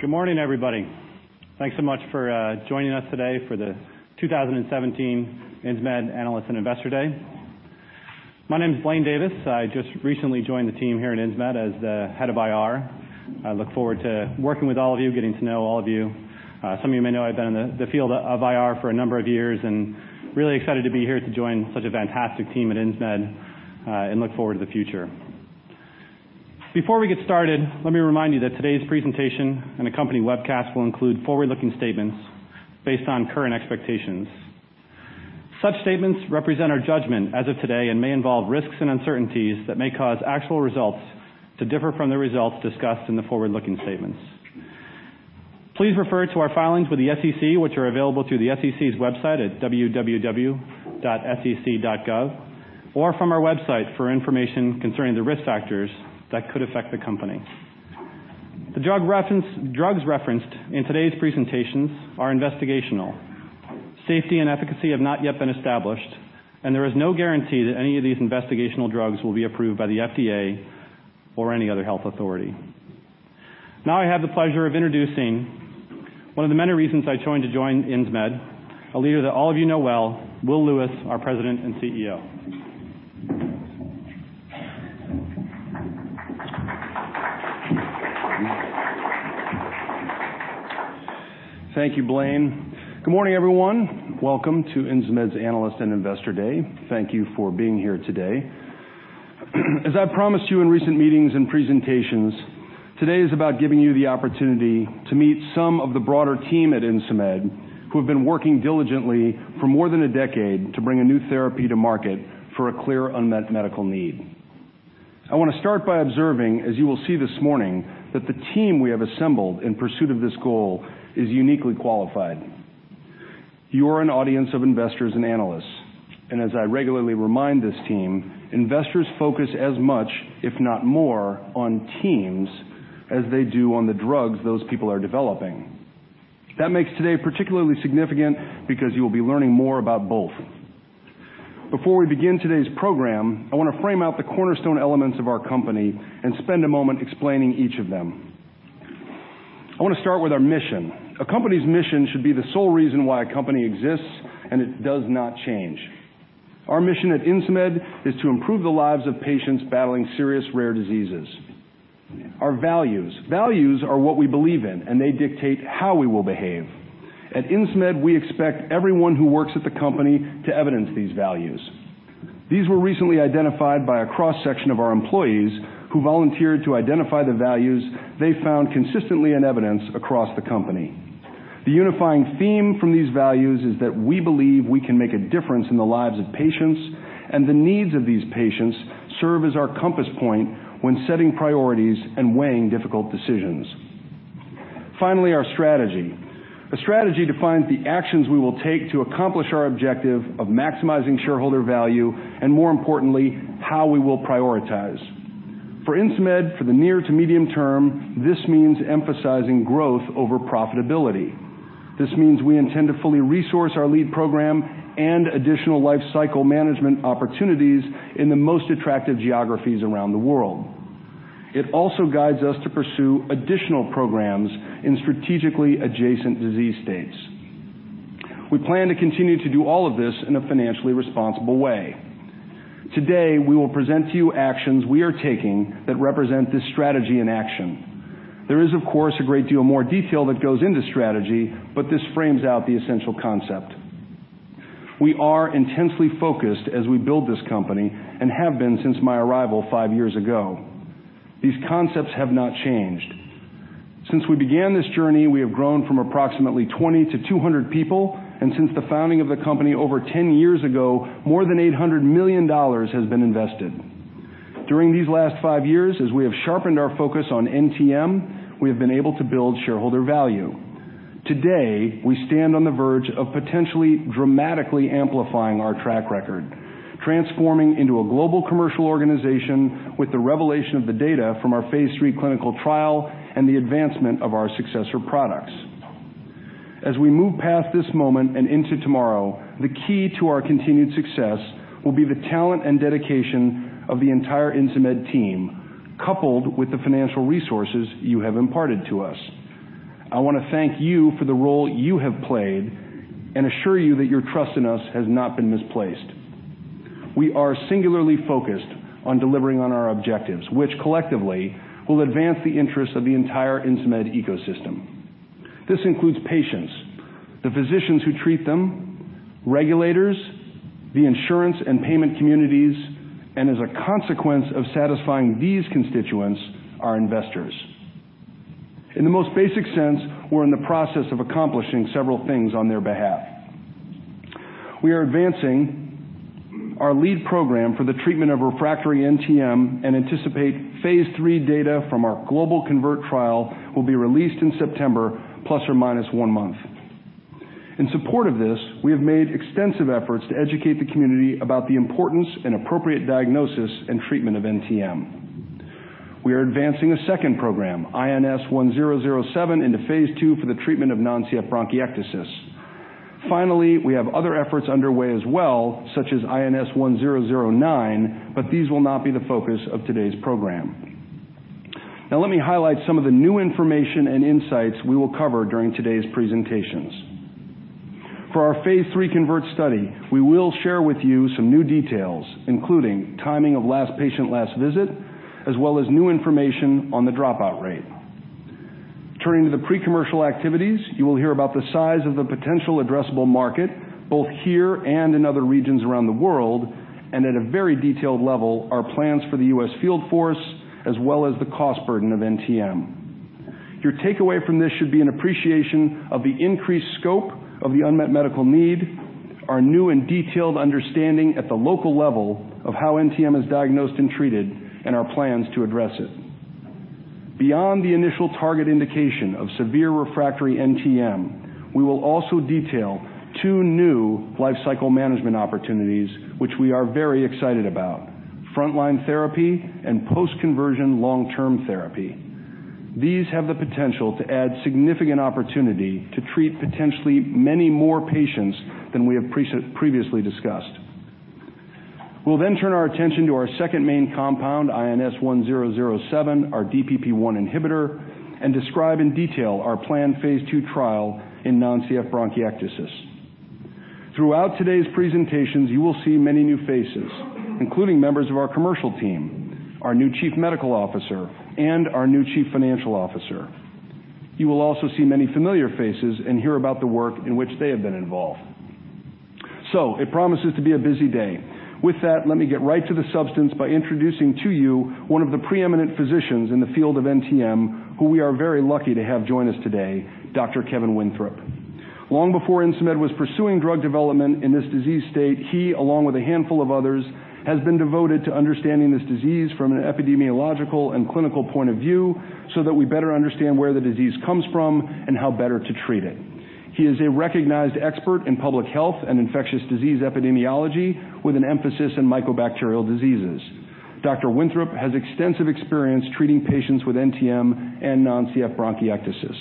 Good morning, everybody. Thanks so much for joining us today for the 2017 Insmed Analyst and Investor Day. My name's Blaine Davis. I just recently joined the team here at Insmed as the head of IR. I look forward to working with all of you, getting to know all of you. Some of you may know I've been in the field of IR for a number of years, and really excited to be here to join such a fantastic team at Insmed, and look forward to the future. Before we get started, let me remind you that today's presentation and accompanying webcast will include forward-looking statements based on current expectations. Such statements represent our judgment as of today and may involve risks and uncertainties that may cause actual results to differ from the results discussed in the forward-looking statements. Please refer to our filings with the SEC, which are available through the SEC's website at www.sec.gov or from our website for information concerning the risk factors that could affect the company. The drugs referenced in today's presentations are investigational. Safety and efficacy have not yet been established. There is no guarantee that any of these investigational drugs will be approved by the FDA or any other health authority. Now I have the pleasure of introducing one of the many reasons I chose to join Insmed, a leader that all of you know well, Will Lewis, our President and CEO. Thank you, Blaine. Good morning, everyone. Welcome to Insmed's Analyst and Investor Day. Thank you for being here today. As I promised you in recent meetings and presentations, today is about giving you the opportunity to meet some of the broader team at Insmed who have been working diligently for more than a decade to bring a new therapy to market for a clear unmet medical need. I want to start by observing, as you will see this morning, that the team we have assembled in pursuit of this goal is uniquely qualified. You are an audience of investors and analysts. As I regularly remind this team, investors focus as much, if not more, on teams as they do on the drugs those people are developing. That makes today particularly significant because you will be learning more about both. Before we begin today's program, I want to frame out the cornerstone elements of our company, spend a moment explaining each of them. I want to start with our mission. A company's mission should be the sole reason why a company exists. It does not change. Our mission at Insmed is to improve the lives of patients battling serious rare diseases. Our values. Values are what we believe in. They dictate how we will behave. At Insmed, we expect everyone who works at the company to evidence these values. These were recently identified by a cross-section of our employees who volunteered to identify the values they found consistently in evidence across the company. The unifying theme from these values is that we believe we can make a difference in the lives of patients. The needs of these patients serve as our compass point when setting priorities and weighing difficult decisions. Finally, our strategy. A strategy defines the actions we will take to accomplish our objective of maximizing shareholder value and, more importantly, how we will prioritize. For Insmed, for the near to medium term, this means emphasizing growth over profitability. This means we intend to fully resource our lead program and additional life cycle management opportunities in the most attractive geographies around the world. It also guides us to pursue additional programs in strategically adjacent disease states. We plan to continue to do all of this in a financially responsible way. Today, we will present to you actions we are taking that represent this strategy in action. There is, of course, a great deal more detail that goes into strategy. This frames out the essential concept. We are intensely focused as we build this company and have been since my arrival five years ago. These concepts have not changed. Since we began this journey, we have grown from approximately 20 to 200 people, and since the founding of the company over 10 years ago, more than $800 million has been invested. During these last five years, as we have sharpened our focus on NTM, we have been able to build shareholder value. Today, we stand on the verge of potentially dramatically amplifying our track record, transforming into a global commercial organization with the revelation of the data from our phase III clinical trial and the advancement of our successor products. As we move past this moment and into tomorrow, the key to our continued success will be the talent and dedication of the entire Insmed team, coupled with the financial resources you have imparted to us. I want to thank you for the role you have played and assure you that your trust in us has not been misplaced. We are singularly focused on delivering on our objectives, which collectively will advance the interests of the entire Insmed ecosystem. This includes patients, the physicians who treat them, regulators, the insurance and payment communities, and as a consequence of satisfying these constituents, our investors. In the most basic sense, we're in the process of accomplishing several things on their behalf. We are advancing our lead program for the treatment of refractory NTM. We anticipate phase III data from our global CONVERT trial will be released in September, ± one month. In support of this, we have made extensive efforts to educate the community about the importance and appropriate diagnosis and treatment of NTM. We are advancing a second program, INS1007, into phase II for the treatment of non-CF bronchiectasis. Finally, we have other efforts underway as well, such as INS1009. These will not be the focus of today's program. Now let me highlight some of the new information and insights we will cover during today's presentations. For our Phase III CONVERT study, we will share with you some new details, including timing of last patient last visit, as well as new information on the dropout rate. Turning to the pre-commercial activities, you will hear about the size of the potential addressable market, both here and in other regions around the world, and at a very detailed level, our plans for the U.S. field force, as well as the cost burden of NTM. Your takeaway from this should be an appreciation of the increased scope of the unmet medical need, our new and detailed understanding at the local level of how NTM is diagnosed and treated, and our plans to address it. Beyond the initial target indication of severe refractory NTM, we will also detail two new lifecycle management opportunities which we are very excited about, frontline therapy and post-conversion long-term therapy. These have the potential to add significant opportunity to treat potentially many more patients than we have previously discussed. We will then turn our attention to our second main compound, INS1007, our DPP-1 inhibitor, and describe in detail our planned phase II trial in non-CF bronchiectasis. Throughout today's presentations, you will see many new faces, including members of our commercial team, our new Chief Medical Officer, and our new Chief Financial Officer. You will also see many familiar faces and hear about the work in which they have been involved. It promises to be a busy day. With that, let me get right to the substance by introducing to you one of the preeminent physicians in the field of NTM, who we are very lucky to have join us today, Dr. Kevin Winthrop. Long before Insmed was pursuing drug development in this disease state, he, along with a handful of others, has been devoted to understanding this disease from an epidemiological and clinical point of view, so that we better understand where the disease comes from and how better to treat it. He is a recognized expert in public health and infectious disease epidemiology, with an emphasis on mycobacterial diseases. Dr. Winthrop has extensive experience treating patients with NTM and non-CF bronchiectasis.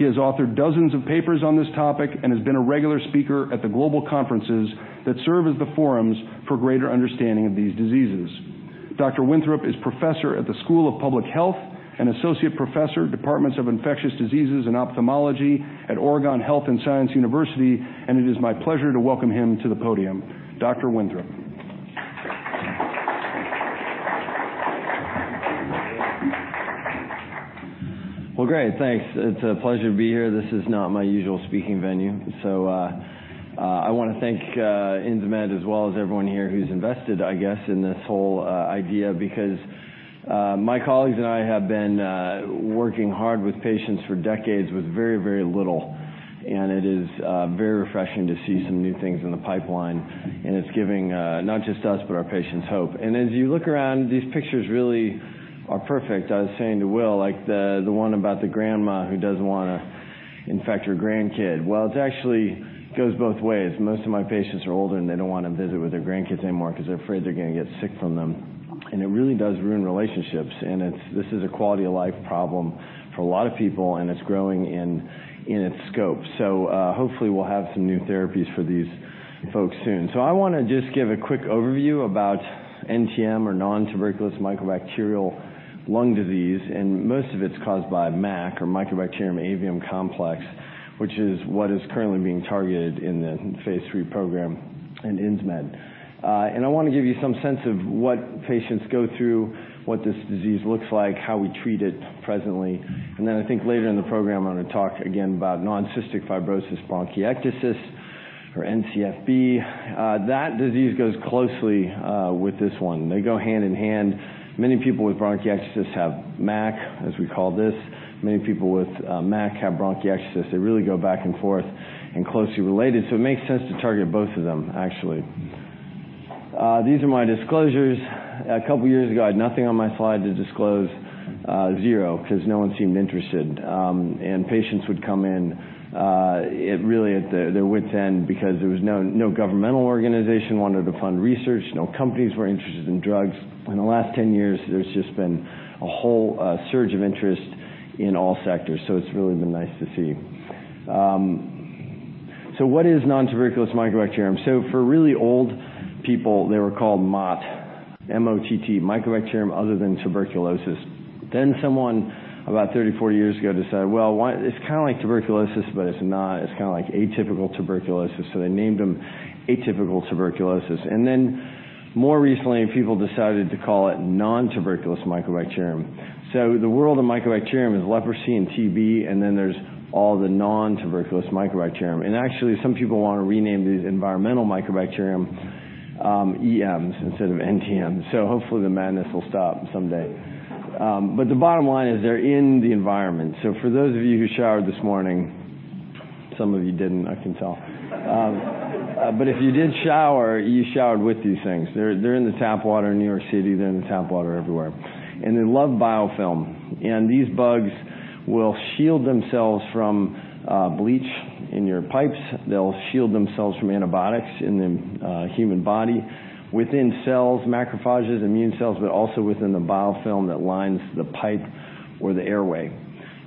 He has authored dozens of papers on this topic and has been a regular speaker at the global conferences that serve as the forums for greater understanding of these diseases. Dr. Winthrop is professor at the School of Public Health and associate professor, Departments of Infectious Diseases and Ophthalmology at Oregon Health & Science University, and it is my pleasure to welcome him to the podium. Dr. Winthrop. Well, great. Thanks. It's a pleasure to be here. This is not my usual speaking venue, so I want to thank Insmed as well as everyone here who's invested, I guess, in this whole idea, because my colleagues and I have been working hard with patients for decades with very little. It is very refreshing to see some new things in the pipeline, and it's giving not just us, but our patients hope. As you look around, these pictures really are perfect. I was saying to Will, like the one about the grandma who doesn't want to infect her grandkid. Well, it actually goes both ways. Most of my patients are older, and they don't want to visit with their grandkids anymore because they're afraid they're going to get sick from them. It really does ruin relationships. This is a quality-of-life problem for a lot of people, and it's growing in its scope. Hopefully, we'll have some new therapies for these folks soon. I want to just give a quick overview about NTM, or nontuberculous mycobacterial lung disease, and most of it's caused by MAC, or Mycobacterium avium complex, which is what is currently being targeted in the phase III program in Insmed. I want to give you some sense of what patients go through, what this disease looks like, how we treat it presently, then I think later in the program, I'm going to talk again about non-cystic fibrosis bronchiectasis, or NCFB. That disease goes closely with this one. They go hand in hand. Many people with bronchiectasis have MAC, as we call this. Many people with MAC have bronchiectasis. They really go back and forth and closely related, it makes sense to target both of them, actually. These are my disclosures. A couple of years ago, I had nothing on my slide to disclose, zero, because no one seemed interested. Patients would come in really at their wits' end because no governmental organization wanted to fund research. No companies were interested in drugs. In the last 10 years, there's just been a whole surge of interest in all sectors, it's really been nice to see. What is nontuberculous mycobacterium? For really old people, they were called MOTT, M-O-T-T, mycobacterium other than tuberculosis. Someone about 30, 40 years ago decided, well, it's kind of like tuberculosis, but it's not. It's kind of like atypical tuberculosis, they named them atypical tuberculosis. More recently, people decided to call it nontuberculous mycobacterium. The world of mycobacterium is leprosy and TB, then there's all the nontuberculous mycobacterium. Some people want to rename these environmental mycobacterium EMs instead of NTMs. Hopefully, the madness will stop someday. The bottom line is they're in the environment. For those of you who showered this morning, some of you didn't, I can tell. If you did shower, you showered with these things. They're in the tap water in New York City. They're in the tap water everywhere. They love biofilm. These bugs will shield themselves from bleach in your pipes. They'll shield themselves from antibiotics in the human body, within cells, macrophages, immune cells, but also within the biofilm that lines the pipe. Or the airway.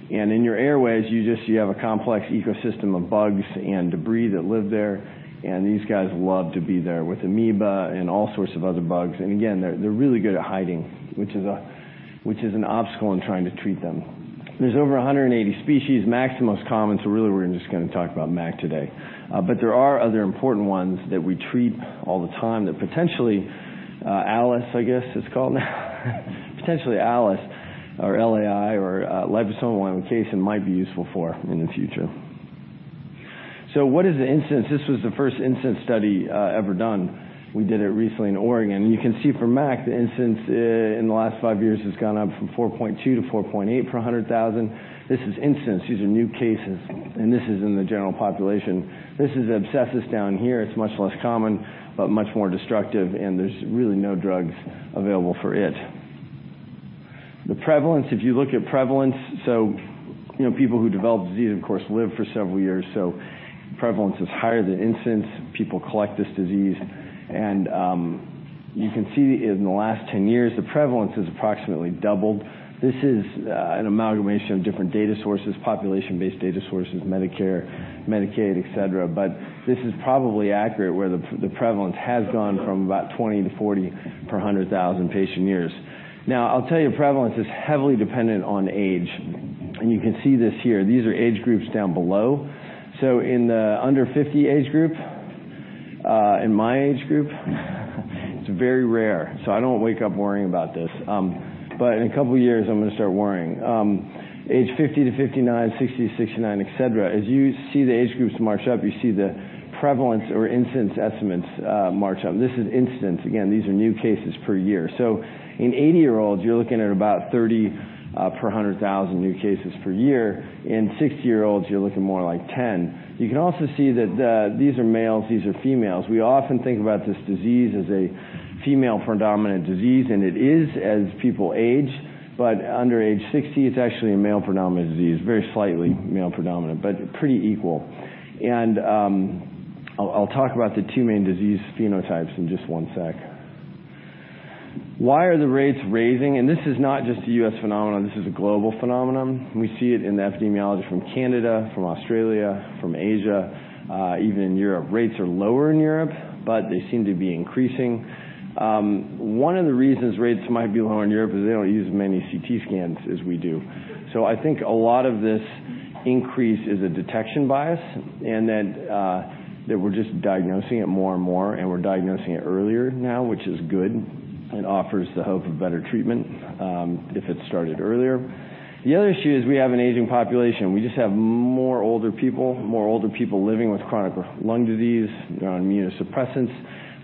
In your airways, you have a complex ecosystem of bugs and debris that live there, and these guys love to be there with amoeba and all sorts of other bugs. They're really good at hiding, which is an obstacle in trying to treat them. There's over 180 species, MAC's the most common, really we're just going to talk about MAC today. There are other important ones that we treat all the time that potentially ALIS, I guess it's called now, or LAI, or liposomal amikacin might be useful for in the future. What is the incidence? This was the first incidence study ever done. We did it recently in Oregon. You can see for MAC, the incidence in the last five years has gone up from 4.2 to 4.8 per 100,000. This is incidence. These are new cases. This is in the general population. This is Abscessus down here. It is much less common, but much more destructive. There is really no drugs available for it. The prevalence, if you look at prevalence, people who develop disease, of course, live for several years, so prevalence is higher than incidence. People collect this disease. You can see in the last 10 years, the prevalence has approximately doubled. This is an amalgamation of different data sources, population-based data sources, Medicare, Medicaid, et cetera, but this is probably accurate, where the prevalence has gone from about 20-40 per 100,000 patient years. I will tell you, prevalence is heavily dependent on age. You can see this here. These are age groups down below. In the under 50 age group, in my age group, it is very rare. I do not wake up worrying about this. In a couple of years, I am going to start worrying. Age 50-59, 60-69, et cetera, as you see the age groups march up, you see the prevalence or incidence estimates march up. This is incidence. Again, these are new cases per year. In 80-year-olds, you are looking at about 30 per 100,000 new cases per year. In 60-year-olds, you are looking more like 10. You can also see that these are males, these are females. We often think about this disease as a female predominant disease. It is as people age. Under age 60, it is actually a male predominant disease, very slightly male predominant, but pretty equal. I will talk about the two main disease phenotypes in just one sec. Why are the rates rising? This is not just a U.S. phenomenon, this is a global phenomenon. We see it in the epidemiology from Canada, from Australia, from Asia, even in Europe. Rates are lower in Europe. They seem to be increasing. One of the reasons rates might be lower in Europe is they do not use as many CT scans as we do. I think a lot of this increase is a detection bias. We are just diagnosing it more and more. We are diagnosing it earlier now, which is good, offers the hope of better treatment, if it is started earlier. The other issue is we have an aging population. We just have more older people, more older people living with chronic lung disease. They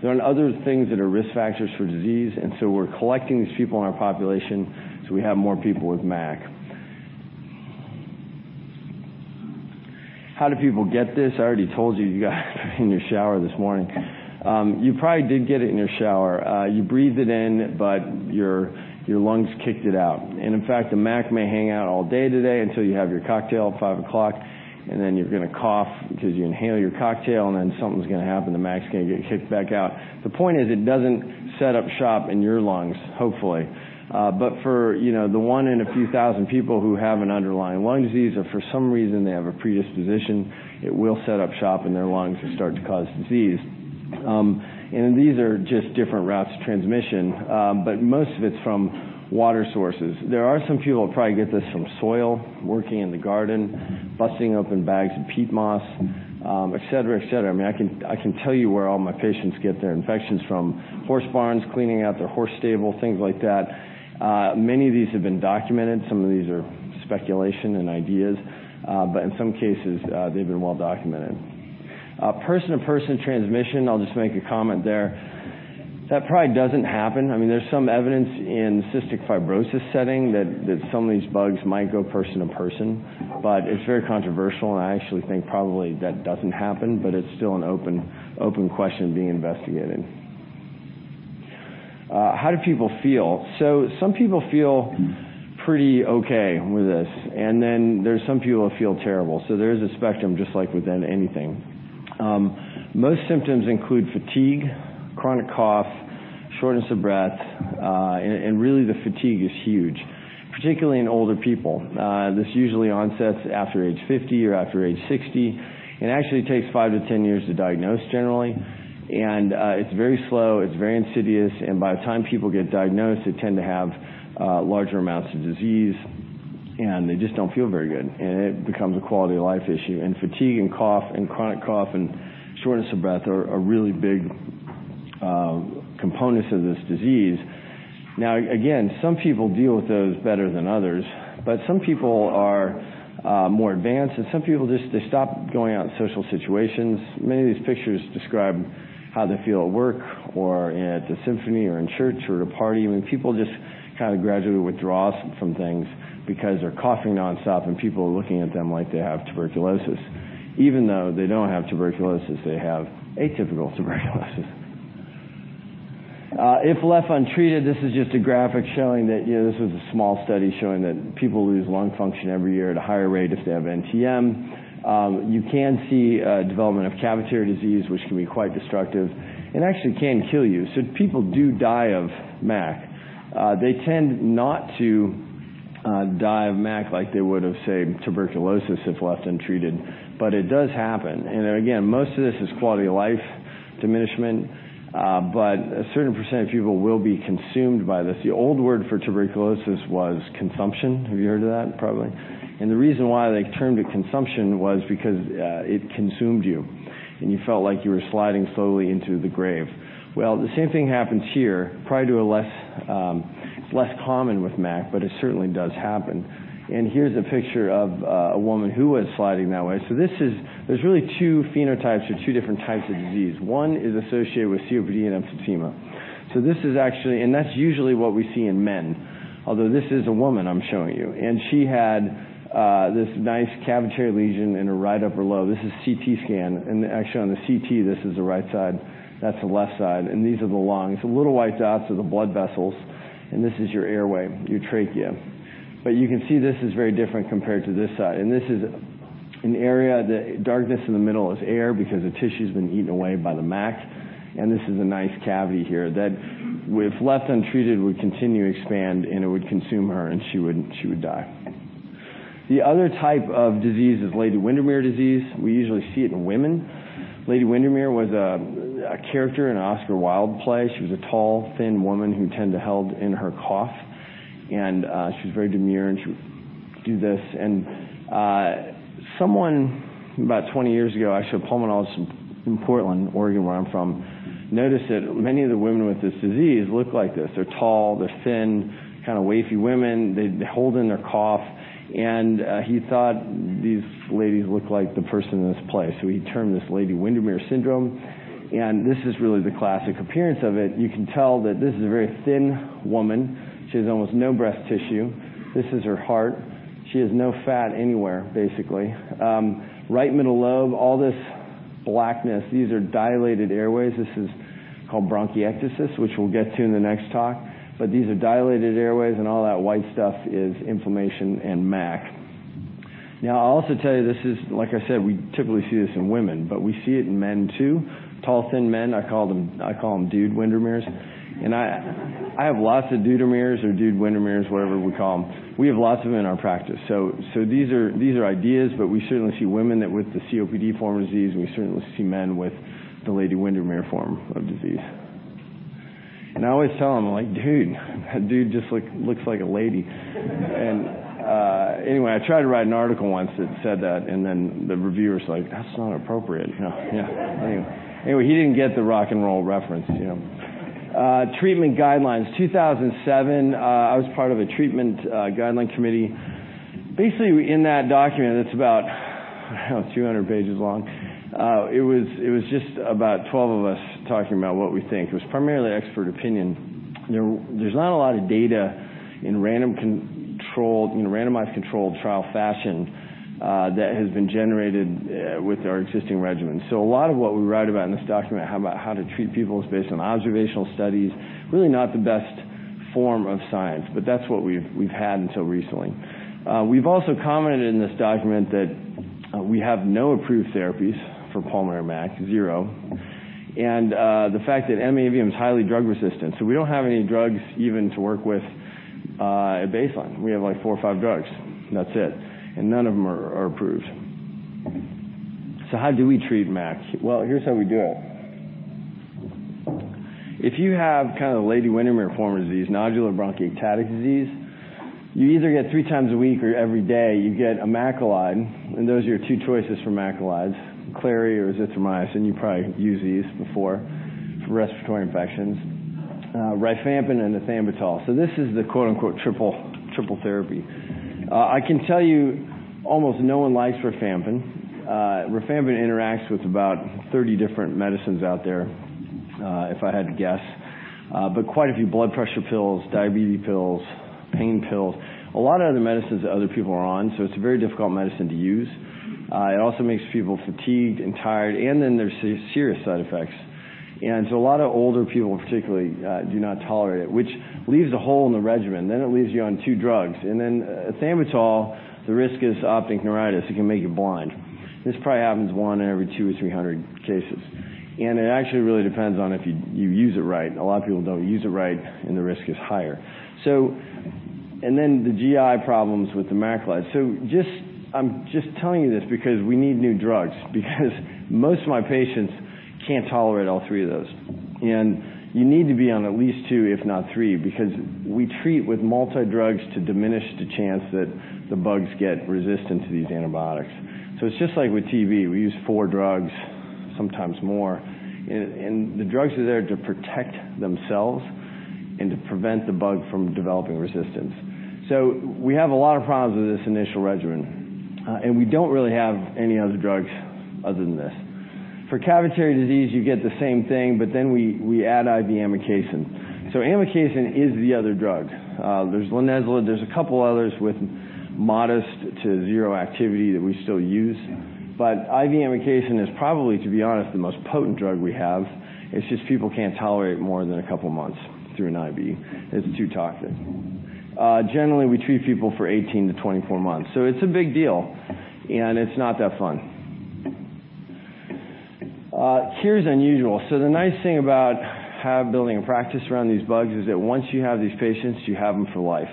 are on immunosuppressants. They are on other things that are risk factors for disease. We are collecting these people in our population. We have more people with MAC. How do people get this? I already told you got it in your shower this morning. You probably did get it in your shower. You breathed it in, but your lungs kicked it out. In fact, the MAC may hang out all day today until you have your cocktail at 5 o'clock. You are going to cough because you inhale your cocktail. Something is going to happen. The MAC is going to get kicked back out. The point is, it does not set up shop in your lungs, hopefully. For the one in a few thousand people who have an underlying lung disease or for some reason they have a predisposition, it will set up shop in their lungs and start to cause disease. These are just different routes of transmission. Most of it's from water sources. There are some people who probably get this from soil, working in the garden, busting open bags of peat moss, et cetera. I can tell you where all my patients get their infections from. Horse barns, cleaning out their horse stable, things like that. Many of these have been documented. Some of these are speculation and ideas. In some cases, they've been well documented. Person-to-person transmission, I'll just make a comment there. That probably doesn't happen. There's some evidence in cystic fibrosis setting that some of these bugs might go person-to-person, but it's very controversial. I actually think probably that doesn't happen, but it's still an open question being investigated. How do people feel? Some people feel pretty okay with this, and then there's some people who feel terrible. There is a spectrum, just like with anything. Most symptoms include fatigue, chronic cough, shortness of breath, and really the fatigue is huge, particularly in older people. This usually onsets after age 50 or after age 60, and actually takes 5-10 years to diagnose generally. It's very slow, it's very insidious, and by the time people get diagnosed, they tend to have larger amounts of disease, and they just don't feel very good, and it becomes a quality-of-life issue. Fatigue and cough and chronic cough and shortness of breath are really big components of this disease. Again, some people deal with those better than others, but some people are more advanced, and some people just stop going out in social situations. Many of these pictures describe how they feel at work or at the symphony or in church or at a party. People just gradually withdraw from things because they're coughing nonstop, and people are looking at them like they have tuberculosis. They don't have tuberculosis, they have atypical tuberculosis. If left untreated, this is just a graphic showing that, this was a small study showing that people lose lung function every year at a higher rate if they have NTM. You can see development of cavitary disease, which can be quite destructive, and actually can kill you. People do die of MAC. They tend not to die of MAC like they would of, say, tuberculosis if left untreated. It does happen. Again, most of this is quality of life diminishment, but a certain percentage of people will be consumed by this. The old word for tuberculosis was consumption. Have you heard of that? Probably. The reason why they termed it consumption was because it consumed you, and you felt like you were sliding slowly into the grave. The same thing happens here, probably less common with MAC, but it certainly does happen. Here's a picture of a woman who was sliding that way. There's really two phenotypes or two different types of disease. One is associated with COPD and emphysema. That's usually what we see in men, although this is a woman I'm showing you, and she had this nice cavitary lesion in her right upper lobe. This is CT scan. Actually, on the CT, this is the right side, that's the left side, and these are the lungs. The little white dots are the blood vessels, and this is your airway, your trachea. You can see this is very different compared to this side. This is an area, the darkness in the middle is air because the tissue's been eaten away by the MAC, and this is a nice cavity here that, if left untreated, would continue to expand, and it would consume her, and she would die. The other type of disease is Lady Windermere disease. We usually see it in women. Lady Windermere was a character in an Oscar Wilde play. She was a tall, thin woman who tended to held in her cough, and she was very demure, and she would do this. Someone, about 20 years ago, actually, a pulmonologist in Portland, Oregon, where I'm from, noticed that many of the women with this disease look like this. They're tall, they're thin, kind of waify women. They hold in their cough. He thought these ladies looked like the person in this play. He termed this Lady Windermere syndrome, and this is really the classic appearance of it. You can tell that this is a very thin woman. She has almost no breast tissue. This is her heart. She has no fat anywhere, basically. Right middle lobe, all this blackness, these are dilated airways. This is called bronchiectasis, which we'll get to in the next talk. These are dilated airways, and all that white stuff is inflammation and MAC. I'll also tell you, like I said, we typically see this in women, but we see it in men, too. Tall, thin men, I call them Dude Windermeres. I have lots of Dudermeres or Dude Windermeres, whatever we call them. We have lots of them in our practice. These are ideas, but we certainly see women with the COPD form of disease, and we certainly see men with the Lady Windermere form of disease. I always tell them, "Dude, that dude just looks like a lady." Anyway, I tried to write an article once that said that, and then the reviewer's like, "That's not appropriate." Anyway, he didn't get the rock and roll reference. Treatment guidelines. 2007, I was part of a treatment guideline committee. Basically, in that document, it's about 200 pages long. It was just about 12 of us talking about what we think. It was primarily expert opinion. There's not a lot of data in randomized controlled trial fashion that has been generated with our existing regimen. A lot of what we write about in this document about how to treat people is based on observational studies. Really not the best form of science, but that's what we've had until recently. We've also commented in this document that we have no approved therapies for pulmonary MAC, zero. The fact that M. avium is highly drug resistant. We don't have any drugs even to work with at baseline. We have four or five drugs, and that's it, and none of them are approved. How do we treat MAC? Well, here's how we do it. If you have Lady Windermere form of disease, nodular bronchiectasis disease, you either get three times a week or every day, you get a macrolide, and those are your two choices for macrolides, clarithromycin or azithromycin. You probably have used these before for respiratory infections. rifampin and ethambutol. This is the "triple therapy." I can tell you almost no one likes rifampin. rifampin interacts with about 30 different medicines out there, if I had to guess. But quite a few blood pressure pills, diabetes pills, pain pills, a lot of other medicines that other people are on, so it's a very difficult medicine to use. It also makes people fatigued and tired, then there's serious side effects. A lot of older people particularly do not tolerate it, which leaves a hole in the regimen. It leaves you on two drugs. Ethambutol, the risk is optic neuritis. It can make you blind. This probably happens one in every 200 or 300 cases. It actually really depends on if you use it right. A lot of people don't use it right, and the risk is higher. The GI problems with the macrolides. I'm just telling you this because we need new drugs. Most of my patients can't tolerate all three of those. You need to be on at least two, if not three, because we treat with multi drugs to diminish the chance that the bugs get resistant to these antibiotics. It's just like with TB, we use four drugs, sometimes more, and the drugs are there to protect themselves and to prevent the bug from developing resistance. We have a lot of problems with this initial regimen. We don't really have any other drugs other than this. For cavitary disease, you get the same thing, we add IV amikacin. Amikacin is the other drug. There's linezolid, there's a couple others with modest to zero activity that we still use. IV amikacin is probably, to be honest, the most potent drug we have. It's just people can't tolerate more than a couple months through an IV. It's too toxic. Generally, we treat people for 18 to 24 months. It's a big deal, and it's not that fun. Cure is unusual. The nice thing about building a practice around these bugs is that once you have these patients, you have them for life.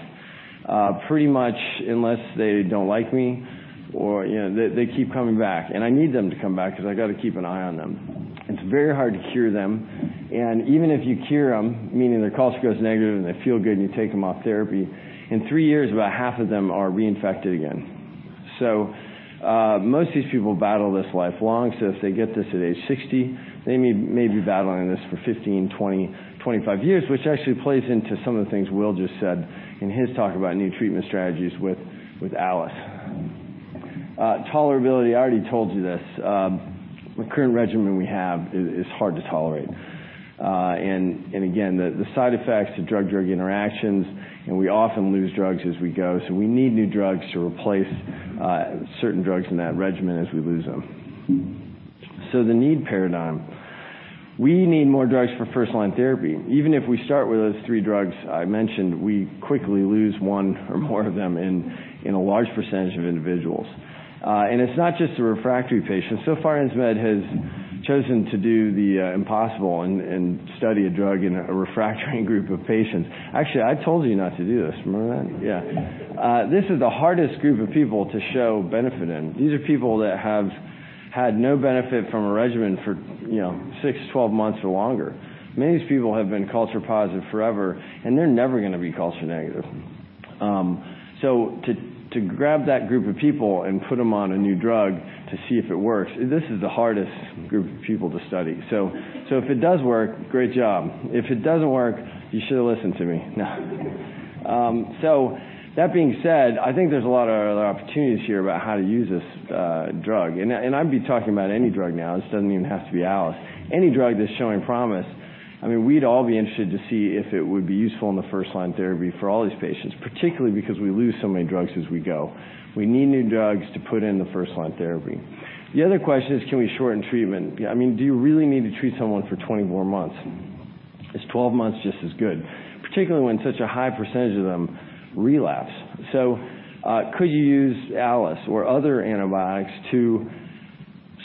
Pretty much unless they don't like me or they keep coming back, and I need them to come back because I got to keep an eye on them. It's very hard to cure them. Even if you cure them, meaning their culture goes negative and they feel good and you take them off therapy, in three years, about half of them are reinfected again. Most of these people battle this lifelong. If they get this at age 60, they may be battling this for 15, 20, 25 years, which actually plays into some of the things Will just said in his talk about new treatment strategies with ALIS. Tolerability, I already told you this. The current regimen we have is hard to tolerate. Again, the side effects, the drug-drug interactions, and we often lose drugs as we go. We need new drugs to replace certain drugs in that regimen as we lose them. The need paradigm, we need more drugs for first-line therapy. Even if we start with those three drugs I mentioned, we quickly lose one or more of them in a large percentage of individuals. It's not just the refractory patients. So far, Insmed has chosen to do the impossible and study a drug in a refractory group of patients. Actually, I told you not to do this. Remember that? This is the hardest group of people to show benefit in. These are people that have had no benefit from a regimen for six to 12 months or longer. Many of these people have been culture-positive forever, and they're never going to be culture negative. To grab that group of people and put them on a new drug to see if it works, this is the hardest group of people to study. If it does work, great job. If it doesn't work, you should have listened to me. No. That being said, I think there's a lot of other opportunities here about how to use this drug. I'd be talking about any drug now. This doesn't even have to be ALIS. Any drug that's showing promise, we'd all be interested to see if it would be useful in the first-line therapy for all these patients, particularly because we lose so many drugs as we go. We need new drugs to put in the first-line therapy. The other question is, can we shorten treatment? Do you really need to treat someone for 20 more months? Is 12 months just as good, particularly when such a high percentage of them relapse? Could you use ALIS or other antibiotics to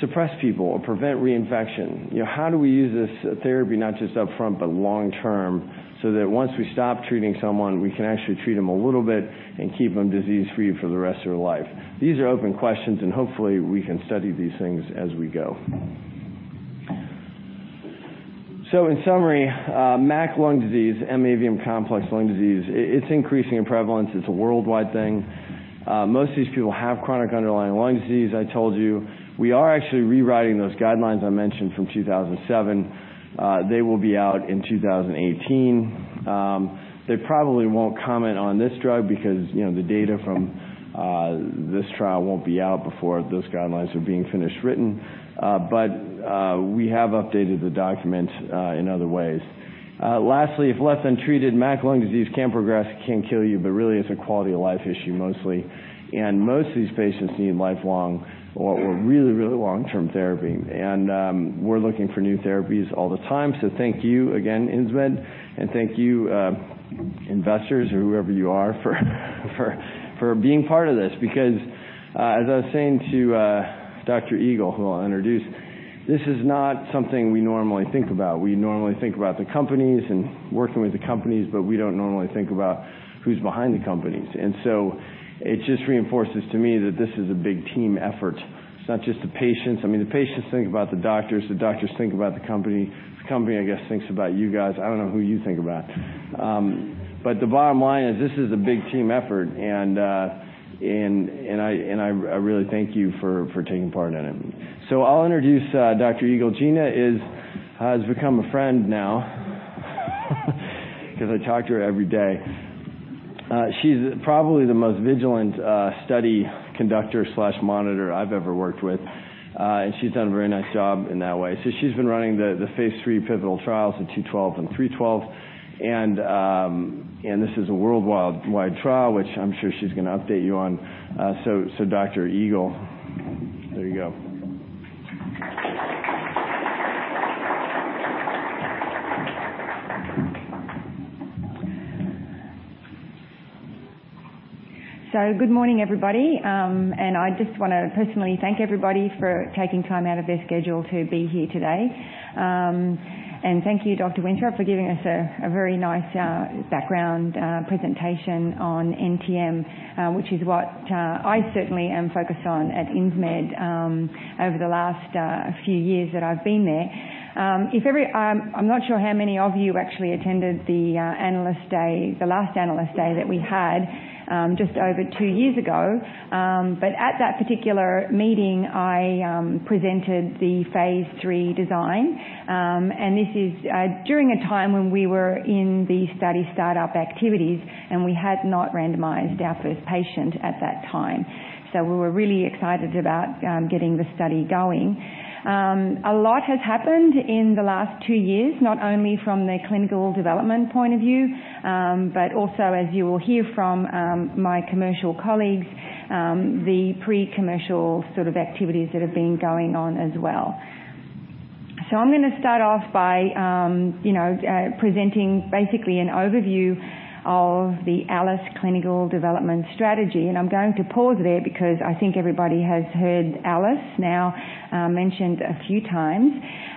suppress people or prevent reinfection? How do we use this therapy not just upfront, but long-term, so that once we stop treating someone, we can actually treat them a little bit and keep them disease-free for the rest of their life? These are open questions, and hopefully, we can study these things as we go. In summary, MAC lung disease, M. avium complex lung disease, it's increasing in prevalence. It's a worldwide thing. Most of these people have chronic underlying lung disease, I told you. We are actually rewriting those guidelines I mentioned from 2007. They will be out in 2018. They probably won't comment on this drug because the data from this trial won't be out before those guidelines are being finished written, but we have updated the document in other ways. If left untreated, MAC lung disease can progress, it can kill you, but really, it's a quality-of-life issue mostly. Most of these patients need lifelong or really, really long-term therapy. We're looking for new therapies all the time. Thank you again, Insmed, and thank you, investors or whoever you are, for being part of this, because as I was saying to Dr. Eagle, who I'll introduce, this is not something we normally think about. We normally think about the companies and working with the companies, but we don't normally think about who's behind the companies. It just reinforces to me that this is a big team effort. It's not just the patients. The patients think about the doctors, the doctors think about the company, the company, I guess, thinks about you guys. I don't know who you think about. The bottom line is this is a big team effort, and I really thank you for taking part in it. I'll introduce Dr. Eagle. Gina has become a friend now because I talk to her every day. She's probably the most vigilant study conductor/monitor I've ever worked with. She's done a very nice job in that way. She's been running the phase III pivotal trials, the INS-212 and INS-312. This is a worldwide trial, which I'm sure she's going to update you on. Dr. Eagle, there you go. Good morning, everybody. I just want to personally thank everybody for taking time out of their schedule to be here today. Thank you, Dr. Winthrop, for giving us a very nice background presentation on NTM, which is what I certainly am focused on at Insmed over the last few years that I've been there. I'm not sure how many of you actually attended the last Analyst Day that we had just over two years ago. At that particular meeting, I presented the phase III design. This is during a time when we were in the study startup activities, and we had not randomized our first patient at that time. We were really excited about getting the study going. A lot has happened in the last two years, not only from the clinical development point of view, but also as you will hear from my commercial colleagues, the pre-commercial sort of activities that have been going on as well. I'm going to start off by presenting basically an overview of the ALIS clinical development strategy, and I'm going to pause there because I think everybody has heard ALIS now mentioned a few times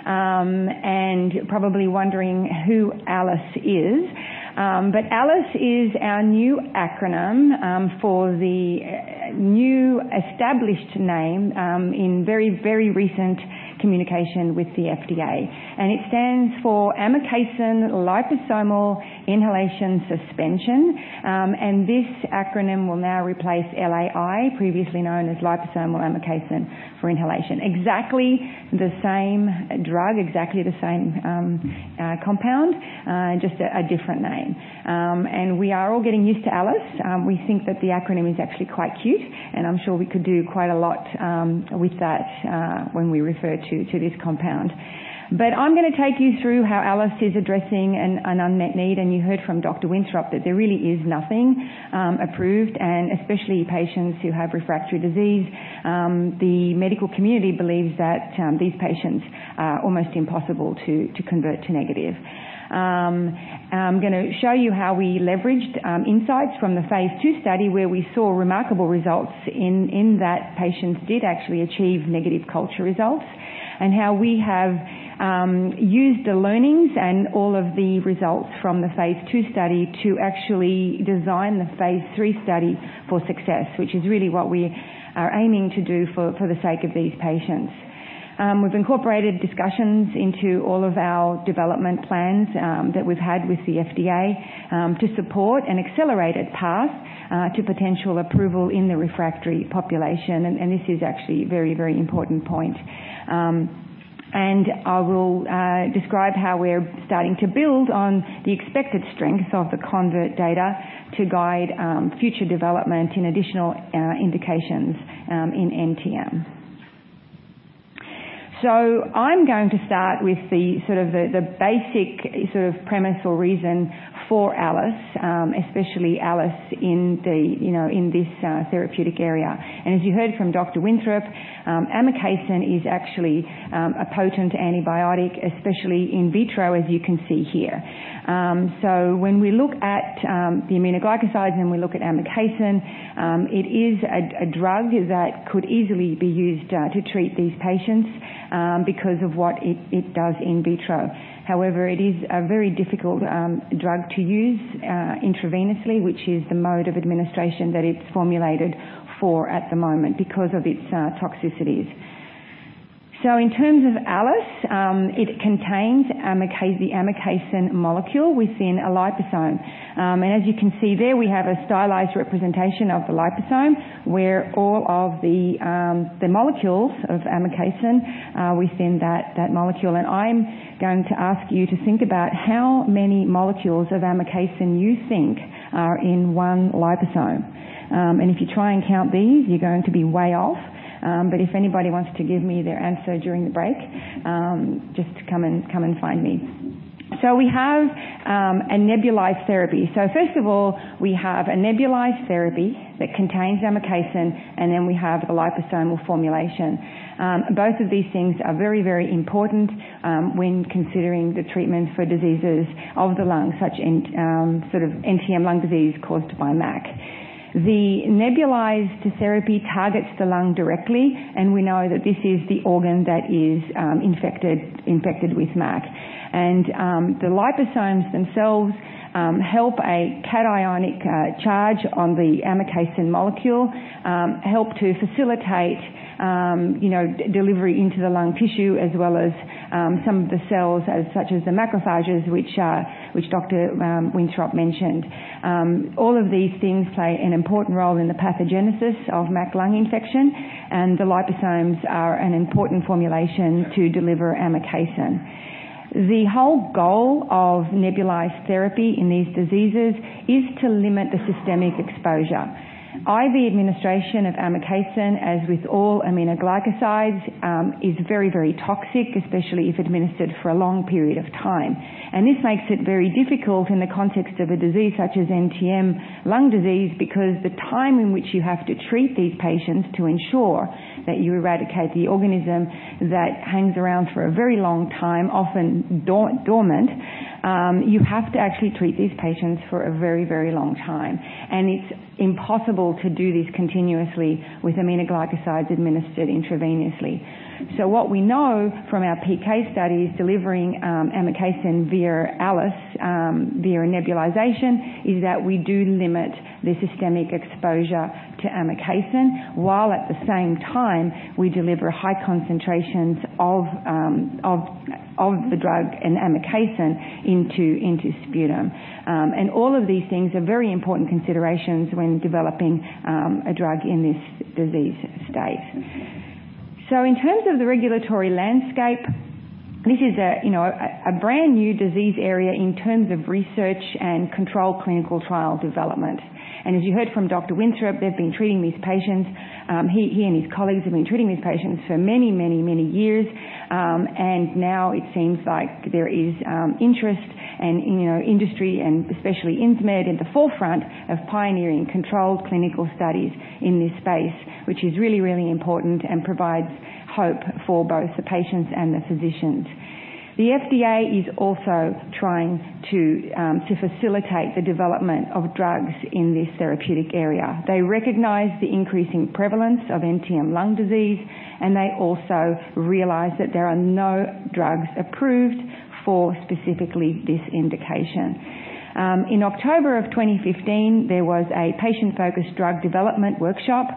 and probably wondering who ALIS is. ALIS is our new acronym for the new established name in very recent communication with the FDA, and it stands for amikacin liposome inhalation suspension. This acronym will now replace LAI, previously known as liposomal amikacin for inhalation. Exactly the same drug, exactly the same compound, just a different name. We are all getting used to ALIS. We think that the acronym is actually quite cute, and I'm sure we could do quite a lot with that when we refer to this compound. I'm going to take you through how ALIS is addressing an unmet need, and you heard from Dr. Winthrop that there really is nothing approved, and especially patients who have refractory disease. The medical community believes that these patients are almost impossible to convert to negative. I'm going to show you how we leveraged insights from the phase II study, where we saw remarkable results in that patients did actually achieve negative culture results, and how we have used the learnings and all of the results from the phase II study to actually design the phase III study for success, which is really what we are aiming to do for the sake of these patients. We've incorporated discussions into all of our development plans that we've had with the FDA to support an accelerated path to potential approval in the refractory population. This is actually a very important point. I will describe how we're starting to build on the expected strength of the CONVERT data to guide future development in additional indications in NTM. I'm going to start with the basic premise or reason for ALIS, especially ALIS in this therapeutic area. As you heard from Dr. Winthrop, amikacin is actually a potent antibiotic, especially in vitro, as you can see here. When we look at the aminoglycoside and we look at amikacin, it is a drug that could easily be used to treat these patients because of what it does in vitro. However, it is a very difficult drug to use intravenously, which is the mode of administration that it's formulated for at the moment because of its toxicities. In terms of ALIS, it contains the amikacin molecule within a liposome. As you can see there, we have a stylized representation of the liposome, where all of the molecules of amikacin within that molecule. I'm going to ask you to think about how many molecules of amikacin you think are in one liposome. If you try and count these, you're going to be way off. If anybody wants to give me their answer during the break, just come and find me. We have a nebulized therapy. First of all, we have a nebulized therapy that contains amikacin, and then we have the liposomal formulation. Both of these things are very important when considering the treatment for diseases of the lung, such as NTM lung disease caused by MAC. The nebulized therapy targets the lung directly, and we know that this is the organ that is infected with MAC. The liposomes themselves help a cationic charge on the amikacin molecule, help to facilitate delivery into the lung tissue, as well as some of the cells, such as the macrophages, which Dr. Winthrop mentioned. All of these things play an important role in the pathogenesis of MAC lung infection, and the liposomes are an important formulation to deliver amikacin. The whole goal of nebulized therapy in these diseases is to limit the systemic exposure. IV administration of amikacin, as with all aminoglycosides, is very toxic, especially if administered for a long period of time. This makes it very difficult in the context of a disease such as NTM lung disease, because the time in which you have to treat these patients to ensure that you eradicate the organism that hangs around for a very long time, often dormant. You have to actually treat these patients for a very long time. It's impossible to do this continuously with aminoglycosides administered intravenously. What we know from our PK studies delivering amikacin via ALIS, via nebulization, is that we do limit the systemic exposure to amikacin, while at the same time, we deliver high concentrations of the drug and amikacin into sputum. All of these things are very important considerations when developing a drug in this disease state. In terms of the regulatory landscape, this is a brand new disease area in terms of research and controlled clinical trial development. As you heard from Dr. Winthrop, they've been treating these patients, he and his colleagues have been treating these patients for many years. Now it seems like there is interest and industry, and especially Insmed at the forefront of pioneering controlled clinical studies in this space, which is really important and provides hope for both the patients and the physicians. The FDA is also trying to facilitate the development of drugs in this therapeutic area. They recognize the increasing prevalence of NTM lung disease, and they also realize that there are no drugs approved for specifically this indication. In October of 2015, there was a patient-focused drug development workshop.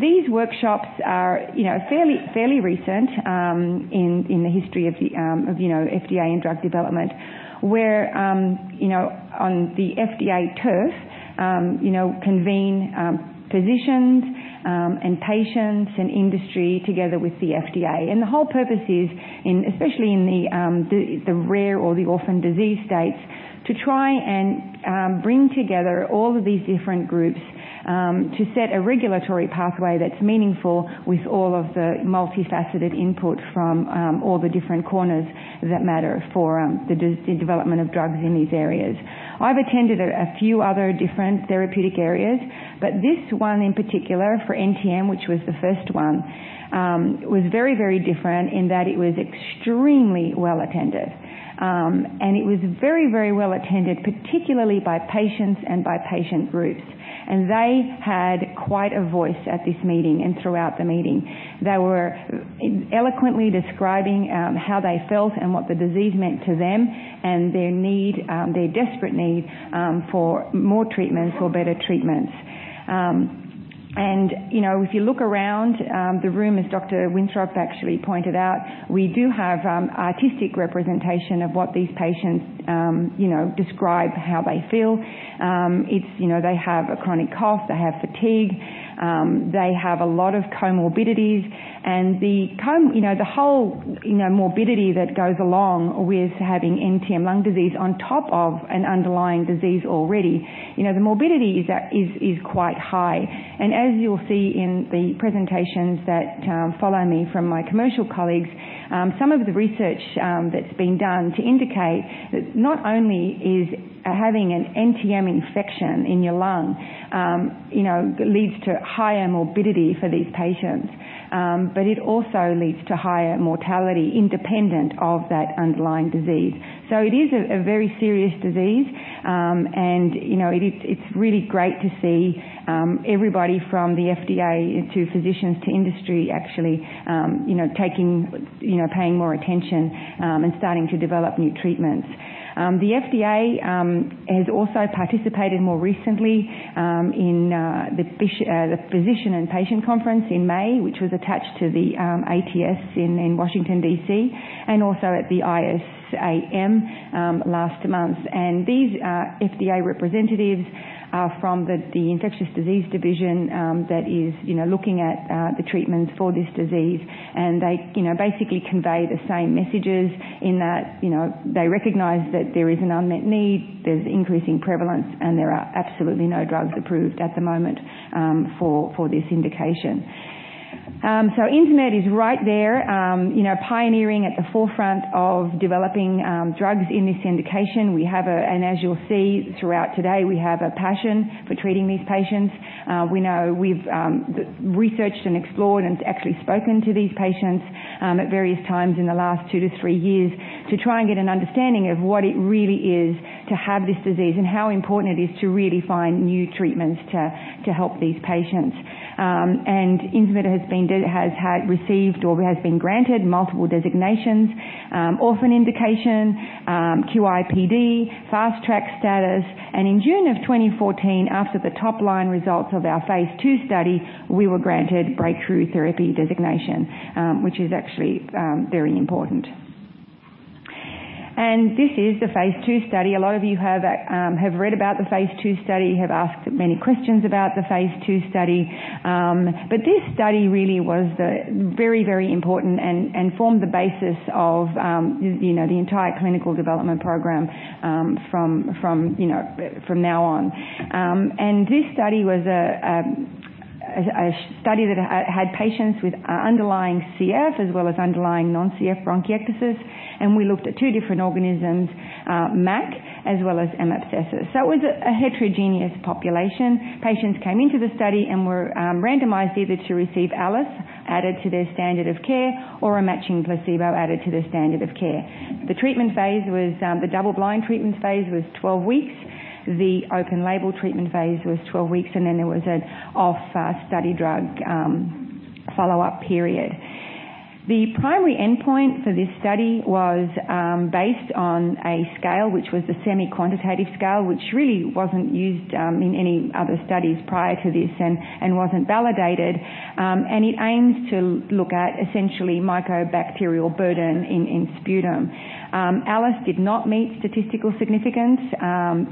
These workshops are fairly recent in the history of FDA and drug development, where on the FDA turf, convene physicians, and patients, and industry together with the FDA. The whole purpose is, especially in the rare or the orphan disease states, to try and bring together all of these different groups to set a regulatory pathway that's meaningful with all of the multifaceted input from all the different corners that matter for the development of drugs in these areas. I've attended a few other different therapeutic areas, but this one in particular for NTM, which was the first one, was very different in that it was extremely well-attended. It was very well-attended, particularly by patients and by patient groups. They had quite a voice at this meeting and throughout the meeting. They were eloquently describing how they felt and what the disease meant to them, and their desperate need for more treatments or better treatments. If you look around the room, as Dr. Winthrop actually pointed out, we do have artistic representation of what these patients describe how they feel. They have a chronic cough. They have fatigue. They have a lot of comorbidities. The whole morbidity that goes along with having NTM lung disease on top of an underlying disease already, the morbidity is quite high. As you'll see in the presentations that follow me from my commercial colleagues, some of the research that's been done to indicate that not only is having an NTM infection in your lung leads to higher morbidity for these patients, but it also leads to higher mortality independent of that underlying disease. It is a very serious disease, and it's really great to see everybody from the FDA to physicians to industry actually paying more attention and starting to develop new treatments. The FDA has also participated more recently in the Physician and Patient Conference in May, which was attached to the ATS in Washington, D.C., and also at the ISAM last month. These FDA representatives are from the infectious disease division that is looking at the treatments for this disease, and they basically convey the same messages in that they recognize that there is an unmet need, there's increasing prevalence, and there are absolutely no drugs approved at the moment for this indication. Insmed is right there pioneering at the forefront of developing drugs in this indication. As you'll see throughout today, we have a passion for treating these patients. We know we've researched and explored and actually spoken to these patients at various times in the last two to three years to try and get an understanding of what it really is to have this disease and how important it is to really find new treatments to help these patients. Insmed has been granted multiple designations, orphan indication, QIDP, Fast Track status. In June of 2014, after the top-line results of our phase II study, we were granted Breakthrough Therapy designation, which is actually very important. This is the phase II study. A lot of you have read about the phase II study, have asked many questions about the phase II study. This study really was very important and formed the basis of the entire clinical development program from now on. This study was a study that had patients with underlying CF as well as underlying non-CF bronchiectasis, and we looked at two different organisms, MAC as well as M. abscessus. It was a heterogeneous population. Patients came into the study and were randomized either to receive ALIS added to their standard of care or a matching placebo added to their standard of care. The double-blind treatment phase was 12 weeks, the open-label treatment phase was 12 weeks, and then there was an off study drug follow-up period. The primary endpoint for this study was based on a scale, which was a semi-quantitative scale, which really wasn't used in any other studies prior to this and wasn't validated. It aims to look at essentially mycobacterial burden in sputum. ALIS did not meet statistical significance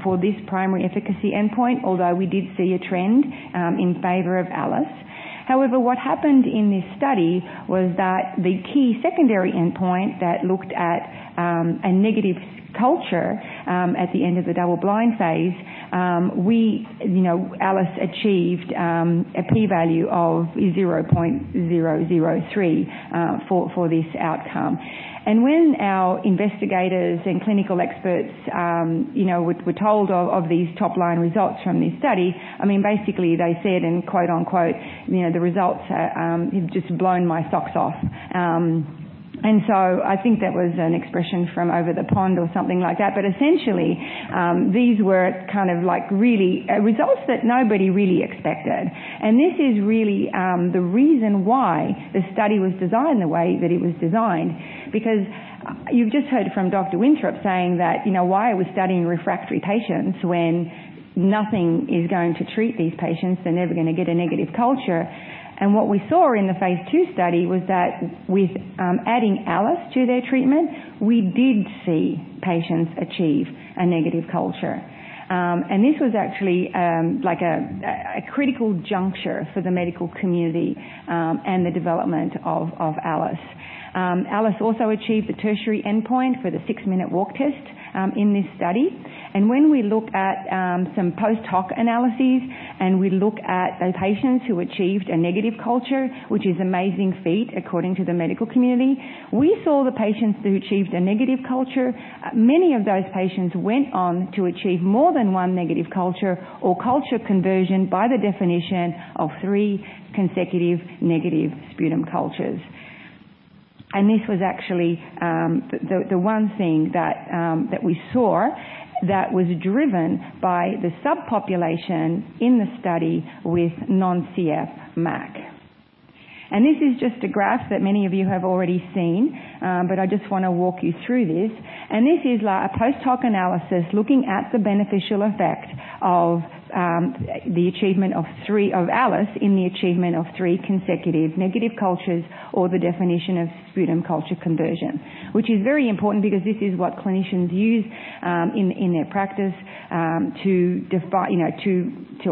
for this primary efficacy endpoint, although we did see a trend in favor of ALIS. However, what happened in this study was that the key secondary endpoint that looked at a negative culture at the end of the double-blind phase, ALIS achieved a P value of 0.003 for this outcome. When our investigators and clinical experts were told of these top-line results from this study, basically they said, and quote, unquote, "The results have just blown my socks off." So I think that was an expression from over the pond or something like that. Essentially, these were results that nobody really expected. This is really the reason why the study was designed the way that it was designed. You've just heard from Dr. Winthrop saying that, why are we studying refractory patients when nothing is going to treat these patients, they're never going to get a negative culture. What we saw in the phase II study was that with adding ALIS to their treatment, we did see patients achieve a negative culture. This was actually a critical juncture for the medical community, and the development of ALIS. ALIS also achieved the tertiary endpoint for the six-minute walk test in this study. When we look at some post hoc analyses and we look at those patients who achieved a negative culture, which is amazing feat according to the medical community, we saw the patients who achieved a negative culture, many of those patients went on to achieve more than one negative culture or culture conversion by the definition of three consecutive negative sputum cultures. This was actually the one thing that we saw that was driven by the subpopulation in the study with non-CF MAC. This is just a graph that many of you have already seen, but I just want to walk you through this. This is a post hoc analysis looking at the beneficial effect of the achievement of ALIS in the achievement of three consecutive negative cultures or the definition of sputum culture conversion. This is very important because this is what clinicians use in their practice to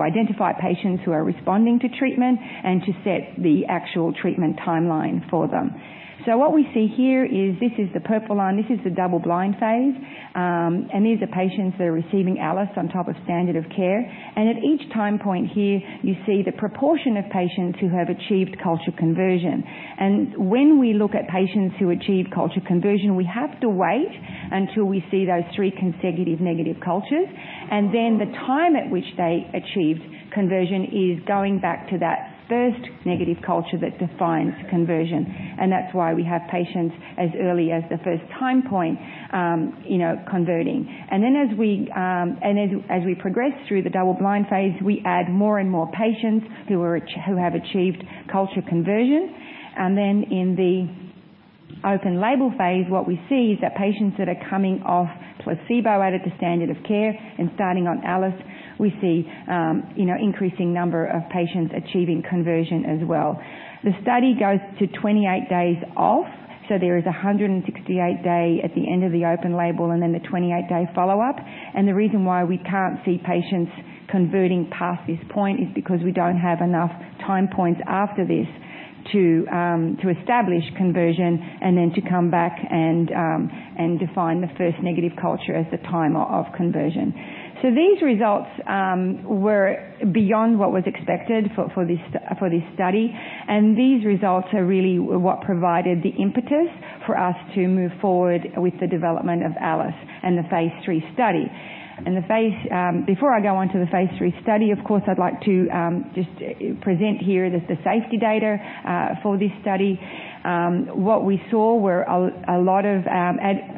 identify patients who are responding to treatment and to set the actual treatment timeline for them. What we see here is, this is the purple line, this is the double-blind phase. These are patients that are receiving ALIS on top of standard of care. At each time point here, you see the proportion of patients who have achieved culture conversion. When we look at patients who achieve culture conversion, we have to wait until we see those three consecutive negative cultures. Then the time at which they achieved conversion is going back to that first negative culture that defines conversion. That's why we have patients as early as the first time point converting. As we progress through the double-blind phase, we add more and more patients who have achieved culture conversion. In the open label phase, what we see is that patients that are coming off placebo added to standard of care and starting on ALIS, we see increasing number of patients achieving conversion as well. The study goes to 28 days off, there is 168-day at the end of the open label, then the 28-day follow-up. The reason why we can't see patients converting past this point is because we don't have enough time points after this to establish conversion then to come back and define the first negative culture as the time of conversion. These results were beyond what was expected for this study. These results are really what provided the impetus for us to move forward with the development of ALIS and the phase III study. Before I go on to the phase III study, of course, I'd like to just present here the safety data for this study. What we saw were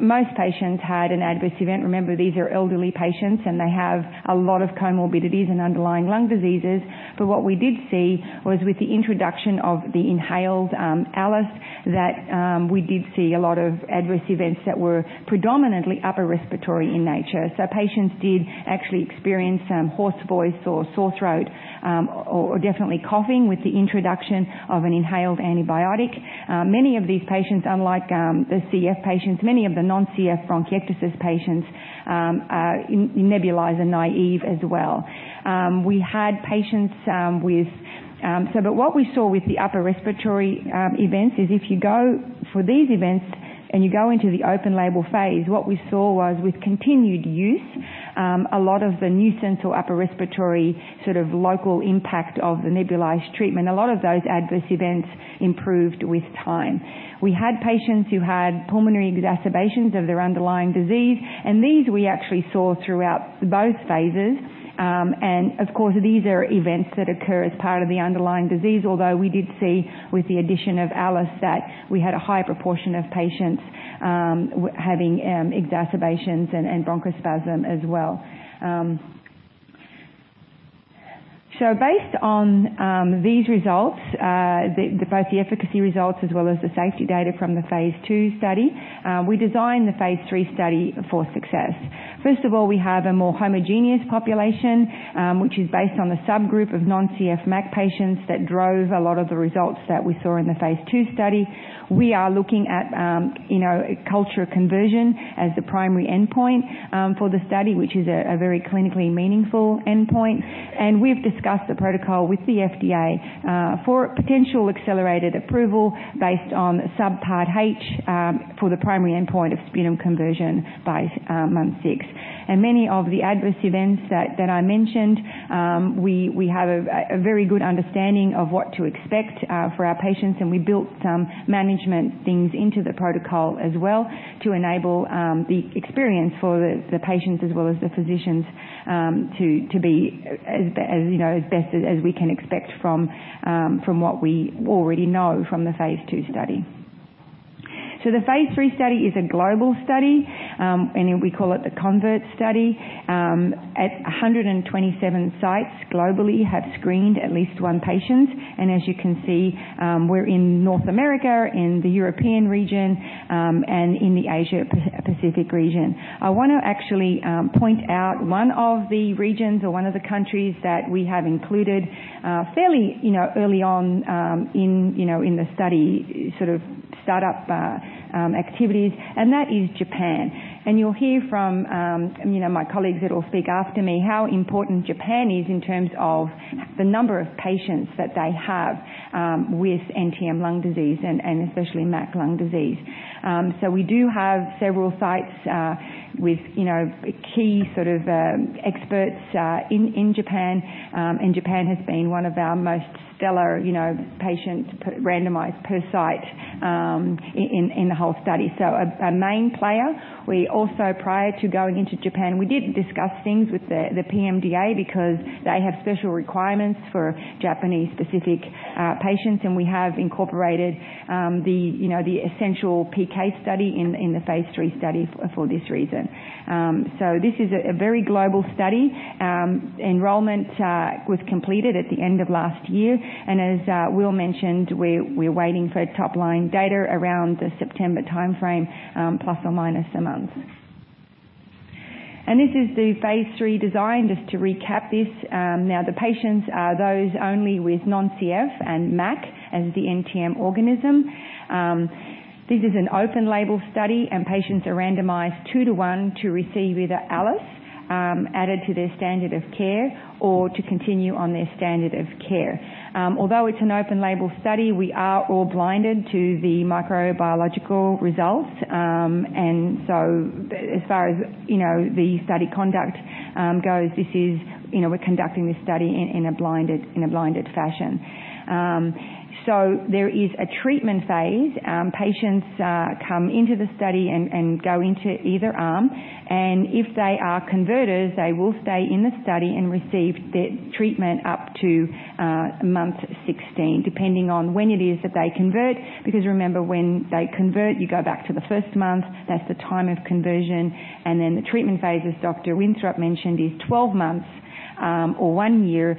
most patients had an adverse event. Remember, these are elderly patients, they have a lot of comorbidities and underlying lung diseases. What we did see was with the introduction of the inhaled ALIS, we did see a lot of adverse events that were predominantly upper respiratory in nature. Patients did actually experience hoarse voice or sore throat, or definitely coughing with the introduction of an inhaled antibiotic. Many of these patients, unlike the CF patients, many of the non-CF bronchiectasis patients are nebulizer naive as well. What we saw with the upper respiratory events is, for these events, you go into the open label phase, what we saw was with continued use, a lot of the nuisance or upper respiratory local impact of the nebulized treatment, a lot of those adverse events improved with time. We had patients who had pulmonary exacerbations of their underlying disease, these we actually saw throughout both phases. Of course, these are events that occur as part of the underlying disease, although we did see with the addition of ALIS that we had a high proportion of patients having exacerbations and bronchospasm as well. Based on these results, both the efficacy results as well as the safety data from the phase II study, we designed the phase III study for success. First of all, we have a more homogeneous population, which is based on the subgroup of non-CF MAC patients that drove a lot of the results that we saw in the phase II study. We are looking at culture conversion as the primary endpoint for the study, which is a very clinically meaningful endpoint. We've discussed the protocol with the FDA for potential accelerated approval based on Subpart H for the primary endpoint of sputum conversion by month six. Many of the adverse events that I mentioned, we have a very good understanding of what to expect for our patients, and we built some management things into the protocol as well to enable the experience for the patients as well as the physicians to be as best as we can expect from what we already know from the phase II study. The Phase III study is a global study, and we call it the CONVERT study. 127 sites globally have screened at least one patient. As you can see, we're in North America, in the European region, and in the Asia-Pacific region. I want to actually point out one of the regions or one of the countries that we have included fairly early on in the study sort of startup activities, and that is Japan. You'll hear from my colleagues that will speak after me how important Japan is in terms of the number of patients that they have with NTM lung disease and especially MAC lung disease. We do have several sites with key sort of experts in Japan, and Japan has been one of our most stellar patients randomized per site in the whole study. A main player. We also, prior to going into Japan, we did discuss things with the PMDA because they have special requirements for Japanese-specific patients, and we have incorporated the essential PK study in the Phase III study for this reason. This is a very global study. Enrollment was completed at the end of last year, and as Will mentioned, we're waiting for top-line data around the September timeframe, plus or minus a month. This is the Phase III design, just to recap this. Now, the patients are those only with non-CF and MAC as the NTM organism. This is an open label study, patients are randomized 2 to 1 to receive either ALIS added to their standard of care or to continue on their standard of care. Although it's an open label study, we are all blinded to the microbiological results. As far as the study conduct goes, we're conducting this study in a blinded fashion. There is a treatment phase. Patients come into the study and go into either arm. If they are converters, they will stay in the study and receive their treatment up to month 16, depending on when it is that they convert. Remember, when they convert, you go back to the first month, that's the time of conversion. The treatment phase, as Dr. Winthrop mentioned, is 12 months or 1 year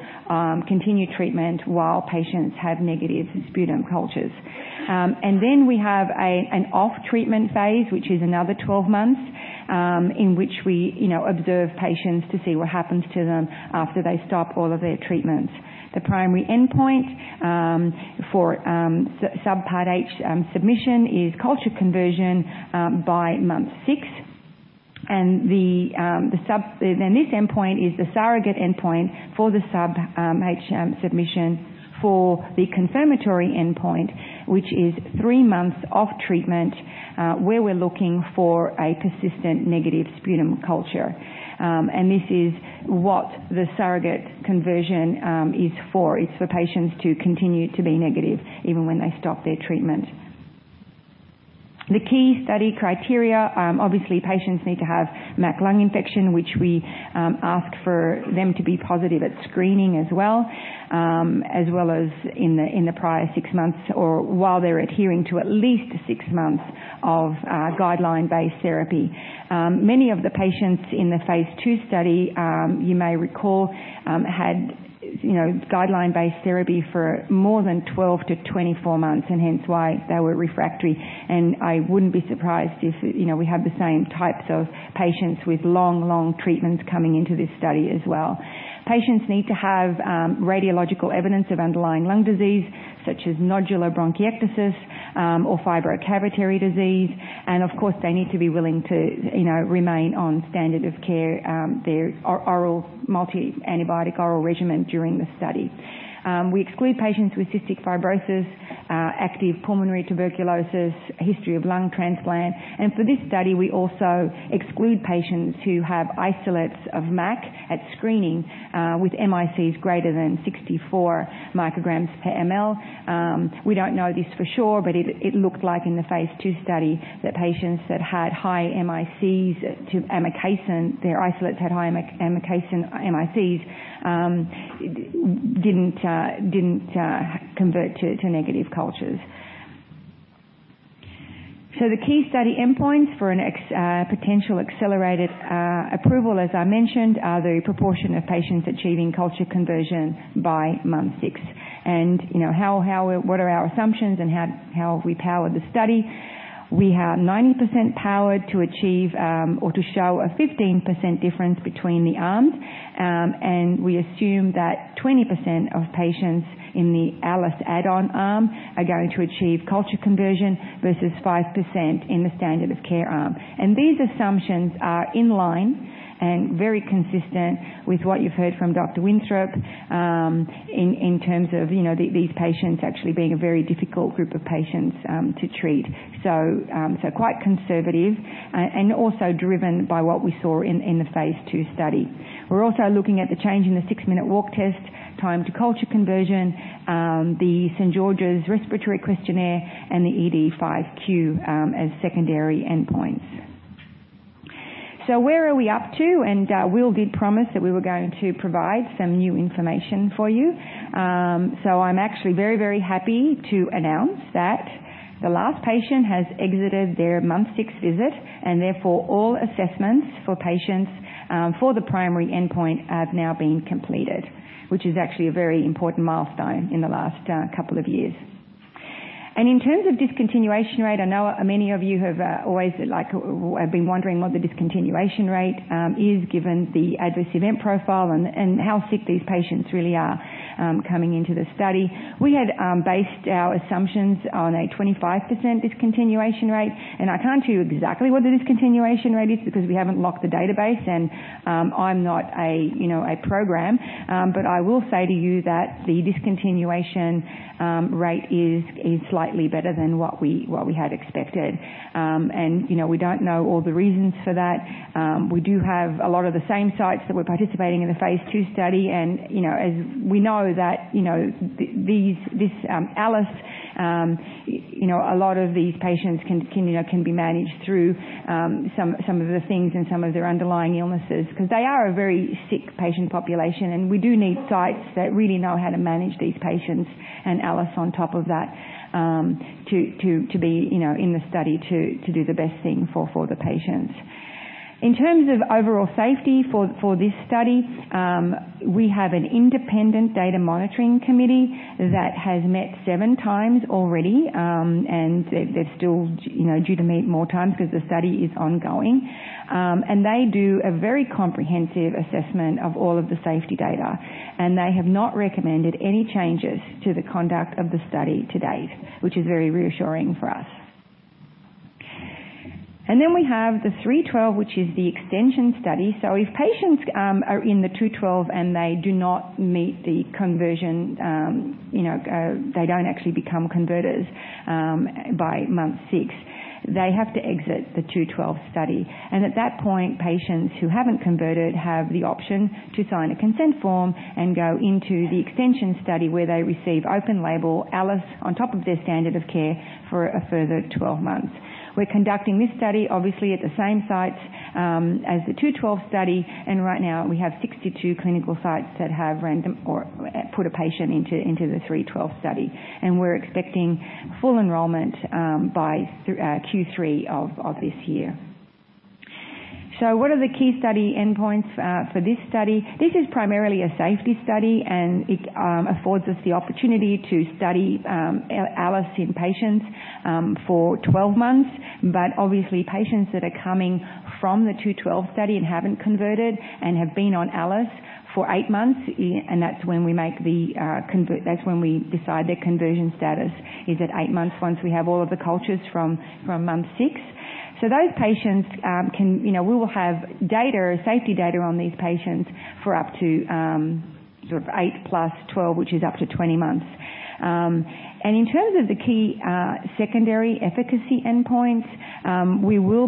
continued treatment while patients have negative sputum cultures. We have an off-treatment phase, which is another 12 months, in which we observe patients to see what happens to them after they stop all of their treatments. The primary endpoint for Subpart H submission is culture conversion by month 6. This endpoint is the surrogate endpoint for the Sub H submission for the confirmatory endpoint, which is 3 months off treatment, where we're looking for a persistent negative sputum culture. This is what the surrogate conversion is for. It's for patients to continue to be negative even when they stop their treatment. The key study criteria, obviously, patients need to have MAC lung infection, which we ask for them to be positive at screening as well, as well as in the prior 6 months or while they're adhering to at least 6 months of guideline-based therapy. Many of the patients in the phase II study, you may recall, had guideline-based therapy for more than 12-24 months, and hence why they were refractory. I wouldn't be surprised if we have the same types of patients with long, long treatments coming into this study as well. Patients need to have radiological evidence of underlying lung disease, such as nodular bronchiectasis or fibrocavitary disease. Of course, they need to be willing to remain on standard of care, their oral multi-antibiotic oral regimen during the study. We exclude patients with cystic fibrosis, active pulmonary tuberculosis, history of lung transplant. For this study, we also exclude patients who have isolates of MAC at screening with MICs greater than 64 micrograms per ml. We don't know this for sure, but it looked like in the phase II study that patients that had high MICs to amikacin, their isolates had high amikacin MICs, didn't convert to negative cultures. The key study endpoints for a potential accelerated approval, as I mentioned, are the proportion of patients achieving culture conversion by month 6. What are our assumptions and how have we powered the study? We have 90% power to achieve or to show a 15% difference between the arms, and we assume that 20% of patients in the ALIS add-on arm are going to achieve culture conversion versus 5% in the standard of care arm. These assumptions are in line and very consistent with what you've heard from Dr. Winthrop in terms of these patients actually being a very difficult group of patients to treat. Quite conservative and also driven by what we saw in the phase II study. We're also looking at the change in the six-minute walk test, time to culture conversion, the St. George's Respiratory Questionnaire, and the EQ-5D as secondary endpoints. Where are we up to? We did promise that we were going to provide some new information for you. I'm actually very happy to announce that the last patient has exited their month 6 visit, and therefore all assessments for patients for the primary endpoint have now been completed, which is actually a very important milestone in the last couple of years. In terms of discontinuation rate, I know many of you have always been wondering what the discontinuation rate is, given the adverse event profile and how sick these patients really are coming into the study. We had based our assumptions on a 25% discontinuation rate. I can't tell you exactly what the discontinuation rate is because we haven't locked the database, and I'm not a program. I will say to you that the discontinuation rate is slightly better than what we had expected. We don't know all the reasons for that. We do have a lot of the same sites that were participating in the phase II study, and as we know that this ALIS, a lot of these patients can be managed through some of the things and some of their underlying illnesses. Because they are a very sick patient population, and we do need sites that really know how to manage these patients, and ALIS on top of that, to be in the study to do the best thing for the patients. In terms of overall safety for this study, we have an independent data monitoring committee that has met seven times already. They're still due to meet more times because the study is ongoing. They do a very comprehensive assessment of all of the safety data. They have not recommended any changes to the conduct of the study to date, which is very reassuring for us. We have the 312, which is the extension study. So if patients are in the 212 and they do not meet the conversion, they don't actually become converters by month six, they have to exit the 212 study. At that point, patients who haven't converted have the option to sign a consent form and go into the extension study where they receive open label ALIS on top of their standard of care for a further 12 months. We're conducting this study obviously at the same sites as the 212 study. Right now we have 62 clinical sites that have put a patient into the 312 study. We're expecting full enrollment by Q3 of this year. What are the key study endpoints for this study? This is primarily a safety study, and it affords us the opportunity to study ALIS in patients for 12 months. Obviously, patients that are coming from the 212 study and haven't converted and have been on ALIS for eight months, and that's when we decide their conversion status, is at eight months, once we have all of the cultures from month six. Those patients, we will have data, safety data on these patients for up to 8 plus 12, which is up to 20 months. In terms of the key secondary efficacy endpoints, we will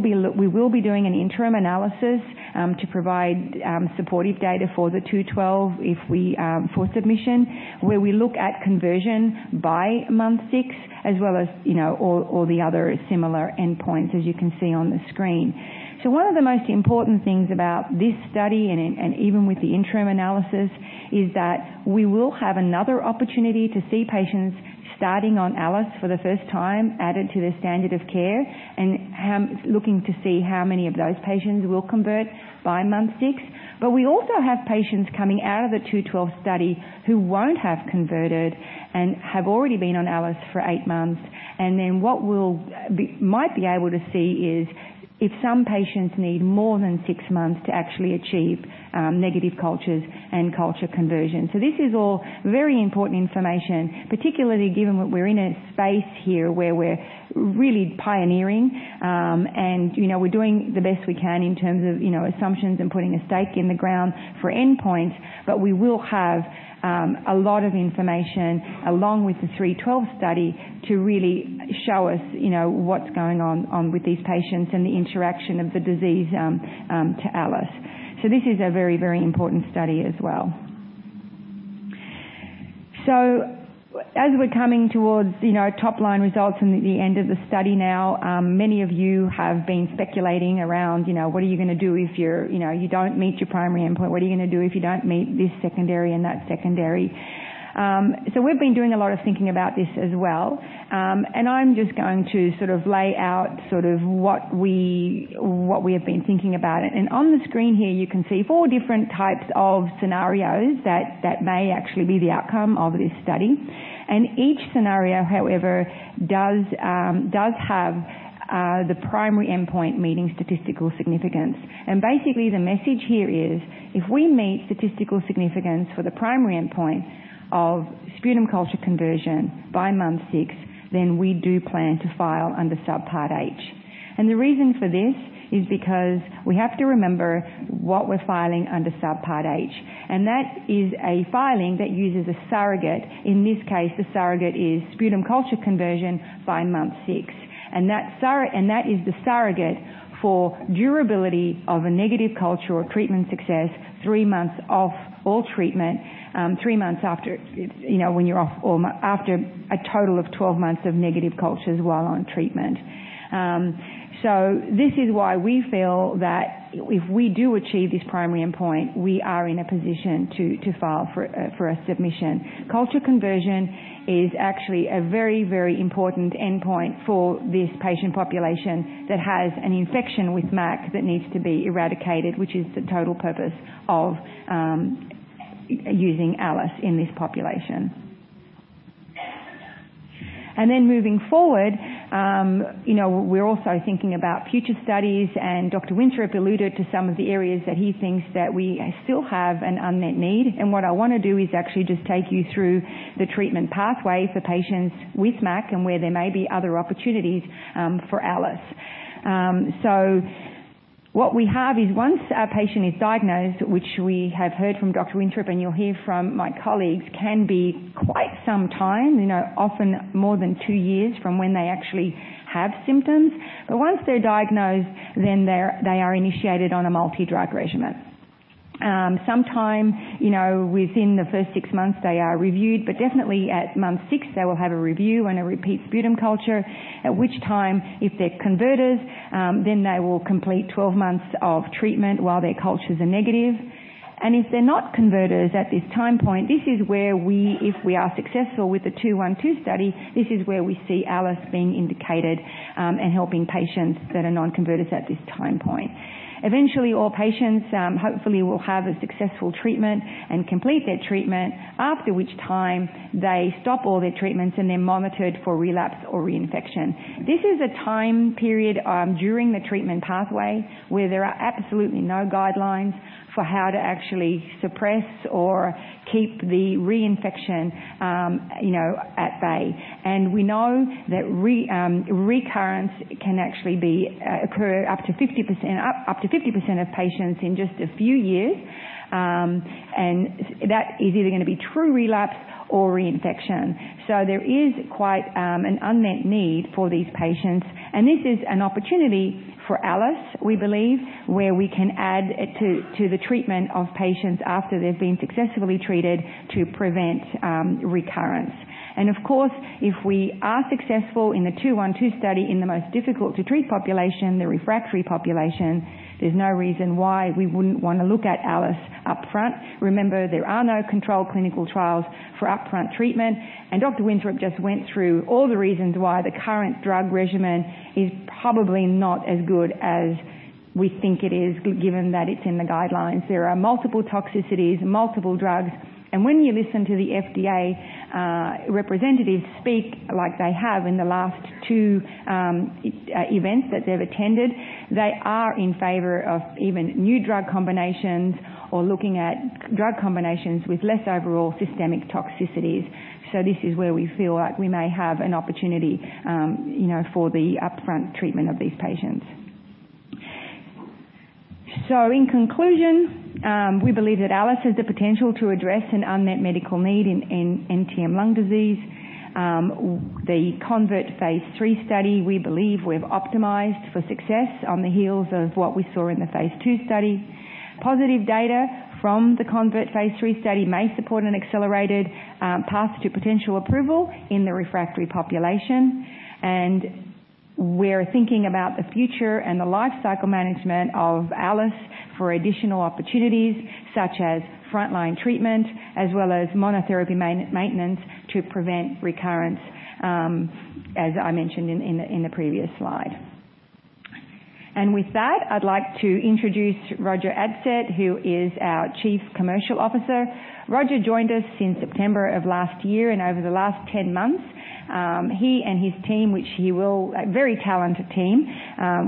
be doing an interim analysis to provide supportive data for the 212 for submission, where we look at conversion by month six, as well as all the other similar endpoints, as you can see on the screen. One of the most important things about this study, even with the interim analysis, is that we will have another opportunity to see patients starting on ALIS for the first time added to their standard of care and looking to see how many of those patients will convert by month 6. We also have patients coming out of the INS-212 study who won't have converted and have already been on ALIS for 8 months. What we might be able to see is if some patients need more than 6 months to actually achieve negative cultures and culture conversion. This is all very important information, particularly given that we're in a space here where we're really pioneering. We're doing the best we can in terms of assumptions and putting a stake in the ground for endpoints, but we will have a lot of information along with the INS-312 study to really show us what's going on with these patients and the interaction of the disease to ALIS. This is a very important study as well. As we're coming towards top-line results and the end of the study now, many of you have been speculating around what are you going to do if you don't meet your primary endpoint? What are you going to do if you don't meet this secondary and that secondary? We've been doing a lot of thinking about this as well. I'm just going to lay out what we have been thinking about. On the screen here, you can see 4 different types of scenarios that may actually be the outcome of this study. Each scenario, however, does have the primary endpoint meeting statistical significance. Basically, the message here is, if we meet statistical significance for the primary endpoint of sputum culture conversion by month 6, then we do plan to file under Subpart H. The reason for this is because we have to remember what we're filing under Subpart H, and that is a filing that uses a surrogate. In this case, the surrogate is sputum culture conversion by month 6, and that is the surrogate for durability of a negative culture or treatment success, 3 months off all treatment, 3 months after a total of 12 months of negative cultures while on treatment. This is why we feel that if we do achieve this primary endpoint, we are in a position to file for a submission. Culture conversion is actually a very, very important endpoint for this patient population that has an infection with MAC that needs to be eradicated, which is the total purpose of using ALIS in this population. Moving forward, we're also thinking about future studies, and Dr. Winthrop have alluded to some of the areas that he thinks that we still have an unmet need. What I want to do is actually just take you through the treatment pathway for patients with MAC and where there may be other opportunities for ALIS. What we have is once our patient is diagnosed, which we have heard from Dr. Winthrop, and you'll hear from my colleagues, can be quite some time, often more than 2 years from when they actually have symptoms. Once they're diagnosed, they are initiated on a multi-drug regimen. Sometime within the first 6 months, they are reviewed, but definitely at month 6, they will have a review and a repeat sputum culture. At which time, if they're converters, they will complete 12 months of treatment while their cultures are negative. If they're not converters at this time point, this is where we, if we are successful with the INS-212 study, this is where we see ALIS being indicated and helping patients that are non-converters at this time point. Eventually, all patients hopefully will have a successful treatment and complete their treatment, after which time they stop all their treatments, and they're monitored for relapse or reinfection. This is a time period during the treatment pathway where there are absolutely no guidelines for how to actually suppress or keep the reinfection at bay. We know that recurrence can actually occur up to 50% of patients in just a few years. That is either going to be true relapse or reinfection. There is quite an unmet need for these patients, and this is an opportunity for ALIS, we believe, where we can add to the treatment of patients after they've been successfully treated to prevent recurrence. Of course, if we are successful in the INS-212 study in the most difficult to treat population, the refractory population, there's no reason why we wouldn't want to look at ALIS upfront. Remember, there are no control clinical trials for upfront treatment. Dr. Winthrop just went through all the reasons why the current drug regimen is probably not as good as we think it is, given that it's in the guidelines. There are multiple toxicities, multiple drugs, and when you listen to the FDA representatives speak like they have in the last 2 events that they've attended, they are in favor of even new drug combinations or looking at drug combinations with less overall systemic toxicities. This is where we feel like we may have an opportunity for the upfront treatment of these patients. In conclusion, we believe that ALIS has the potential to address an unmet medical need in NTM lung disease. The CONVERT phase III study, we believe we've optimized for success on the heels of what we saw in the phase II study. Positive data from the CONVERT phase III study may support an accelerated path to potential approval in the refractory population. We're thinking about the future and the lifecycle management of ALIS for additional opportunities, such as frontline treatment, as well as monotherapy maintenance to prevent recurrence, as I mentioned in the previous slide. With that, I'd like to introduce Roger Adsett, who is our chief commercial officer. Roger joined us in September of last year. Over the last 10 months, he and his team, a very talented team,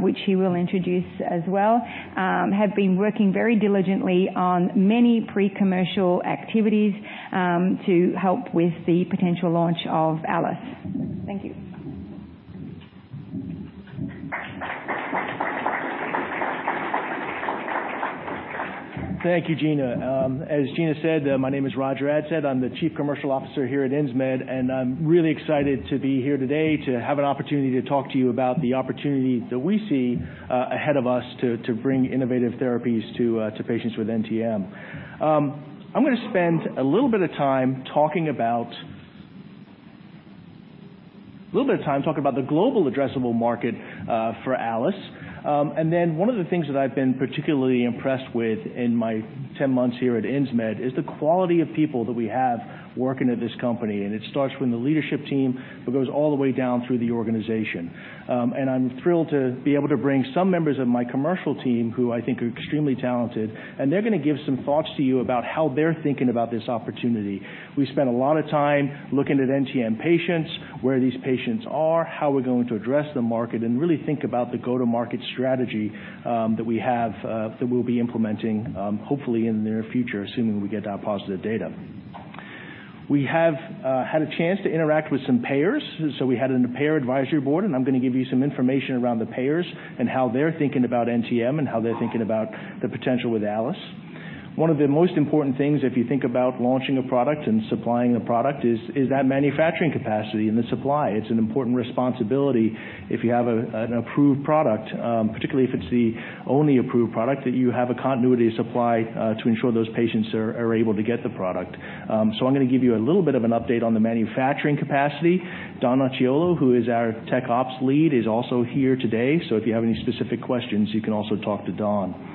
which he will introduce as well, have been working very diligently on many pre-commercial activities to help with the potential launch of ALIS. Thank you. Thank you, Gina. As Gina said, my name is Roger Adsett. I'm the Chief Commercial Officer here at Insmed, and I'm really excited to be here today to have an opportunity to talk to you about the opportunity that we see ahead of us to bring innovative therapies to patients with NTM. I'm going to spend a little bit of time talking about the global addressable market for ALIS. One of the things that I've been particularly impressed with in my 10 months here at Insmed is the quality of people that we have working at this company. It starts from the leadership team but goes all the way down through the organization. I'm thrilled to be able to bring some members of my commercial team who I think are extremely talented, and they're going to give some thoughts to you about how they're thinking about this opportunity. We spent a lot of time looking at NTM patients, where these patients are, how we're going to address the market, and really think about the go-to-market strategy that we have that we'll be implementing hopefully in the near future, assuming we get that positive data. We have had a chance to interact with some payers. We had a payer advisory board, and I'm going to give you some information around the payers and how they're thinking about NTM and how they're thinking about the potential with ALIS. One of the most important things, if you think about launching a product and supplying a product, is that manufacturing capacity and the supply. It's an important responsibility if you have an approved product, particularly if it's the only approved product, that you have a continuity of supply to ensure those patients are able to get the product. I'm going to give you a little bit of an update on the manufacturing capacity. Don Nociolo, who is our tech ops lead, is also here today. If you have any specific questions, you can also talk to Don.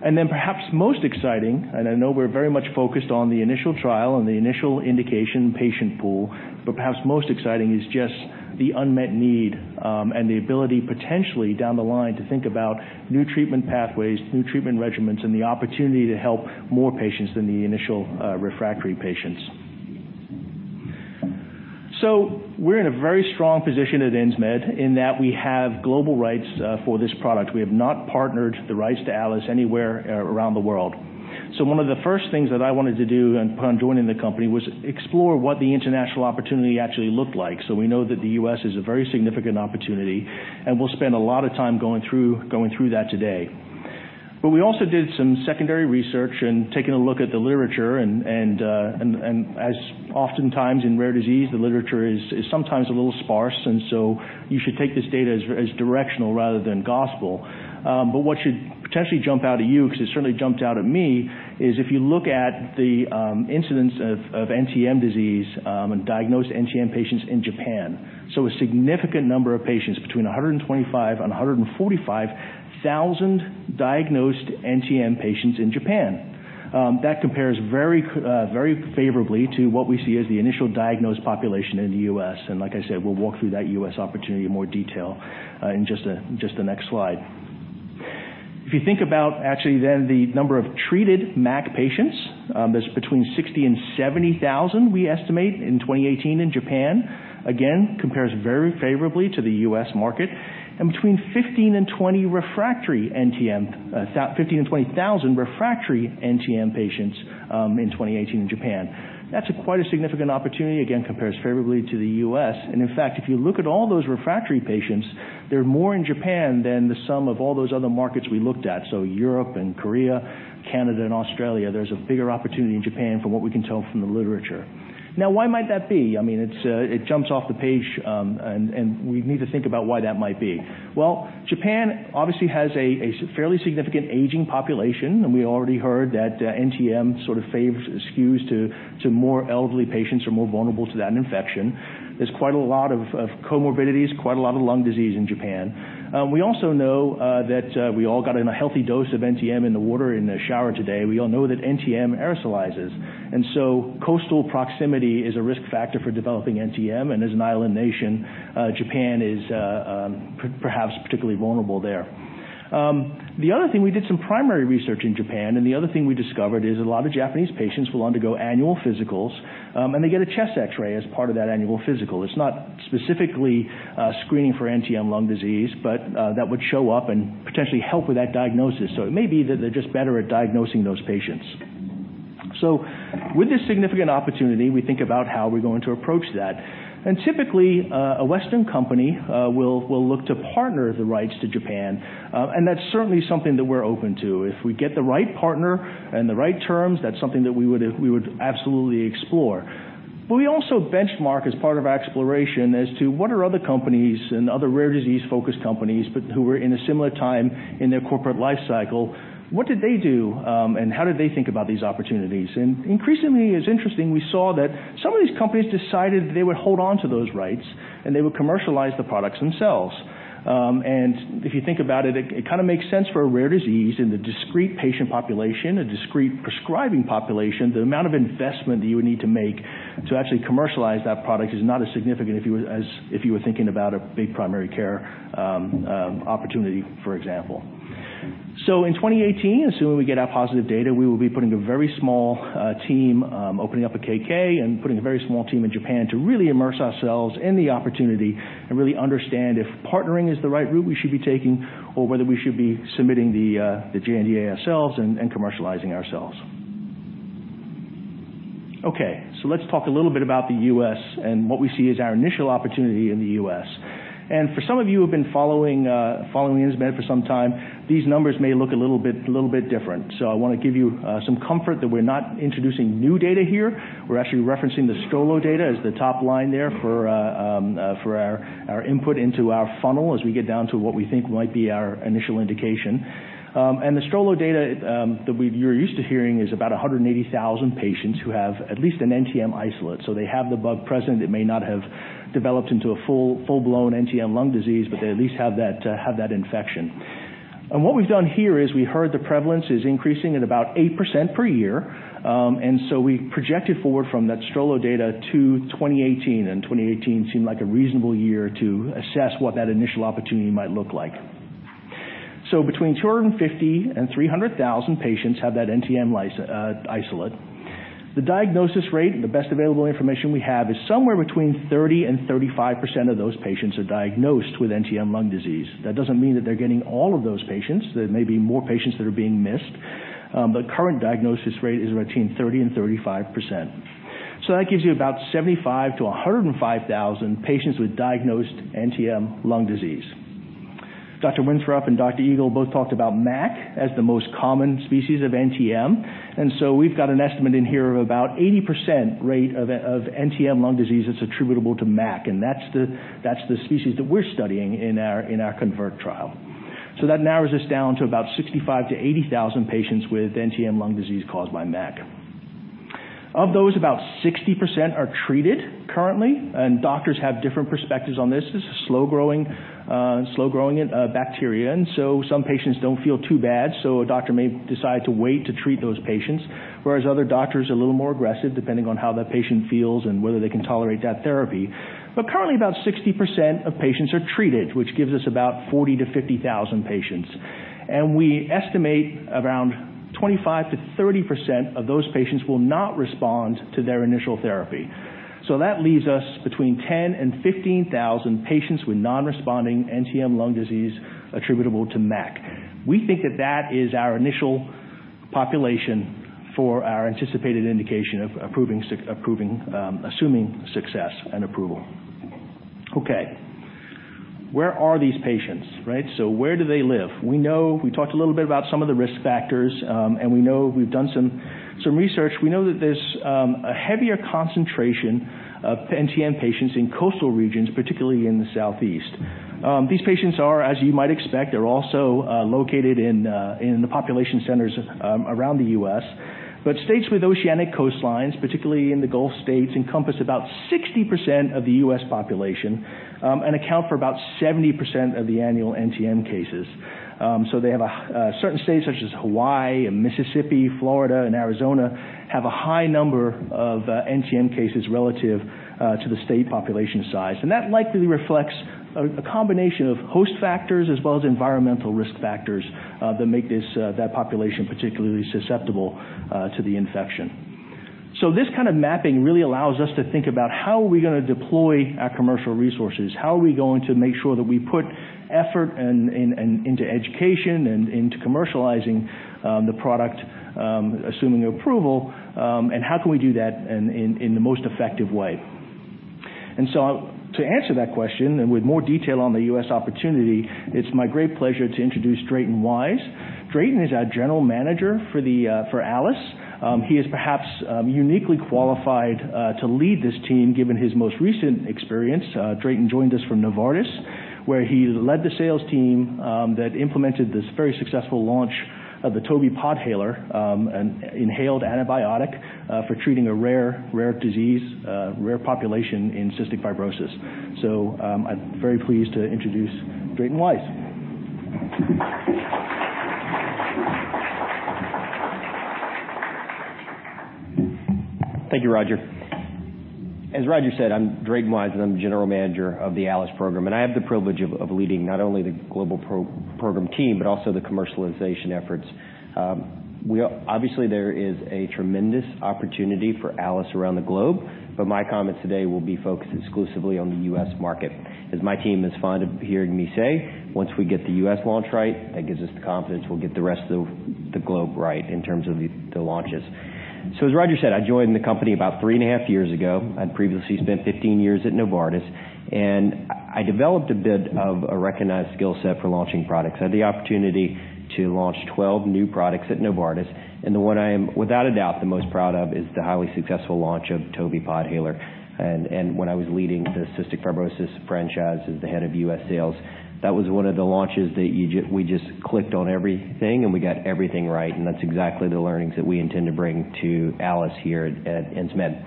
Perhaps most exciting, and I know we're very much focused on the initial trial and the initial indication patient pool, but perhaps most exciting is just the unmet need, and the ability potentially down the line to think about new treatment pathways, new treatment regimens, and the opportunity to help more patients than the initial refractory patients. We're in a very strong position at Insmed in that we have global rights for this product. We have not partnered the rights to ALIS anywhere around the world. One of the first things that I wanted to do upon joining the company was explore what the international opportunity actually looked like. We know that the U.S. is a very significant opportunity, and we'll spend a lot of time going through that today. We also did some secondary research and taking a look at the literature, and as oftentimes in rare disease, the literature is sometimes a little sparse, and you should take this data as directional rather than gospel. What should potentially jump out at you, because it certainly jumped out at me, is if you look at the incidence of NTM disease and diagnosed NTM patients in Japan. A significant number of patients, between 125,000-145,000 diagnosed NTM patients in Japan. That compares very favorably to what we see as the initial diagnosed population in the U.S., and like I said, we'll walk through that U.S. opportunity in more detail in just the next slide. If you think about actually then the number of treated MAC patients, that's between 60,000-70,000 we estimate in 2018 in Japan. Again, compares very favorably to the U.S. market. Between 15,000-20,000 refractory NTM patients in 2018 in Japan. That's quite a significant opportunity, again, compares favorably to the U.S. In fact, if you look at all those refractory patients, they're more in Japan than the sum of all those other markets we looked at. Europe and Korea, Canada, and Australia, there's a bigger opportunity in Japan from what we can tell from the literature. Why might that be? It jumps off the page, and we need to think about why that might be. Japan obviously has a fairly significant aging population, and we already heard that NTM sort of skews to more elderly patients who are more vulnerable to that infection. There's quite a lot of comorbidities, quite a lot of lung disease in Japan. We also know that we all got a healthy dose of NTM in the water in the shower today. We all know that NTM aerosolizes, coastal proximity is a risk factor for developing NTM, and as an island nation, Japan is perhaps particularly vulnerable there. The other thing, we did some primary research in Japan, and the other thing we discovered is a lot of Japanese patients will undergo annual physicals, and they get a chest X-ray as part of that annual physical. It's not specifically screening for NTM lung disease, but that would show up and potentially help with that diagnosis. It may be that they're just better at diagnosing those patients. With this significant opportunity, we think about how we're going to approach that. Typically, a Western company will look to partner the rights to Japan. That's certainly something that we're open to. If we get the right partner and the right terms, that's something that we would absolutely explore. We also benchmark as part of our exploration as to what are other companies and other rare disease-focused companies, but who were in a similar time in their corporate life cycle, what did they do, and how did they think about these opportunities? Increasingly, it's interesting, we saw that some of these companies decided they would hold on to those rights and they would commercialize the products themselves. If you think about it kind of makes sense for a rare disease in the discrete patient population, a discrete prescribing population, the amount of investment that you would need to make to actually commercialize that product is not as significant as if you were thinking about a big primary care opportunity, for example. In 2018, assuming we get our positive data, we will be putting a very small team, opening up a KK, and putting a very small team in Japan to really immerse ourselves in the opportunity and really understand if partnering is the right route we should be taking or whether we should be submitting the JNDA ourselves and commercializing ourselves. Let's talk a little bit about the U.S. and what we see as our initial opportunity in the U.S. For some of you who've been following Insmed for some time, these numbers may look a little bit different. I want to give you some comfort that we're not introducing new data here. We're actually referencing the Strollo data as the top line there for our input into our funnel as we get down to what we think might be our initial indication. The Strollo data that you're used to hearing is about 180,000 patients who have at least an NTM isolate. They have the bug present. It may not have developed into a full-blown NTM lung disease, but they at least have that infection. What we've done here is we heard the prevalence is increasing at about 8% per year. We projected forward from that Strollo data to 2018 seemed like a reasonable year to assess what that initial opportunity might look like. Between 250,000-300,000 patients have that NTM isolate. The diagnosis rate, the best available information we have is somewhere between 30%-35% of those patients are diagnosed with NTM lung disease. That doesn't mean that they're getting all of those patients. There may be more patients that are being missed. Current diagnosis rate is between 30%-35%. That gives you about 75,000-105,000 patients with diagnosed NTM lung disease. Dr. Winthrop and Dr. Eagle both talked about MAC as the most common species of NTM. We've got an estimate in here of about 80% rate of NTM lung disease that's attributable to MAC, that's the species that we're studying in our CONVERT trial. That narrows us down to about 65,000-80,000 patients with NTM lung disease caused by MAC. Of those, about 60% are treated currently, doctors have different perspectives on this. This is a slow-growing bacteria, some patients don't feel too bad, a doctor may decide to wait to treat those patients, whereas other doctors are a little more aggressive, depending on how that patient feels and whether they can tolerate that therapy. Currently, about 60% of patients are treated, which gives us about 40,000-50,000 patients. We estimate around 25%-30% of those patients will not respond to their initial therapy. That leaves us between 10,000-15,000 patients with non-responding NTM lung disease attributable to MAC. We think that that is our initial population for our anticipated indication of assuming success and approval. Where are these patients? Where do they live? We talked a little bit about some of the risk factors. We've done some research. We know that there's a heavier concentration of NTM patients in coastal regions, particularly in the Southeast. These patients are, as you might expect, they're also located in the population centers around the U.S. States with oceanic coastlines, particularly in the Gulf states, encompass about 60% of the U.S. population, and account for about 70% of the annual NTM cases. Certain states, such as Hawaii and Mississippi, Florida, and Arizona, have a high number of NTM cases relative to the state population size. That likely reflects a combination of host factors as well as environmental risk factors that make that population particularly susceptible to the infection. This kind of mapping really allows us to think about how are we going to deploy our commercial resources, how are we going to make sure that we put effort into education and into commercializing the product, assuming approval, and how can we do that in the most effective way. To answer that question and with more detail on the U.S. opportunity, it's my great pleasure to introduce Drayton Wise. Drayton is our general manager for ALIS. He is perhaps uniquely qualified to lead this team given his most recent experience. Drayton joined us from Novartis, where he led the sales team that implemented this very successful launch of the TOBI Podhaler, an inhaled antibiotic for treating a rare population in cystic fibrosis. I'm very pleased to introduce Drayton Wise. Thank you, Roger. As Roger said, I'm Drayton Wise. I'm the general manager of the ALIS program. I have the privilege of leading not only the global program team, but also the commercialization efforts. Obviously, there is a tremendous opportunity for ALIS around the globe. My comments today will be focused exclusively on the U.S. market. As my team is fond of hearing me say, once we get the U.S. launch right, that gives us the confidence we'll get the rest of the globe right in terms of the launches. As Roger said, I joined the company about three and a half years ago. I'd previously spent 15 years at Novartis. I developed a bit of a recognized skill set for launching products. I had the opportunity to launch 12 new products at Novartis. The one I am without a doubt the most proud of is the highly successful launch of TOBI Podhaler. When I was leading the cystic fibrosis franchise as the head of U.S. sales, that was one of the launches that we just clicked on everything. We got everything right. That's exactly the learnings that we intend to bring to ALIS here at Insmed.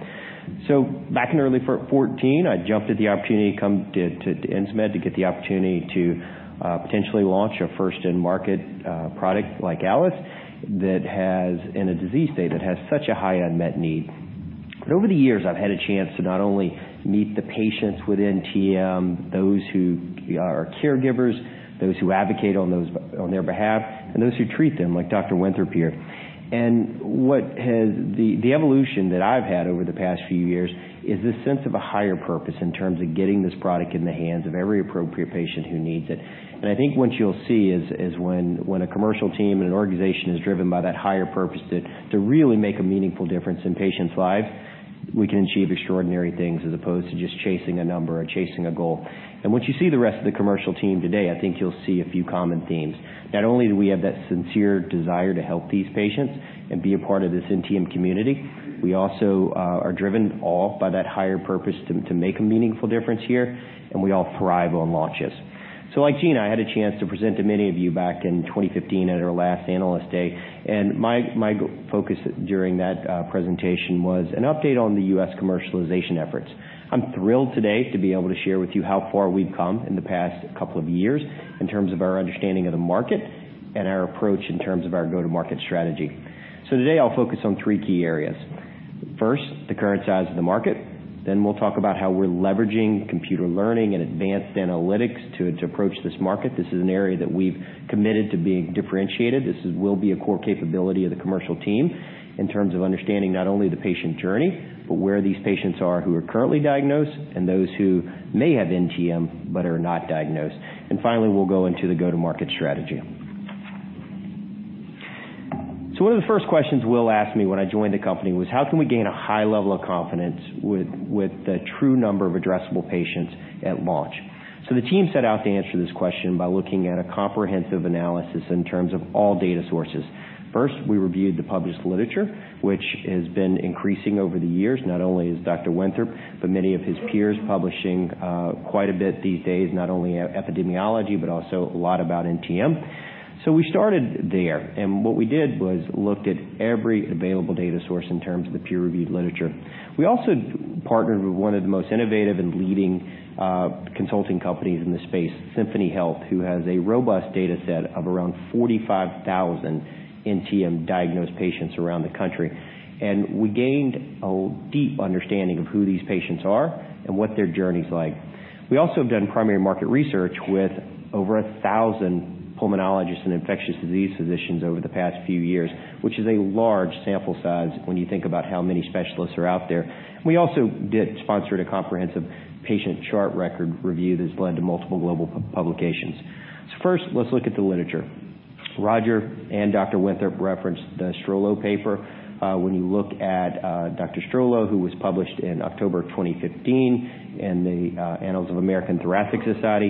Back in early 2014, I jumped at the opportunity to come to Insmed to get the opportunity to potentially launch a first-in-market product like ALIS in a disease state that has such a high unmet need. Over the years, I've had a chance to not only meet the patients with NTM, those who are caregivers, those who advocate on their behalf, and those who treat them, like Dr. Winthrop here. The evolution that I've had over the past few years is this sense of a higher purpose in terms of getting this product in the hands of every appropriate patient who needs it. I think what you'll see is when a commercial team and an organization is driven by that higher purpose to really make a meaningful difference in patients' lives, we can achieve extraordinary things as opposed to just chasing a number or chasing a goal. Once you see the rest of the commercial team today, I think you'll see a few common themes. Not only do we have that sincere desire to help these patients and be a part of this NTM community, we also are driven all by that higher purpose to make a meaningful difference here, and we all thrive on launches. Like Gina, I had a chance to present to many of you back in 2015 at our last Analyst Day. My focus during that presentation was an update on the U.S. commercialization efforts. I'm thrilled today to be able to share with you how far we've come in the past couple of years in terms of our understanding of the market and our approach in terms of our go-to-market strategy. Today, I'll focus on three key areas. First, the current size of the market. Then we'll talk about how we're leveraging computer learning and advanced analytics to approach this market. This is an area that we've committed to being differentiated. This will be a core capability of the commercial team in terms of understanding not only the patient journey, but where these patients are who are currently diagnosed and those who may have NTM but are not diagnosed. Finally, we'll go into the go-to-market strategy. One of the first questions Will asked me when I joined the company was, how can we gain a high level of confidence with the true number of addressable patients at launch? The team set out to answer this question by looking at a comprehensive analysis in terms of all data sources. First, we reviewed the published literature, which has been increasing over the years. Not only is Dr. Winthrop, but many of his peers publishing quite a bit these days, not only epidemiology, but also a lot about NTM. We started there. What we did was looked at every available data source in terms of the peer-reviewed literature. We also partnered with one of the most innovative and leading consulting companies in the space, Symphony Health, who has a robust data set of around 45,000 NTM-diagnosed patients around the country. We gained a deep understanding of who these patients are and what their journey's like. We also have done primary market research with over 1,000 pulmonologists and infectious disease physicians over the past few years, which is a large sample size when you think about how many specialists are out there. We also did sponsor a comprehensive patient chart record review that's led to multiple global publications. First, let's look at the literature. Roger and Dr. Winthrop referenced the Strollo paper. When you look at Dr. Strollo, who was published in October 2015 in the Annals of the American Thoracic Society,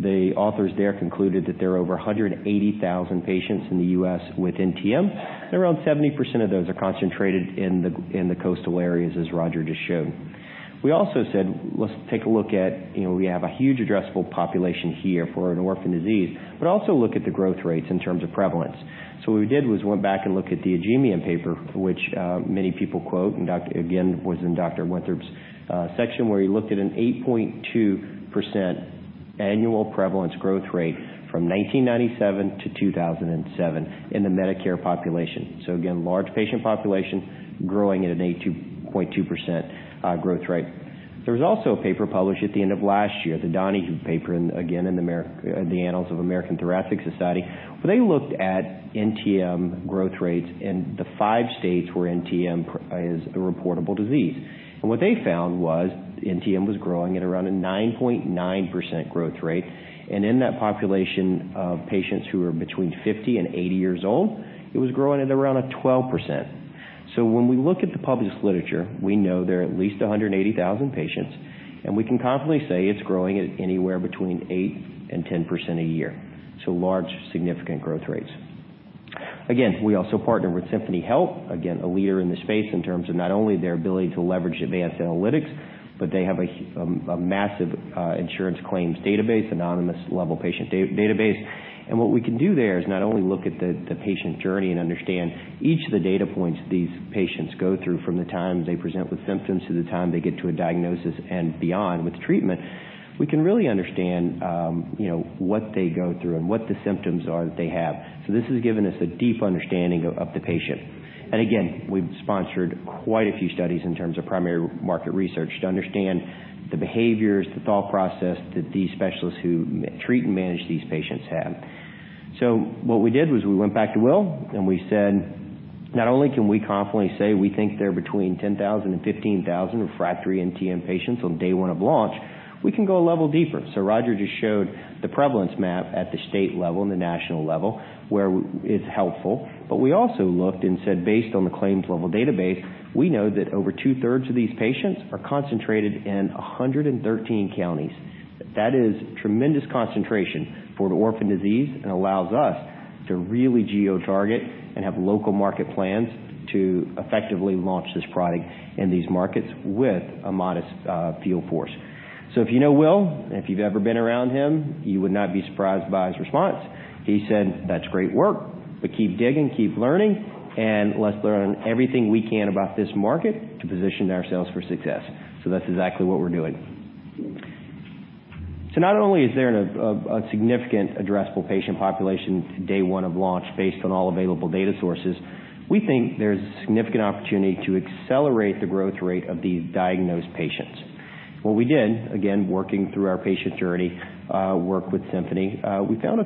the authors there concluded that there are over 180,000 patients in the U.S. with NTM, and around 70% of those are concentrated in the coastal areas, as Roger just showed. What we did was went back and looked at the Adjemian paper, which many people quote, and again, was in Dr. Winthrop's section, where he looked at an 8.2% annual prevalence growth rate from 1997 to 2007 in the Medicare population. Again, large patient population growing at an 8.2% growth rate. There was also a paper published at the end of last year, the Donahue paper, again in the Annals of the American Thoracic Society, where they looked at NTM growth rates in the five states where NTM is a reportable disease. What they found was NTM was growing at around a 9.9% growth rate, and in that population of patients who were between 50 and 80 years old, it was growing at around a 12%. When we look at the published literature, we know there are at least 180,000 patients, and we can confidently say it's growing at anywhere between 8% and 10% a year. Large, significant growth rates. Again, we also partner with Symphony Health, again, a leader in the space in terms of not only their ability to leverage advanced analytics, but they have a massive insurance claims database, anonymous-level patient database. What we can do there is not only look at the patient journey and understand each of the data points these patients go through from the time they present with symptoms to the time they get to a diagnosis and beyond with treatment. We can really understand what they go through and what the symptoms are that they have. This has given us a deep understanding of the patient. Again, we've sponsored quite a few studies in terms of primary market research to understand the behaviors, the thought process that these specialists who treat and manage these patients have. What we did was we went back to Will and we said, not only can we confidently say we think there are between 10,000 and 15,000 refractory NTM patients on day one of launch, we can go a level deeper. Roger just showed the prevalence map at the state level and the national level, where it's helpful. We also looked and said, based on the claims-level database, we know that over two-thirds of these patients are concentrated in 113 counties. That is tremendous concentration for an orphan disease and allows us to really geo-target and have local market plans to effectively launch this product in these markets with a modest field force. If you know Will, and if you've ever been around him, you would not be surprised by his response. He said, "That's great work, keep digging, keep learning, and let's learn everything we can about this market to position ourselves for success." That's exactly what we're doing. Not only is there a significant addressable patient population day one of launch based on all available data sources, we think there's a significant opportunity to accelerate the growth rate of these diagnosed patients. What we did, again, working through our patient journey work with Symphony, we found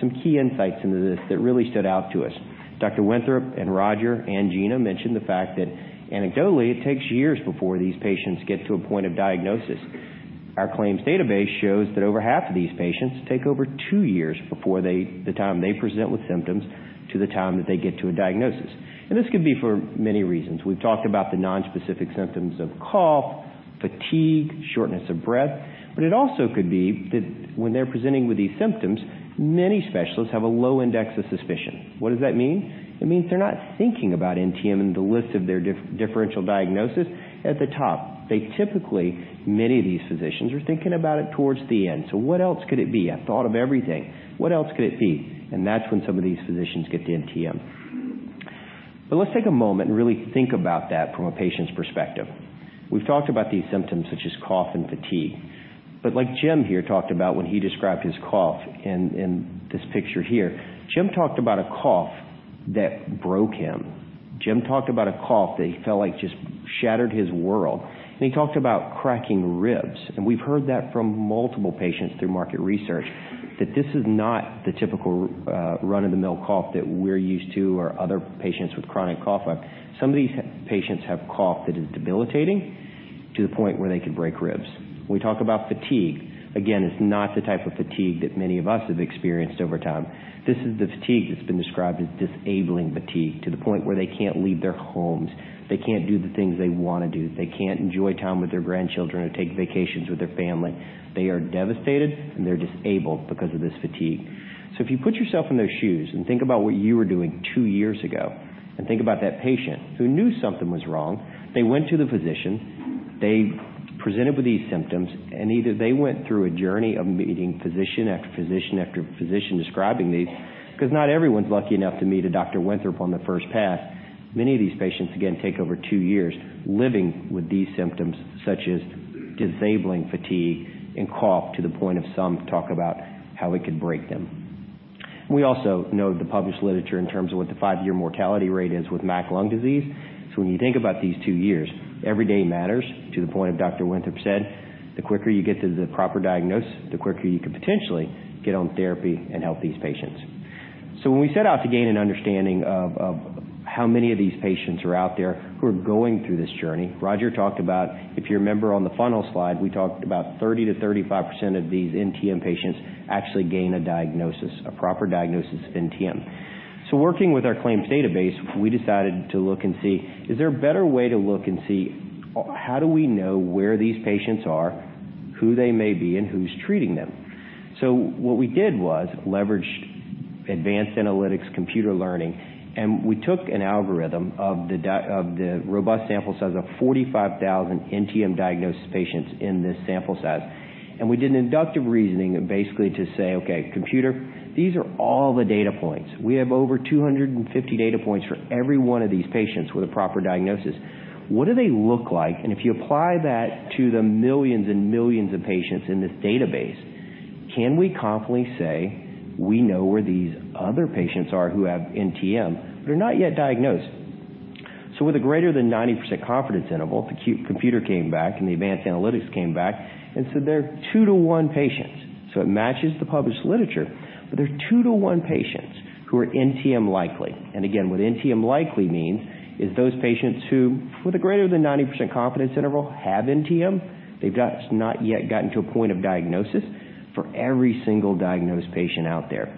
some key insights into this that really stood out to us. Dr. Winthrop and Roger and Gina mentioned the fact that anecdotally, it takes years before these patients get to a point of diagnosis. Our claims database shows that over half of these patients take over two years before the time they present with symptoms to the time that they get to a diagnosis. This could be for many reasons. We've talked about the nonspecific symptoms of cough, fatigue, shortness of breath, but it also could be that when they're presenting with these symptoms, many specialists have a low index of suspicion. What does that mean? It means they're not thinking about NTM in the list of their differential diagnosis at the top. They typically, many of these physicians, are thinking about it towards the end. What else could it be? I've thought of everything. What else could it be? That's when some of these physicians get to NTM. Let's take a moment and really think about that from a patient's perspective. We've talked about these symptoms such as cough and fatigue. Like Jim here talked about when he described his cough in this picture here, Jim talked about a cough that broke him. Jim talked about a cough that he felt like just shattered his world. He talked about cracking ribs. We've heard that from multiple patients through market research, that this is not the typical run-of-the-mill cough that we're used to or other patients with chronic cough have. Some of these patients have cough that is debilitating to the point where they could break ribs. When we talk about fatigue, again, it's not the type of fatigue that many of us have experienced over time. This is the fatigue that's been described as disabling fatigue to the point where they can't leave their homes. They can't do the things they want to do. They can't enjoy time with their grandchildren or take vacations with their family. They are devastated, and they're disabled because of this fatigue. If you put yourself in their shoes and think about what you were doing two years ago, and think about that patient who knew something was wrong, they went to the physician, they presented with these symptoms, and either they went through a journey of meeting physician after physician after physician describing these, because not everyone's lucky enough to meet a Dr. Winthrop on the first pass. Many of these patients, again, take over two years living with these symptoms, such as disabling fatigue and cough to the point of some talk about how it could break them. We also know the published literature in terms of what the five-year mortality rate is with MAC lung disease. When you think about these 2 years, every day matters to the point of Dr. Winthrop said, the quicker you get to the proper diagnosis, the quicker you can potentially get on therapy and help these patients. When we set out to gain an understanding of how many of these patients are out there who are going through this journey, Roger talked about, if you remember on the funnel slide, we talked about 30%-35% of these NTM patients actually gain a diagnosis, a proper diagnosis of NTM. Working with our claims database, we decided to look and see, is there a better way to look and see how do we know where these patients are, who they may be, and who's treating them? What we did was leverage advanced analytics computer learning, and we took an algorithm of the robust sample size of 45,000 NTM diagnosed patients in this sample size. We did an inductive reasoning basically to say, "Okay, computer, these are all the data points. We have over 250 data points for every one of these patients with a proper diagnosis. What do they look like? If you apply that to the millions and millions of patients in this database, can we confidently say we know where these other patients are who have NTM, but are not yet diagnosed?" With a greater than 90% confidence interval, the computer came back, and the advanced analytics came back and said there are 2 to 1 patients. It matches the published literature, but there are 2 to 1 patients who are NTM likely. Again, what NTM likely means is those patients who, with a greater than 90% confidence interval, have NTM. They've not yet gotten to a point of diagnosis for every single diagnosed patient out there.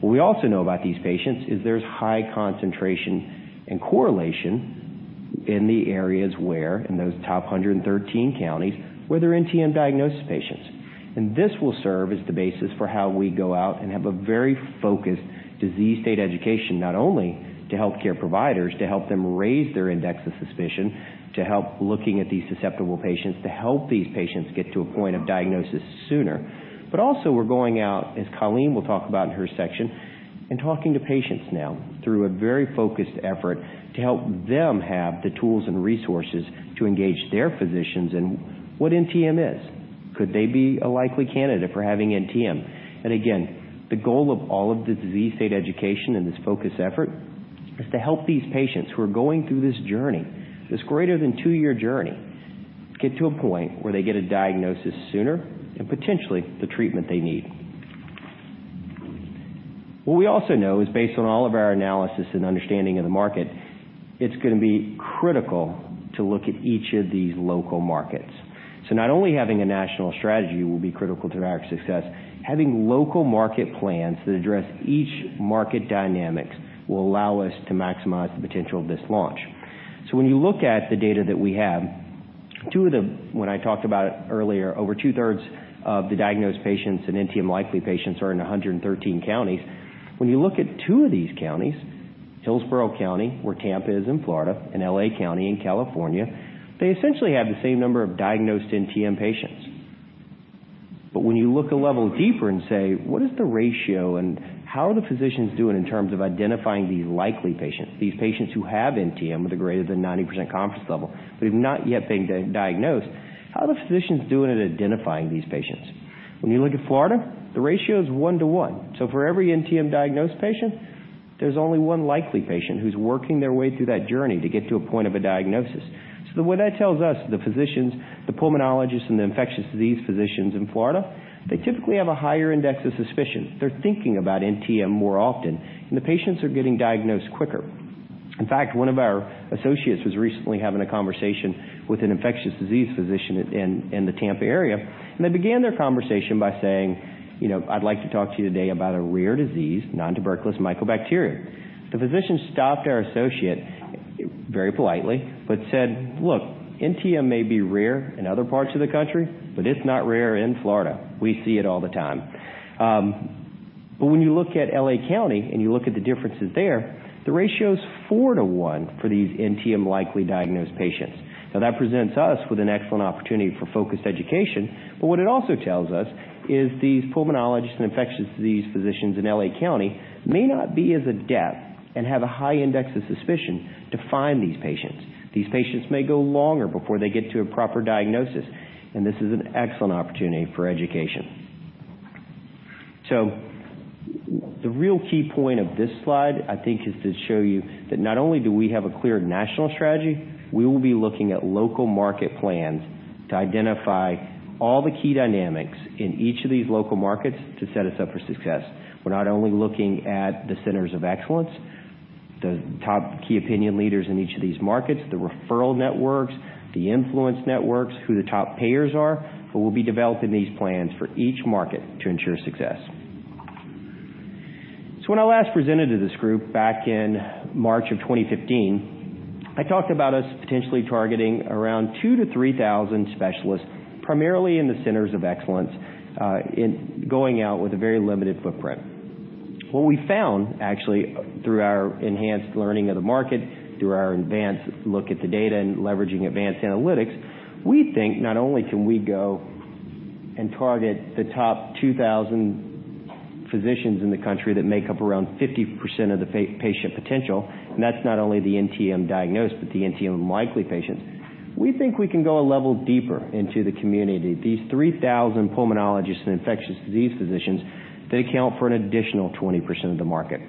What we also know about these patients is there's high concentration and correlation in the areas where, in those top 113 counties, where there are NTM diagnosed patients. This will serve as the basis for how we go out and have a very focused disease state education, not only to healthcare providers, to help them raise their index of suspicion, to help looking at these susceptible patients, to help these patients get to a point of diagnosis sooner. Also, we're going out, as Colleen will talk about in her section, and talking to patients now through a very focused effort to help them have the tools and resources to engage their physicians in what NTM is. Could they be a likely candidate for having NTM? Again, the goal of all of the disease state education and this focused effort is to help these patients who are going through this journey, this greater than 2-year journey, get to a point where they get a diagnosis sooner and potentially the treatment they need. What we also know is based on all of our analysis and understanding of the market, it's going to be critical to look at each of these local markets. Not only having a national strategy will be critical to our success, having local market plans that address each market dynamics will allow us to maximize the potential of this launch. When you look at the data that we have, when I talked about it earlier, over two-thirds of the diagnosed patients and NTM likely patients are in 113 counties. When you look at two of these counties, Hillsborough County, where Tampa is in Florida, and L.A. County in California, they essentially have the same number of diagnosed NTM patients. When you look a level deeper and say, "What is the ratio, and how are the physicians doing in terms of identifying these likely patients, these patients who have NTM with a greater than 90% confidence level, but who've not yet been diagnosed? How are the physicians doing at identifying these patients?" When you look at Florida, the ratio is one to one. For every NTM diagnosed patient, there's only one likely patient who's working their way through that journey to get to a point of a diagnosis. What that tells us, the physicians, the pulmonologists, and the infectious disease physicians in Florida, they typically have a higher index of suspicion. They're thinking about NTM more often, and the patients are getting diagnosed quicker. In fact, one of our associates was recently having a conversation with an infectious disease physician in the Tampa area, and they began their conversation by saying, "I'd like to talk to you today about a rare disease, nontuberculous mycobacteria." The physician stopped our associate very politely but said, "Look, NTM may be rare in other parts of the country, but it's not rare in Florida. We see it all the time." When you look at L.A. County and you look at the differences there, the ratio is four to one for these NTM likely diagnosed patients. That presents us with an excellent opportunity for focused education. What it also tells us is these pulmonologists and infectious disease physicians in L.A. County may not be as adept and have a high index of suspicion to find these patients. These patients may go longer before they get to a proper diagnosis, and this is an excellent opportunity for education. The real key point of this slide, I think, is to show you that not only do we have a clear national strategy, we will be looking at local market plans to identify all the key dynamics in each of these local markets to set us up for success. We're not only looking at the centers of excellence. The top key opinion leaders in each of these markets, the referral networks, the influence networks, who the top payers are, who will be developing these plans for each market to ensure success. When I last presented to this group back in March of 2015, I talked about us potentially targeting around 2,000 to 3,000 specialists, primarily in the centers of excellence, and going out with a very limited footprint. What we found, actually, through our enhanced learning of the market, through our advanced look at the data and leveraging advanced analytics, we think not only can we go and target the top 2,000 physicians in the country that make up around 50% of the patient potential, and that's not only the NTM diagnosed, but the NTM likely patients. We think we can go a level deeper into the community. These 3,000 pulmonologists and infectious disease physicians, they account for an additional 20% of the market.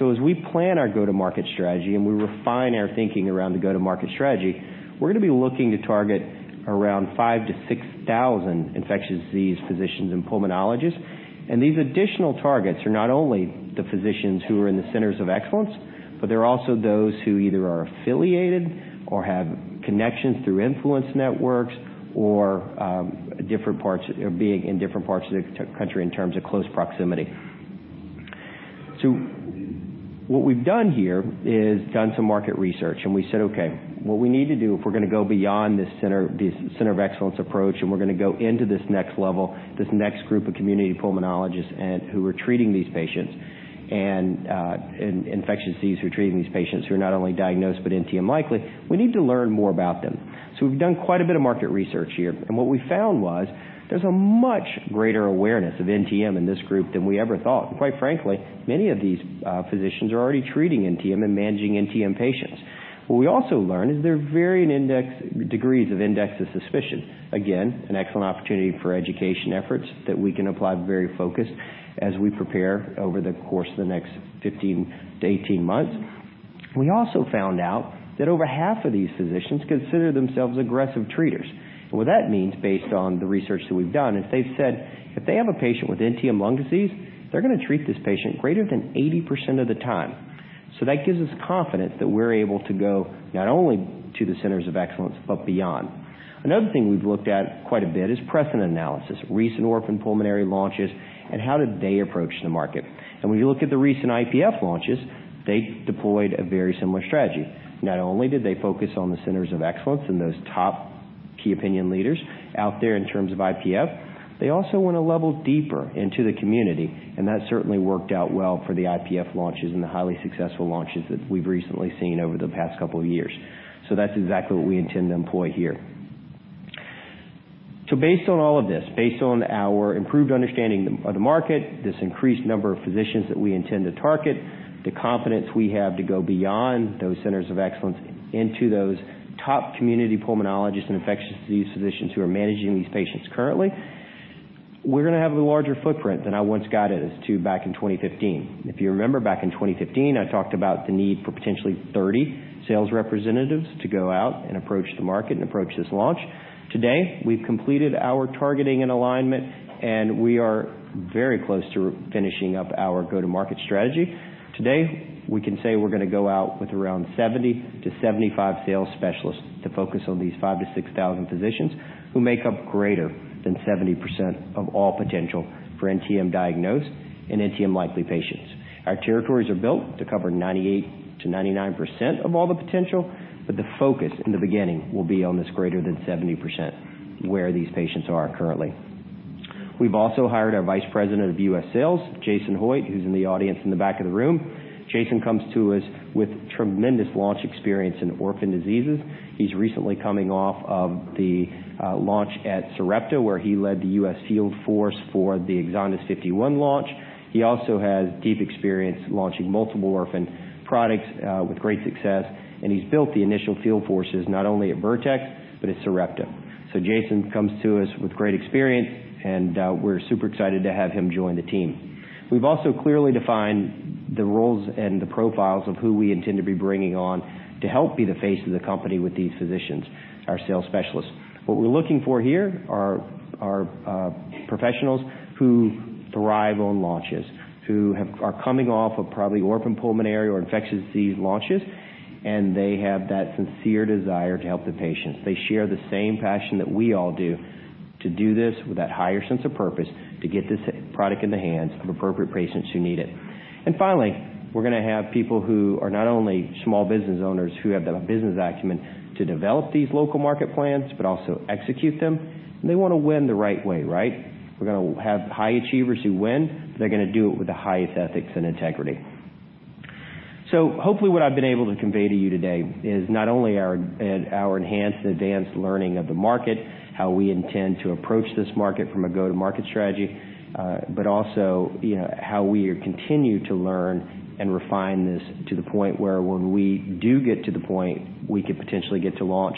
As we plan our go-to-market strategy and we refine our thinking around the go-to-market strategy, we're going to be looking to target around 5,000 to 6,000 infectious disease physicians and pulmonologists. These additional targets are not only the physicians who are in the centers of excellence, but they're also those who either are affiliated or have connections through influence networks or being in different parts of the country in terms of close proximity. What we've done here is done some market research, and we said, okay, what we need to do, if we're going to go beyond this center of excellence approach, and we're going to go into this next level, this next group of community pulmonologists who are treating these patients, and infectious disease, who are treating these patients who are not only diagnosed but NTM-likely, we need to learn more about them. We've done quite a bit of market research here, and what we found was there's a much greater awareness of NTM in this group than we ever thought. Quite frankly, many of these physicians are already treating NTM and managing NTM patients. What we also learned is there are varying degrees of index of suspicion. Again, an excellent opportunity for education efforts that we can apply very focused as we prepare over the course of the next 15-18 months. We also found out that over half of these physicians consider themselves aggressive treaters. What that means, based on the research that we've done, is they've said if they have a patient with NTM lung disease, they're going to treat this patient greater than 80% of the time. That gives us confidence that we're able to go not only to the centers of excellence, but beyond. Another thing we've looked at quite a bit is precedent analysis, recent orphan pulmonary launches, and how did they approach the market. When you look at the recent IPF launches, they deployed a very similar strategy. Not only did they focus on the centers of excellence and those top key opinion leaders out there in terms of IPF, they also went a level deeper into the community. That certainly worked out well for the IPF launches and the highly successful launches that we've recently seen over the past couple of years. That's exactly what we intend to employ here. Based on all of this, based on our improved understanding of the market, this increased number of physicians that we intend to target, the confidence we have to go beyond those centers of excellence into those top community pulmonologists and infectious disease physicians who are managing these patients currently, we're going to have a larger footprint than I once guided us to back in 2015. If you remember back in 2015, I talked about the need for potentially 30 sales representatives to go out and approach the market and approach this launch. Today, we've completed our targeting and alignment, and we are very close to finishing up our go-to-market strategy. Today, we can say we're going to go out with around 70 to 75 sales specialists to focus on these 5,000 to 6,000 physicians who make up greater than 70% of all potential for NTM diagnosed and NTM likely patients. Our territories are built to cover 98%-99% of all the potential, but the focus in the beginning will be on this greater than 70% where these patients are currently. We've also hired our Vice President of U.S. Sales, Jason Hoyt, who's in the audience in the back of the room. Jason comes to us with tremendous launch experience in orphan diseases. He's recently coming off of the launch at Sarepta, where he led the U.S. field force for the EXONDYS 51 launch. He also has deep experience launching multiple orphan products with great success, and he's built the initial field forces not only at Vertex, but at Sarepta. Jason comes to us with great experience, and we're super excited to have him join the team. We've also clearly defined the roles and the profiles of who we intend to be bringing on to help be the face of the company with these physicians, our sales specialists. What we're looking for here are professionals who thrive on launches, who are coming off of probably orphan pulmonary or infectious disease launches, and they have that sincere desire to help the patients. They share the same passion that we all do to do this with that higher sense of purpose, to get this product in the hands of appropriate patients who need it. Finally, we're going to have people who are not only small business owners who have the business acumen to develop these local market plans but also execute them. They want to win the right way, right? We're going to have high achievers who win, but they're going to do it with the highest ethics and integrity. Hopefully what I've been able to convey to you today is not only our enhanced and advanced learning of the market, how we intend to approach this market from a go-to-market strategy, but also how we continue to learn and refine this to the point where when we do get to the point we could potentially get to launch,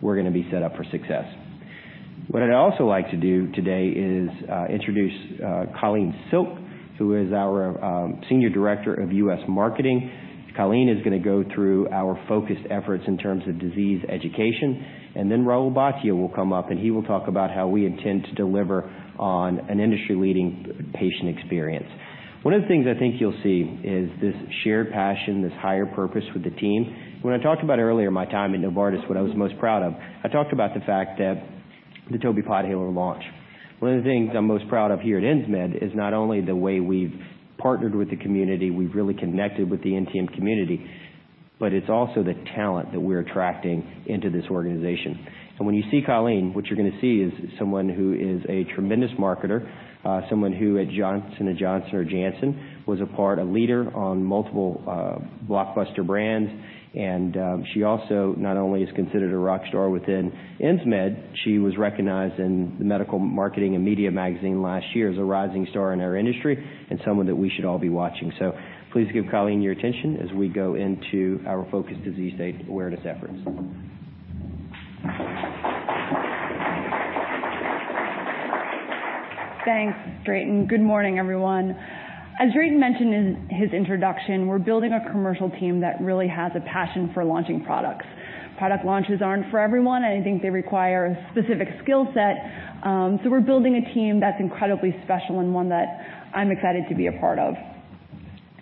we're going to be set up for success. What I'd also like to do today is introduce Colleen Hurlburt-Silk, who is our Senior Director of U.S. Marketing. Colleen is going to go through our focused efforts in terms of disease education, and then Rahul Bhatia will come up, and he will talk about how we intend to deliver on an industry-leading patient experience. One of the things I think you'll see is this shared passion, this higher purpose with the team. When I talked about earlier my time at Novartis, what I was most proud of, I talked about the fact that the TOBI Podhaler launch. One of the things I'm most proud of here at Insmed is not only the way we've partnered with the community, we've really connected with the NTM community, but it's also the talent that we're attracting into this organization. When you see Colleen, what you're going to see is someone who is a tremendous marketer, someone who at Janssen was a leader on multiple blockbuster brands. She also not only is considered a rock star within Insmed, she was recognized in the Medical Marketing & Media magazine last year as a rising star in our industry and someone that we should all be watching. Please give Colleen your attention as we go into our focused disease state awareness efforts. Thanks, Drayton. Good morning, everyone. As Drayton mentioned in his introduction, we're building a commercial team that really has a passion for launching products. Product launches aren't for everyone. I think they require a specific skill set. We're building a team that's incredibly special and one that I'm excited to be a part of.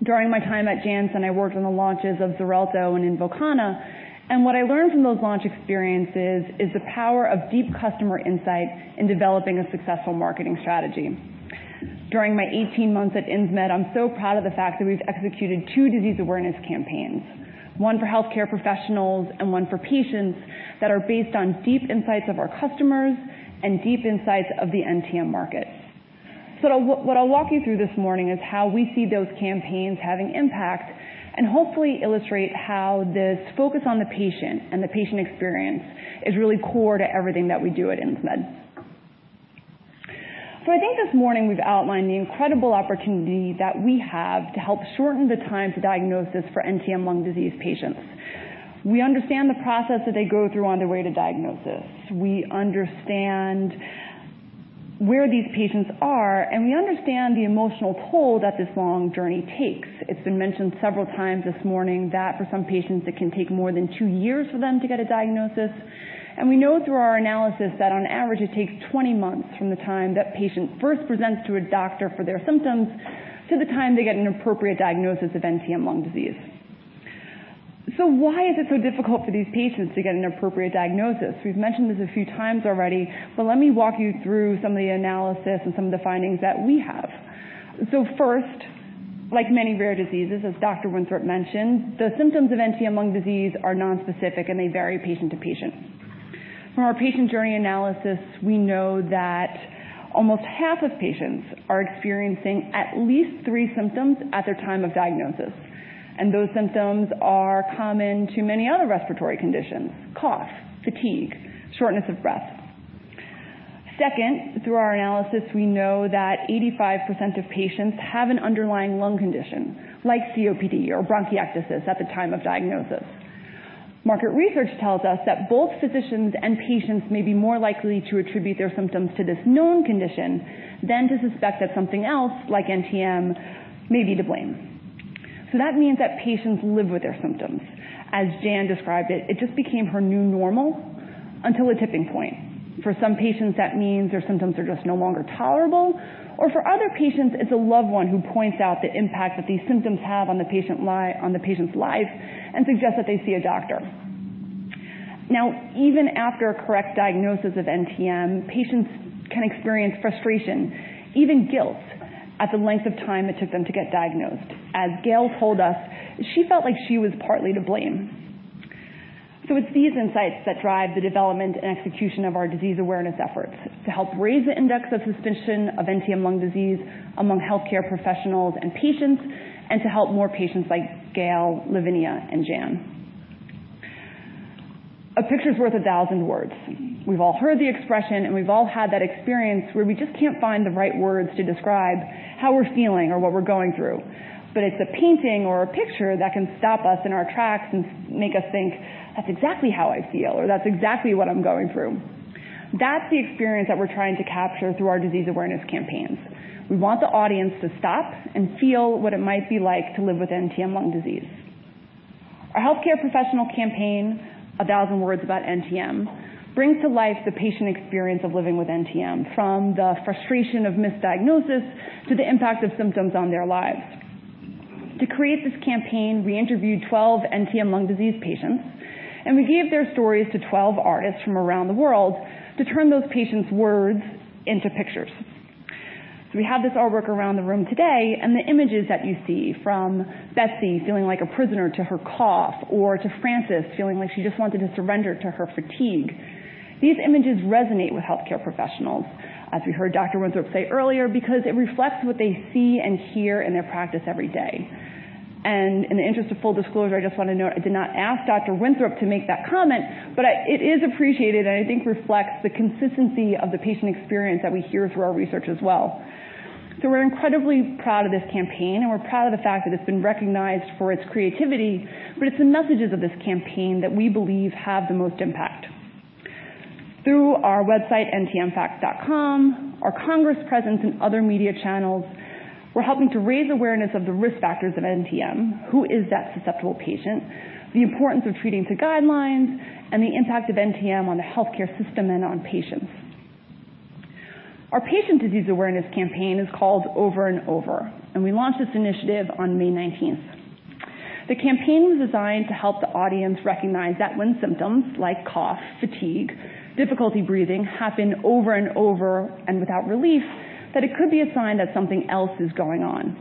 During my time at Janssen, I worked on the launches of Xarelto and Invokana. What I learned from those launch experiences is the power of deep customer insight in developing a successful marketing strategy. During my 18 months at Insmed, I'm so proud of the fact that we've executed two disease awareness campaigns, one for healthcare professionals and one for patients, that are based on deep insights of our customers and deep insights of the NTM market. What I'll walk you through this morning is how we see those campaigns having impact and hopefully illustrate how this focus on the patient and the patient experience is really core to everything that we do at Insmed. I think this morning we've outlined the incredible opportunity that we have to help shorten the time to diagnosis for NTM lung disease patients. We understand the process that they go through on their way to diagnosis. We understand where these patients are, and we understand the emotional toll that this long journey takes. It's been mentioned several times this morning that for some patients, it can take more than two years for them to get a diagnosis. We know through our analysis that on average it takes 20 months from the time that patient first presents to a doctor for their symptoms to the time they get an appropriate diagnosis of NTM lung disease. Why is it so difficult for these patients to get an appropriate diagnosis? We've mentioned this a few times already, but let me walk you through some of the analysis and some of the findings that we have. First, like many rare diseases, as Dr. Winthrop mentioned, the symptoms of NTM lung disease are non-specific, and they vary patient to patient. From our patient journey analysis, we know that almost half of patients are experiencing at least three symptoms at their time of diagnosis, and those symptoms are common to many other respiratory conditions, cough, fatigue, shortness of breath. Second, through our analysis, we know that 85% of patients have an underlying lung condition, like COPD or bronchiectasis at the time of diagnosis. Market research tells us that both physicians and patients may be more likely to attribute their symptoms to this known condition than to suspect that something else, like NTM, may be to blame. That means that patients live with their symptoms. As Jan described it just became her new normal until a tipping point. For some patients, that means their symptoms are just no longer tolerable, or for other patients, it's a loved one who points out the impact that these symptoms have on the patient's life and suggests that they see a doctor. Now, even after a correct diagnosis of NTM, patients can experience frustration, even guilt, at the length of time it took them to get diagnosed. As Gail told us, she felt like she was partly to blame. It's these insights that drive the development and execution of our disease awareness efforts to help raise the index of suspicion of NTM lung disease among healthcare professionals and patients, and to help more patients like Gail, Lavinia, and Jan. A picture's worth a thousand words. We've all heard the expression, and we've all had that experience where we just can't find the right words to describe how we're feeling or what we're going through, but it's a painting or a picture that can stop us in our tracks and make us think, "That's exactly how I feel," or, "That's exactly what I'm going through." That's the experience that we're trying to capture through our disease awareness campaigns. We want the audience to stop and feel what it might be like to live with NTM lung disease. Our healthcare professional campaign, A Thousand Words About NTM, brings to life the patient experience of living with NTM, from the frustration of misdiagnosis to the impact of symptoms on their lives. To create this campaign, we interviewed 12 NTM lung disease patients, and we gave their stories to 12 artists from around the world to turn those patients' words into pictures. We have this artwork around the room today, and the images that you see, from Betsy feeling like a prisoner to her cough or to Frances feeling like she just wanted to surrender to her fatigue. These images resonate with healthcare professionals, as we heard Dr. Winthrop say earlier, because it reflects what they see and hear in their practice every day. In the interest of full disclosure, I just want to note, I did not ask Dr. Winthrop to make that comment, but it is appreciated and I think reflects the consistency of the patient experience that we hear through our research as well. We're incredibly proud of this campaign, and we're proud of the fact that it's been recognized for its creativity, but it's the messages of this campaign that we believe have the most impact. Through our website, ntmfacts.com, our congress presence, and other media channels, we're helping to raise awareness of the risk factors of NTM, who is that susceptible patient, the importance of treating to guidelines, and the impact of NTM on the healthcare system and on patients. Our patient disease awareness campaign is called Over and Over, and we launched this initiative on May 19th. The campaign was designed to help the audience recognize that when symptoms like cough, fatigue, difficulty breathing happen Over and Over and without relief, that it could be a sign that something else is going on.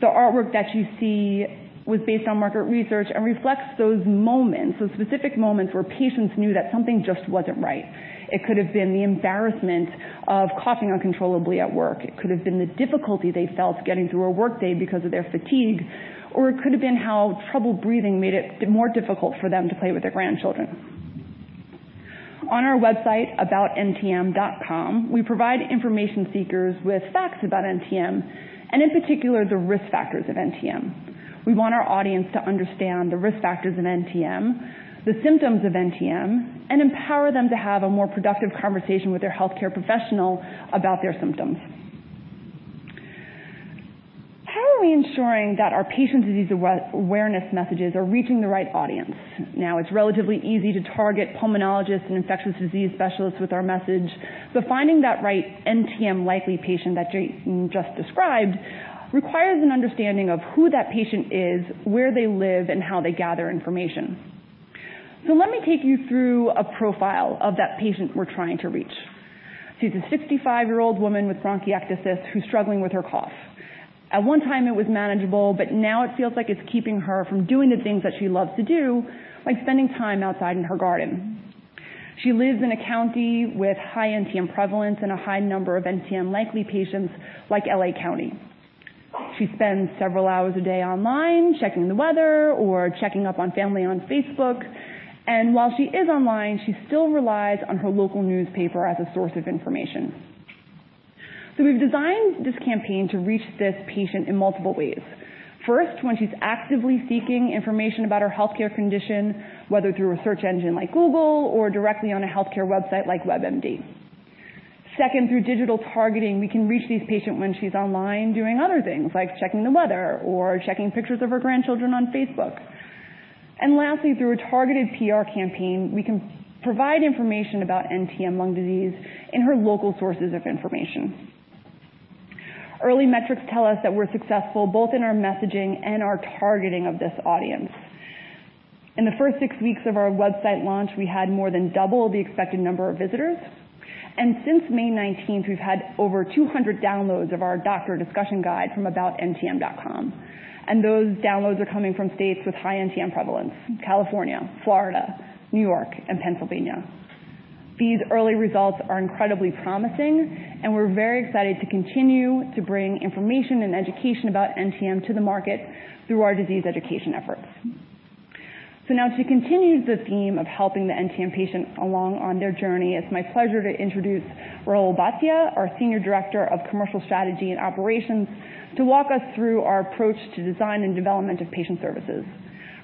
The artwork that you see was based on market research and reflects those moments, those specific moments, where patients knew that something just wasn't right. It could have been the embarrassment of coughing uncontrollably at work. It could have been the difficulty they felt getting through a workday because of their fatigue, or it could have been how trouble breathing made it more difficult for them to play with their grandchildren. On our website, aboutntm.com, we provide information seekers with facts about NTM, and in particular, the risk factors of NTM. We want our audience to understand the risk factors of NTM, the symptoms of NTM, and empower them to have a more productive conversation with their healthcare professional about their symptoms. How are we ensuring that our patient disease awareness messages are reaching the right audience? Now, it's relatively easy to target pulmonologists and infectious disease specialists with our message. But finding that right NTM likely patient that Drayton just described requires an understanding of who that patient is, where they live, and how they gather information. Let me take you through a profile of that patient we're trying to reach. She's a 65-year-old woman with bronchiectasis who's struggling with her cough. At one time it was manageable, but now it feels like it's keeping her from doing the things that she loves to do, like spending time outside in her garden. She lives in a county with high NTM prevalence and a high number of NTM likely patients, like L.A. County. She spends several hours a day online, checking the weather or checking up on family on Facebook. And while she is online, she still relies on her local newspaper as a source of information. We've designed this campaign to reach this patient in multiple ways. First, when she's actively seeking information about her healthcare condition, whether through a search engine like Google or directly on a healthcare website like WebMD. Second, through digital targeting, we can reach this patient when she's online doing other things, like checking the weather or checking pictures of her grandchildren on Facebook. And lastly, through a targeted PR campaign, we can provide information about NTM lung disease in her local sources of information. Early metrics tell us that we're successful both in our messaging and our targeting of this audience. In the first six weeks of our website launch, we had more than double the expected number of visitors, and since May 19th, we've had over 200 downloads of our doctor discussion guide from aboutntm.com. And those downloads are coming from states with high NTM prevalence: California, Florida, New York, and Pennsylvania. These early results are incredibly promising, and we're very excited to continue to bring information and education about NTM to the market through our disease education efforts. Now to continue the theme of helping the NTM patient along on their journey, it's my pleasure to introduce Rahul Bhatia, our senior director of commercial strategy and operations, to walk us through our approach to design and development of patient services.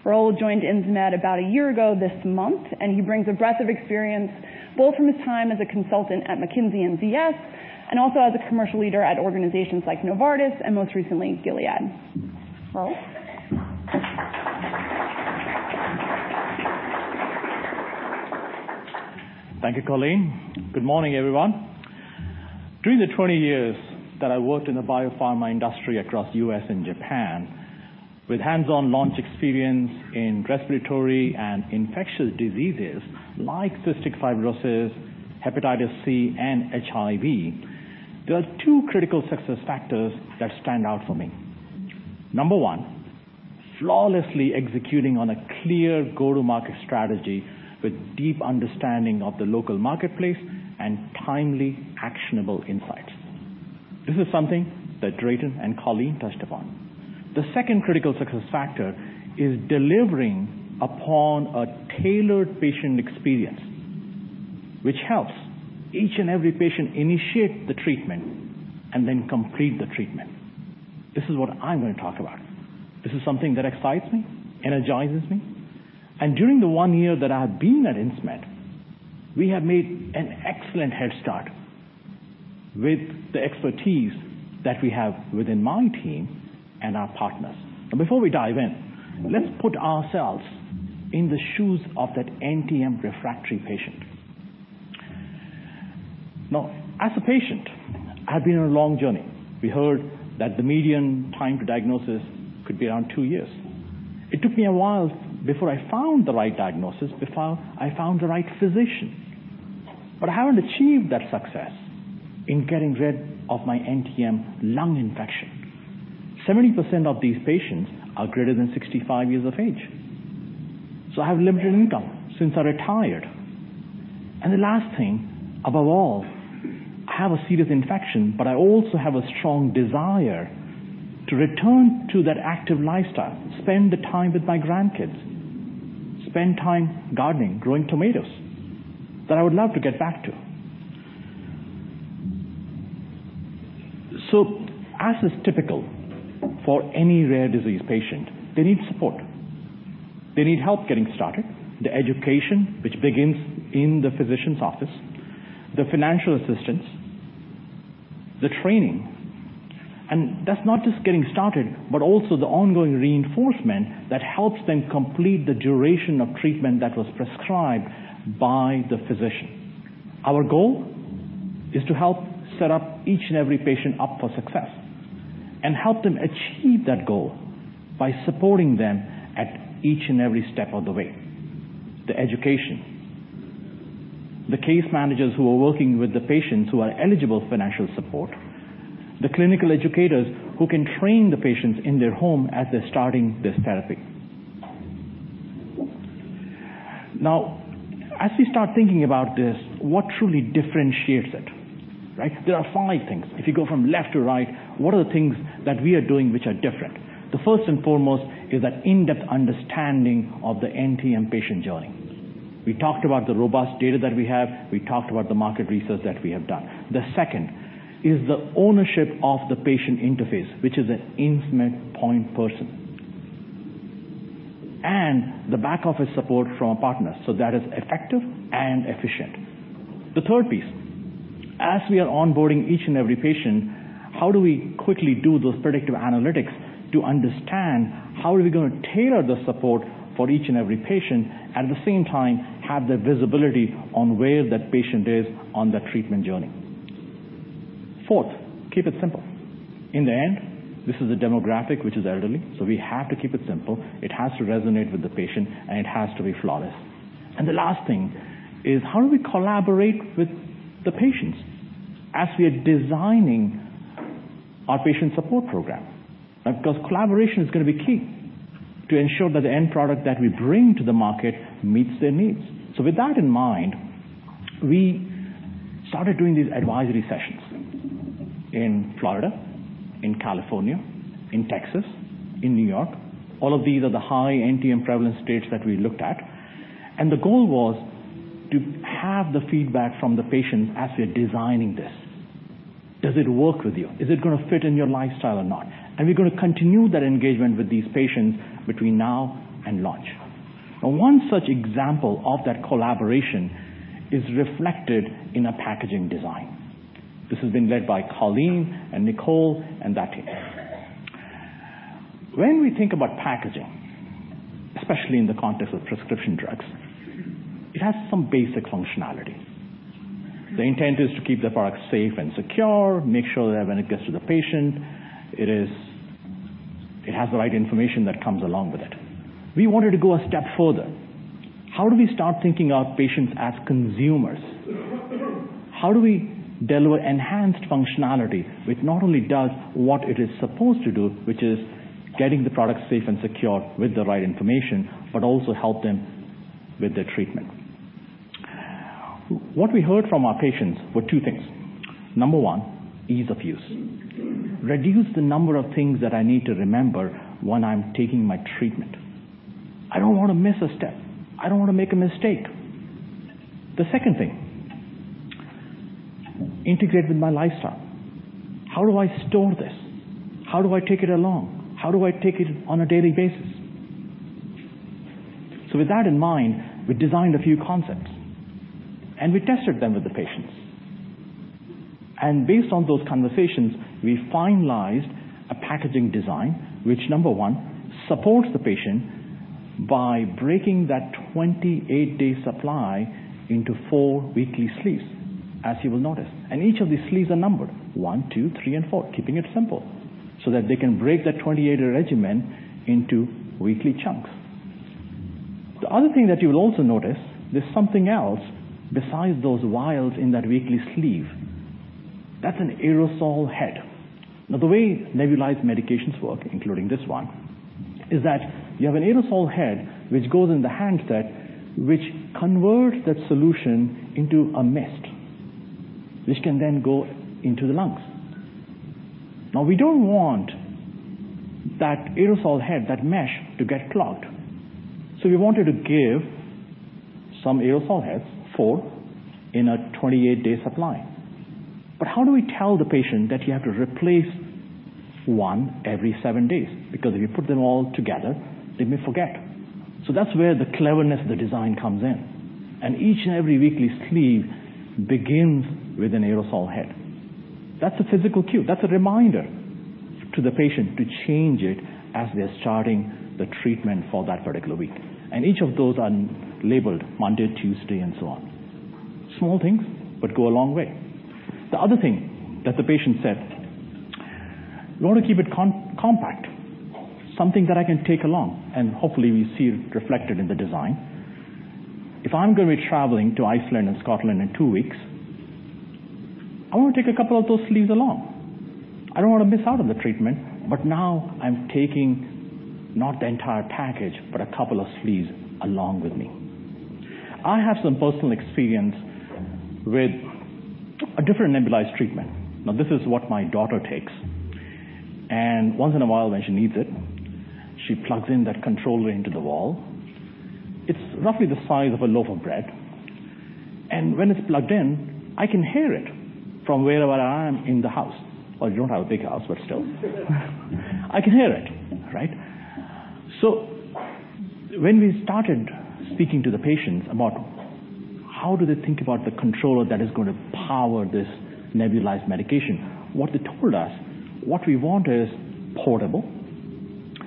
Rahul joined Insmed about a year ago this month. He brings a breadth of experience both from his time as a consultant at McKinsey & Company and BCG, and also as a commercial leader at organizations like Novartis and most recently, Gilead. Rahul. Thank you, Colleen. Good morning, everyone. During the 20 years that I worked in the biopharma industry across U.S. and Japan, with hands-on launch experience in respiratory and infectious diseases like cystic fibrosis, hepatitis C, and HIV, there are two critical success factors that stand out for me. Number one, flawlessly executing on a clear go-to-market strategy with deep understanding of the local marketplace and timely, actionable insights. This is something that Drayton and Colleen touched upon. The second critical success factor is delivering upon a tailored patient experience, which helps each and every patient initiate the treatment and then complete the treatment. This is what I'm going to talk about. This is something that excites me, energizes me. During the one year that I have been at Insmed, we have made an excellent head start with the expertise that we have within my team and our partners. Before we dive in, let's put ourselves in the shoes of that NTM refractory patient. As a patient, I've been on a long journey. We heard that the median time to diagnosis could be around two years. It took me a while before I found the right diagnosis, before I found the right physician. I haven't achieved that success in getting rid of my NTM lung infection. 70% of these patients are greater than 65 years of age, so I have limited income since I retired. The last thing, above all, I have a serious infection, but I also have a strong desire to return to that active lifestyle, spend the time with my grandkids, spend time gardening, growing tomatoes, that I would love to get back to. As is typical for any rare disease patient, they need support. They need help getting started. The education, which begins in the physician's office. The financial assistance. The training. That's not just getting started, but also the ongoing reinforcement that helps them complete the duration of treatment that was prescribed by the physician. Our goal is to help set up each and every patient up for success and help them achieve that goal by supporting them at each and every step of the way. The education. The case managers who are working with the patients who are eligible for financial support. The clinical educators who can train the patients in their home as they're starting this therapy. As we start thinking about this, what truly differentiates it, right? There are five things. If you go from left to right, what are the things that we are doing which are different? The first and foremost is that in-depth understanding of the NTM patient journey. We talked about the robust data that we have. We talked about the market research that we have done. The second is the ownership of the patient interface, which is an Insmed point person. The back office support from a partner, that is effective and efficient. The third piece, as we are onboarding each and every patient, how do we quickly do those predictive analytics to understand how are we going to tailor the support for each and every patient, at the same time, have the visibility on where that patient is on that treatment journey. Fourth, keep it simple. In the end, this is a demographic which is elderly, we have to keep it simple. It has to resonate with the patient, it has to be flawless. The last thing is how do we collaborate with the patients as we are designing our patient support program? Collaboration is going to be key to ensure that the end product that we bring to the market meets their needs. With that in mind, we started doing these advisory sessions in Florida, in California, in Texas, in New York. All of these are the high NTM prevalence states that we looked at. The goal was to have the feedback from the patients as we're designing this. Does it work with you? Is it going to fit in your lifestyle or not? We're going to continue that engagement with these patients between now and launch. One such example of that collaboration is reflected in a packaging design. This has been led by Colleen and Nicole and that team. When we think about packaging, especially in the context of prescription drugs, it has some basic functionality. The intent is to keep the product safe and secure, make sure that when it gets to the patient, it has the right information that comes along with it. We wanted to go a step further. How do we start thinking of patients as consumers? How do we deliver enhanced functionality which not only does what it is supposed to do, which is getting the product safe and secure with the right information, but also help them with their treatment? What we heard from our patients were two things. Number one, ease of use. Reduce the number of things that I need to remember when I'm taking my treatment. I don't want to miss a step. I don't want to make a mistake. The second thing, integrate with my lifestyle. How do I store this? How do I take it along? How do I take it on a daily basis? With that in mind, we designed a few concepts, we tested them with the patients. Based on those conversations, we finalized a packaging design, which number one, supports the patient by breaking that 28-day supply into four weekly sleeves, as you will notice. Each of these sleeves are numbered, one, two, three, and four, keeping it simple, that they can break that 28-day regimen into weekly chunks. The other thing that you'll also notice, there's something else besides those vials in that weekly sleeve. That's an aerosol head. The way nebulized medications work, including this one, is that you have an aerosol head, which goes in the handset, which converts that solution into a mist, which can then go into the lungs. We don't want that aerosol head, that mesh, to get clogged. We wanted to give some aerosol heads, four, in a 28-day supply. How do we tell the patient that you have to replace one every seven days? Because if you put them all together, they may forget. That's where the cleverness of the design comes in, each and every weekly sleeve begins with an aerosol head. That's a physical cue. That's a reminder to the patient to change it as they're starting the treatment for that particular week. Each of those are labeled Monday, Tuesday, and so on. Small things, go a long way. The other thing that the patient said, "We want to keep it compact, something that I can take along." Hopefully, we see it reflected in the design. If I'm going to be traveling to Iceland and Scotland in two weeks, I want to take a couple of those sleeves along. I don't want to miss out on the treatment, now I'm taking not the entire package, a couple of sleeves along with me. I have some personal experience with a different nebulized treatment. This is what my daughter takes, once in a while when she needs it, she plugs in that controller into the wall. It's roughly the size of a loaf of bread, when it's plugged in, I can hear it from wherever I am in the house. We don't have a big house, still. I can hear it, right? When we started speaking to the patients about how they think about the controller that is going to power this nebulized medication, what they told us, "What we want is portable.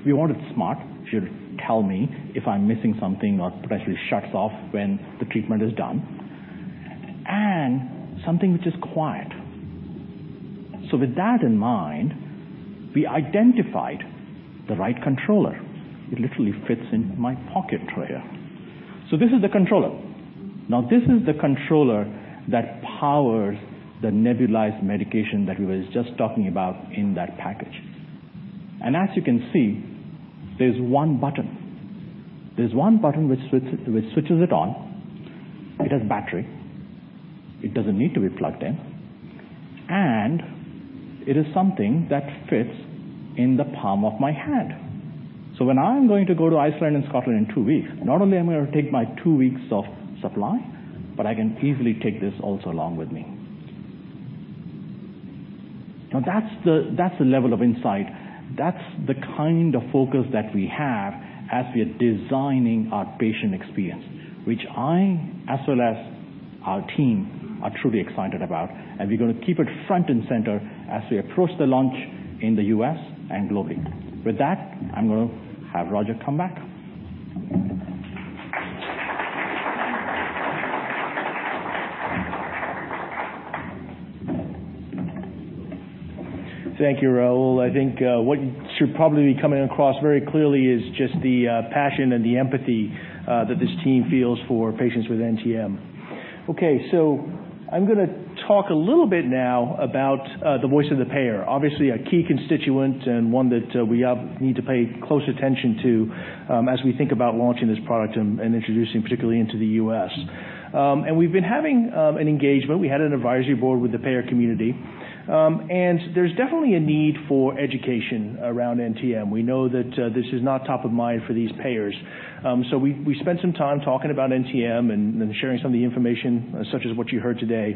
We want it smart. It should tell me if I'm missing something, or potentially shuts off when the treatment is done, something which is quiet." With that in mind, we identified the right controller. It literally fits in my pocket right here. This is the controller. This is the controller that powers the nebulized medication that we were just talking about in that package. As you can see, there's one button. There's one button which switches it on. It has a battery. It doesn't need to be plugged in, it is something that fits in the palm of my hand. When I'm going to go to Iceland and Scotland in two weeks, not only am I going to take my two weeks of supply, I can easily take this also along with me. That's the level of insight. That's the kind of focus that we have as we're designing our patient experience, which I, as well as our team, are truly excited about. We're going to keep it front and center as we approach the launch in the U.S. and globally. With that, I'm going to have Roger come back. Thank you, Rahul. I think what should probably be coming across very clearly is just the passion and the empathy that this team feels for patients with NTM. Okay. I'm going to talk a little bit now about the voice of the payer. Obviously, a key constituent, and one that we need to pay close attention to as we think about launching this product and introducing, particularly into the U.S. We've been having an engagement. We had an advisory board with the payer community. There's definitely a need for education around NTM. We know that this is not top of mind for these payers. We spent some time talking about NTM and sharing some of the information, such as what you heard today.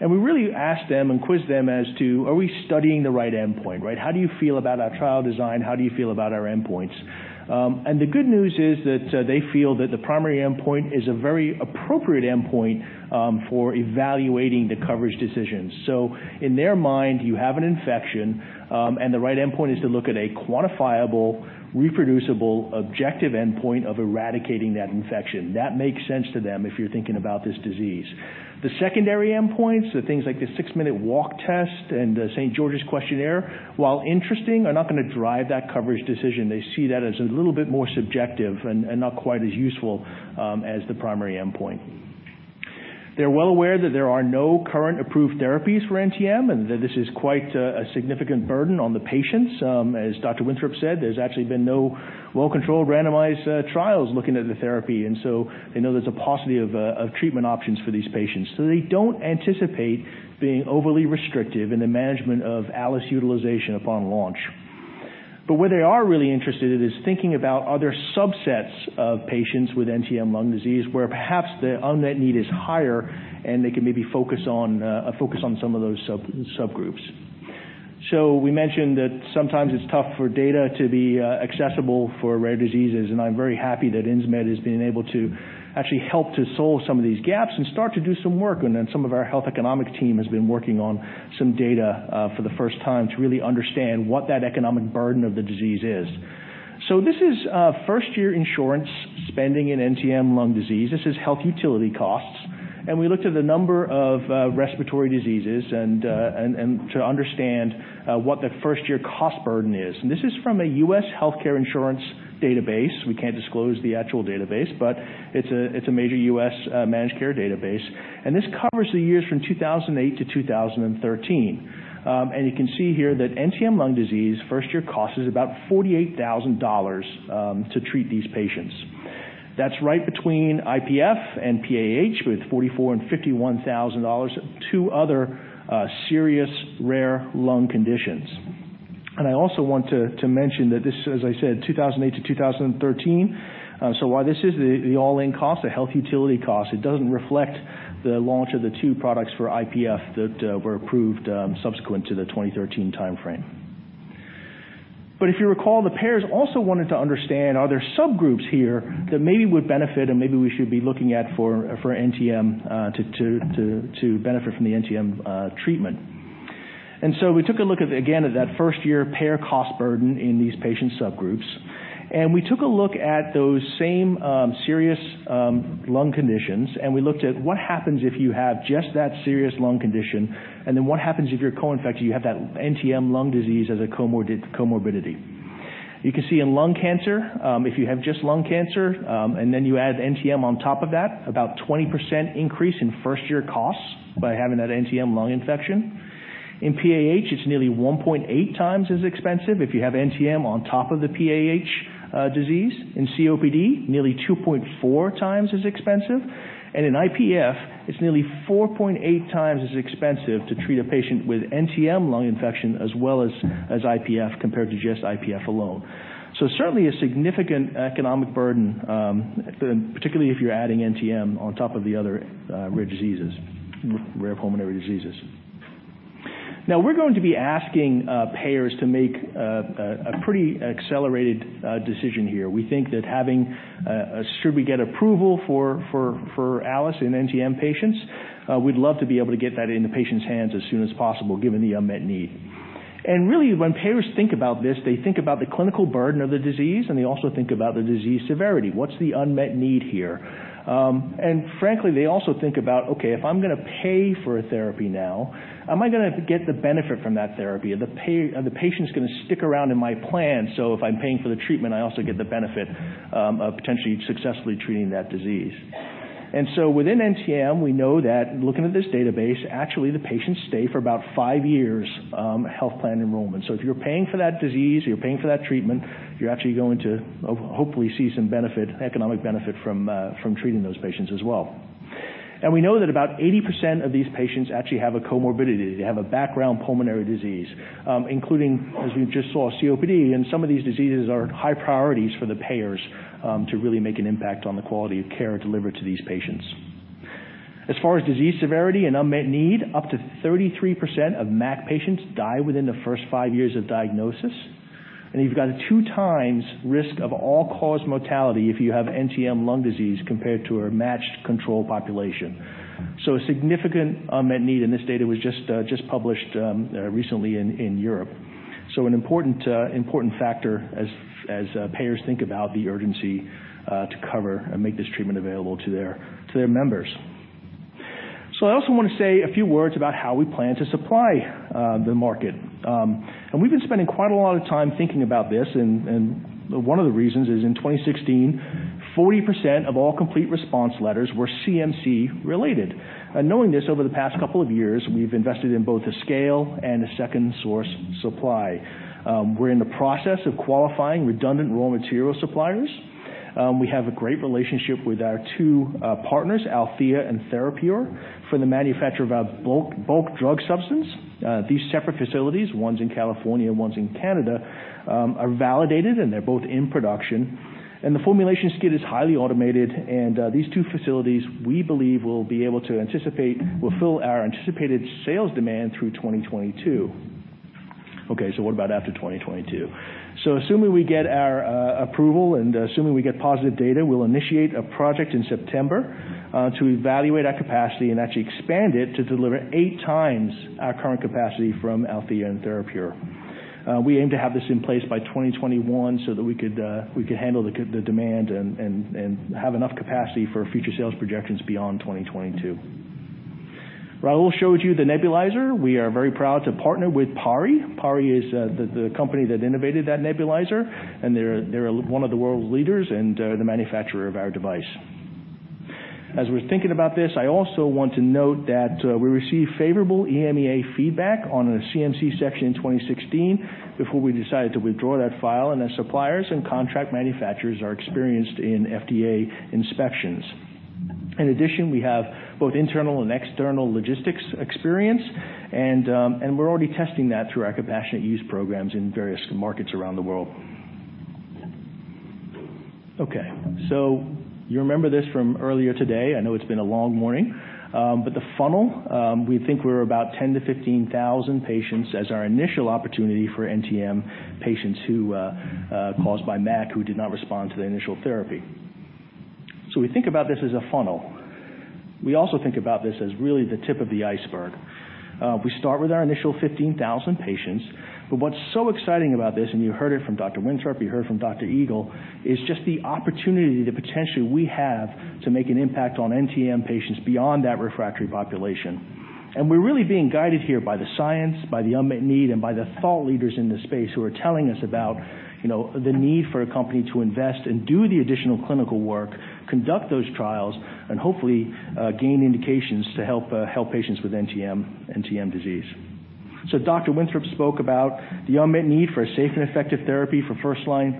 We really asked them and quizzed them as to, are we studying the right endpoint, right? How do you feel about our trial design? How do you feel about our endpoints? The good news is that they feel that the primary endpoint is a very appropriate endpoint for evaluating the coverage decisions. In their mind, you have an infection, and the right endpoint is to look at a quantifiable, reproducible, objective endpoint of eradicating that infection. That makes sense to them if you're thinking about this disease. The secondary endpoints, the things like the six-minute walk test and the St. George's questionnaire, while interesting, are not going to drive that coverage decision. They see that as a little bit more subjective and not quite as useful as the primary endpoint. They're well aware that there are no current approved therapies for NTM, and that this is quite a significant burden on the patients. As Dr. Winthrop said, there's actually been no well-controlled randomized trials looking at the therapy, they know there's a paucity of treatment options for these patients. They don't anticipate being overly restrictive in the management of ALIS utilization upon launch. What they are really interested in is thinking about other subsets of patients with NTM lung disease, where perhaps the unmet need is higher, and they can maybe focus on some of those subgroups. We mentioned that sometimes it's tough for data to be accessible for rare diseases, I'm very happy that Insmed has been able to actually help to solve some of these gaps and start to do some work. Some of our health economic team has been working on some data for the first time to really understand what that economic burden of the disease is. This is first-year insurance spending in NTM lung disease. This is health utility costs. We looked at the number of respiratory diseases to understand what the first-year cost burden is. This is from a U.S. healthcare insurance database. We can't disclose the actual database, but it's a major U.S. managed care database, this covers the years from 2008 to 2013. You can see here that NTM lung disease first-year cost is about $48,000 to treat these patients. That's right between IPF and PAH, with $44,000 and $51,000, two other serious rare lung conditions. I also want to mention that this, as I said, 2008 to 2013. While this is the all-in cost, the health utility cost, it doesn't reflect the launch of the two products for IPF that were approved subsequent to the 2013 timeframe. If you recall, the payers also wanted to understand, are there subgroups here that maybe would benefit and maybe we should be looking at for NTM to benefit from the NTM treatment. We took a look again at that first-year payer cost burden in these patient subgroups. We took a look at those same serious lung conditions, and we looked at what happens if you have just that serious lung condition, and then what happens if you're co-infected, you have that NTM lung disease as a comorbidity. You can see in lung cancer, if you have just lung cancer, and then you add NTM on top of that, about a 20% increase in first-year costs by having that NTM lung infection. In PAH, it's nearly 1.8 times as expensive if you have NTM on top of the PAH disease. In COPD, nearly 2.4 times as expensive. In IPF, it's nearly 4.8 times as expensive to treat a patient with NTM lung infection as well as IPF compared to just IPF alone. Certainly a significant economic burden, particularly if you're adding NTM on top of the other rare diseases, rare pulmonary diseases. We're going to be asking payers to make a pretty accelerated decision here. We think that should we get approval for ALIS in NTM patients, we'd love to be able to get that into patients' hands as soon as possible, given the unmet need. Really, when payers think about this, they think about the clinical burden of the disease, and they also think about the disease severity. What's the unmet need here? Frankly, they also think about, "Okay, if I'm going to pay for a therapy now, am I going to get the benefit from that therapy? Are the patients going to stick around in my plan so if I'm paying for the treatment, I also get the benefit of potentially successfully treating that disease?" Within NTM, we know that looking at this database, actually, the patients stay for about five years health plan enrollment. If you're paying for that disease, you're paying for that treatment, you're actually going to hopefully see some economic benefit from treating those patients as well. We know that about 80% of these patients actually have a comorbidity. They have a background pulmonary disease, including, as we just saw, COPD, and some of these diseases are high priorities for the payers to really make an impact on the quality of care delivered to these patients. As far as disease severity and unmet need, up to 33% of MAC patients die within the first five years of diagnosis. You've got a two times risk of all-cause mortality if you have NTM lung disease compared to a matched control population. A significant unmet need, and this data was just published recently in Europe. An important factor as payers think about the urgency to cover and make this treatment available to their members. I also want to say a few words about how we plan to supply the market. We've been spending quite a lot of time thinking about this, and one of the reasons is in 2016, 40% of all complete response letters were CMC related. Knowing this, over the past couple of years, we've invested in both the scale and the second source supply. We're in the process of qualifying redundant raw material suppliers. We have a great relationship with our two partners, Althea and Therapure, for the manufacture of our bulk drug substance. These separate facilities, one's in California, one's in Canada, are validated, and they're both in production. The formulation skid is highly automated, and these two facilities, we believe will fulfill our anticipated sales demand through 2022. What about after 2022? Assuming we get our approval and assuming we get positive data, we'll initiate a project in September to evaluate our capacity and actually expand it to deliver eight times our current capacity from Althea and Therapure. We aim to have this in place by 2021 so that we could handle the demand and have enough capacity for future sales projections beyond 2022. Rahul showed you the nebulizer. We are very proud to partner with PARI. PARI is the company that innovated that nebulizer, and they're one of the world's leaders and the manufacturer of our device. As we're thinking about this, I also want to note that we received favorable EMEA feedback on the CMC section in 2016 before we decided to withdraw that file, and the suppliers and contract manufacturers are experienced in FDA inspections. In addition, we have both internal and external logistics experience, and we're already testing that through our compassionate use programs in various markets around the world. You remember this from earlier today. I know it's been a long morning. The funnel, we think we're about 10,000 to 15,000 patients as our initial opportunity for NTM patients who, caused by MAC, who did not respond to the initial therapy. We think about this as a funnel. We also think about this as really the tip of the iceberg. We start with our initial 15,000 patients, but what's so exciting about this, and you heard it from Dr. Winthrop, you heard from Dr. Eagle, is just the opportunity that potentially we have to make an impact on NTM patients beyond that refractory population. We're really being guided here by the science, by the unmet need, and by the thought leaders in this space who are telling us about the need for a company to invest and do the additional clinical work, conduct those trials, and hopefully gain indications to help patients with NTM disease. Dr. Winthrop spoke about the unmet need for a safe and effective therapy for first-line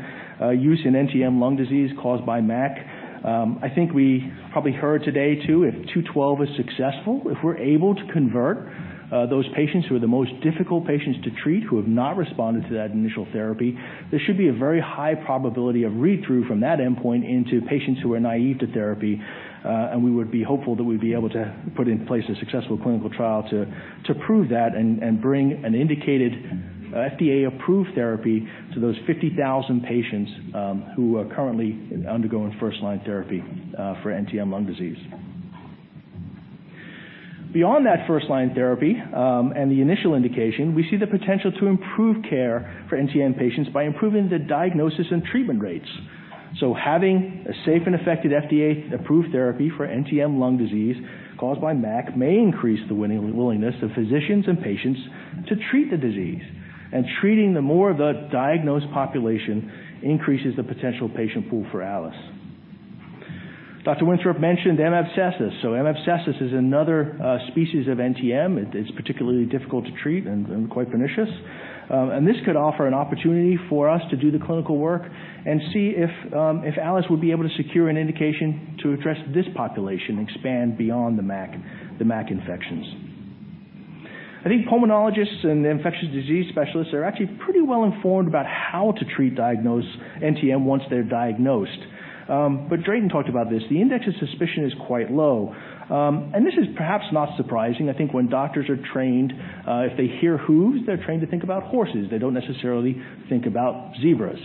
use in NTM lung disease caused by MAC. I think we probably heard today, too, if 212 is successful, if we're able to convert those patients who are the most difficult patients to treat who have not responded to that initial therapy, there should be a very high probability of read-through from that endpoint into patients who are naive to therapy. We would be hopeful that we'd be able to put in place a successful clinical trial to prove that and bring an indicated FDA-approved therapy to those 50,000 patients who are currently undergoing first-line therapy for NTM lung disease. Beyond that first-line therapy and the initial indication, we see the potential to improve care for NTM patients by improving the diagnosis and treatment rates. Having a safe and effective FDA-approved therapy for NTM lung disease caused by MAC may increase the willingness of physicians and patients to treat the disease. Treating the more of the diagnosed population increases the potential patient pool for ALIS. Dr. Winthrop mentioned M. abscessus. M. abscessus is another species of NTM. It's particularly difficult to treat and quite pernicious. This could offer an opportunity for us to do the clinical work and see if ALIS would be able to secure an indication to address this population and expand beyond the MAC infections. I think pulmonologists and infectious disease specialists are actually pretty well-informed about how to treat diagnosed NTM once they're diagnosed. Drayton talked about this. The index of suspicion is quite low. This is perhaps not surprising. I think when doctors are trained, if they hear hooves, they're trained to think about horses. They don't necessarily think about zebras.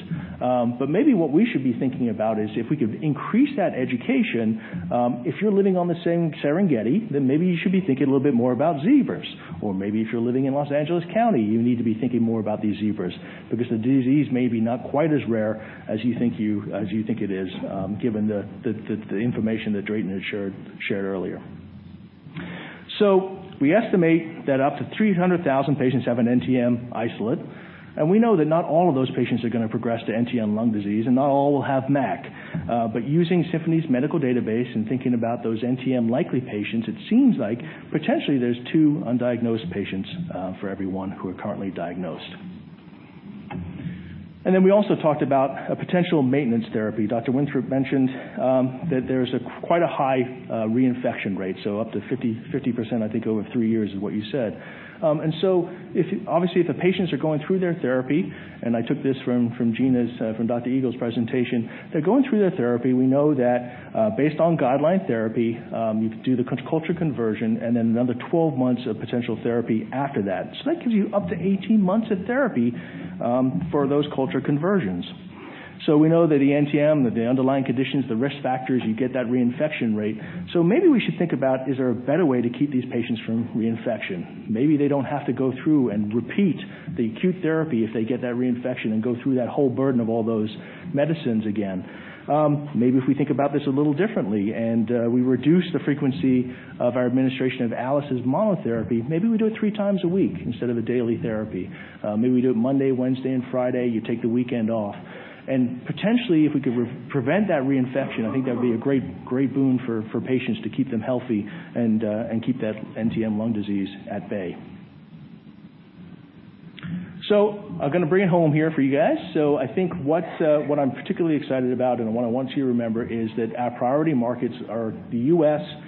Maybe what we should be thinking about is if we could increase that education, if you're living on the Serengeti, maybe you should be thinking a little bit more about zebras. Maybe if you're living in Los Angeles County, you need to be thinking more about these zebras, because the disease may be not quite as rare as you think it is, given the information that Drayton had shared earlier. We estimate that up to 300,000 patients have an NTM isolate, and we know that not all of those patients are going to progress to NTM lung disease, and not all will have MAC. Using Symphony's medical database and thinking about those NTM likely patients, it seems like potentially there's two undiagnosed patients for every one who are currently diagnosed. Then we also talked about a potential maintenance therapy. Dr. Winthrop mentioned that there's quite a high reinfection rate, so up to 50%, I think, over three years is what you said. Obviously, if the patients are going through their therapy, and I took this from Dr. Eagle's presentation, they're going through their therapy. We know that based on guideline therapy, you do the culture conversion and then another 12 months of potential therapy after that. That gives you up to 18 months of therapy for those culture conversions. We know that the NTM, the underlying conditions, the risk factors, you get that reinfection rate. Maybe we should think about is there a better way to keep these patients from reinfection. Maybe they don't have to go through and repeat the acute therapy if they get that reinfection and go through that whole burden of all those medicines again. Maybe if we think about this a little differently and we reduce the frequency of our administration of ALIS monotherapy, maybe we do it three times a week instead of a daily therapy. Maybe we do it Monday, Wednesday, and Friday. You take the weekend off. Potentially, if we could prevent that reinfection, I think that would be a great boon for patients to keep them healthy and keep that NTM lung disease at bay. I'm going to bring it home here for you guys. I think what I'm particularly excited about, and what I want you to remember, is that our priority markets are the U.S. first,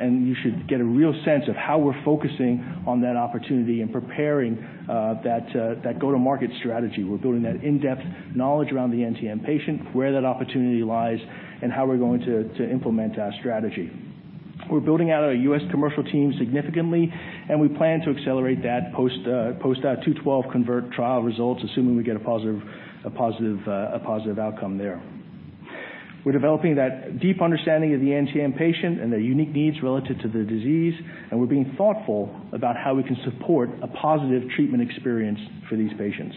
and you should get a real sense of how we're focusing on that opportunity and preparing that go-to-market strategy. We're building that in-depth knowledge around the NTM patient, where that opportunity lies, and how we're going to implement our strategy. We're building out our U.S. commercial team significantly. We plan to accelerate that post our INS-212 CONVERT trial results, assuming we get a positive outcome there. We're developing that deep understanding of the NTM patient and their unique needs relative to the disease. We're being thoughtful about how we can support a positive treatment experience for these patients.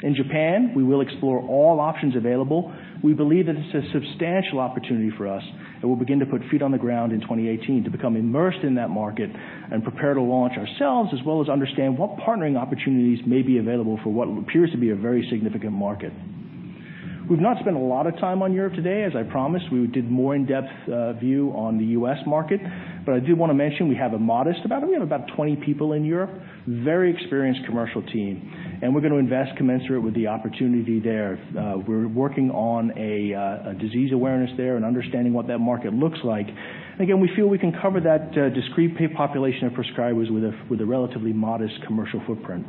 In Japan, we will explore all options available. We believe that it's a substantial opportunity for us. We'll begin to put feet on the ground in 2018 to become immersed in that market and prepare to launch ourselves, as well as understand what partnering opportunities may be available for what appears to be a very significant market. We've not spent a lot of time on Europe today, as I promised. We did more in-depth view on the U.S. market. I do want to mention we have a modest amount. We have about 20 people in Europe, very experienced commercial team. We're going to invest commensurate with the opportunity there. We're working on a disease awareness there and understanding what that market looks like. Again, we feel we can cover that discrete population of prescribers with a relatively modest commercial footprint.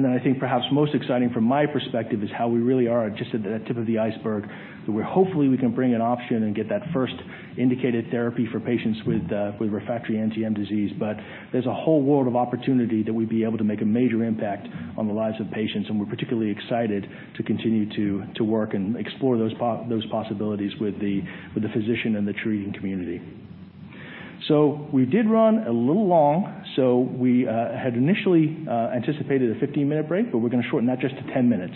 I think perhaps most exciting from my perspective is how we really are just at the tip of the iceberg, where hopefully we can bring an option and get that first indicated therapy for patients with refractory NTM disease. There's a whole world of opportunity that we'd be able to make a major impact on the lives of patients. We're particularly excited to continue to work and explore those possibilities with the physician and the treating community. We did run a little long. We had initially anticipated a 15-minute break. We're going to shorten that just to 10 minutes.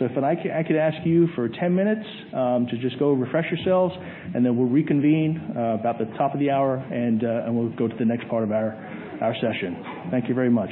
If I could ask you for 10 minutes to just go refresh yourselves. We'll reconvene about the top of the hour. We'll go to the next part of our session. Thank you very much.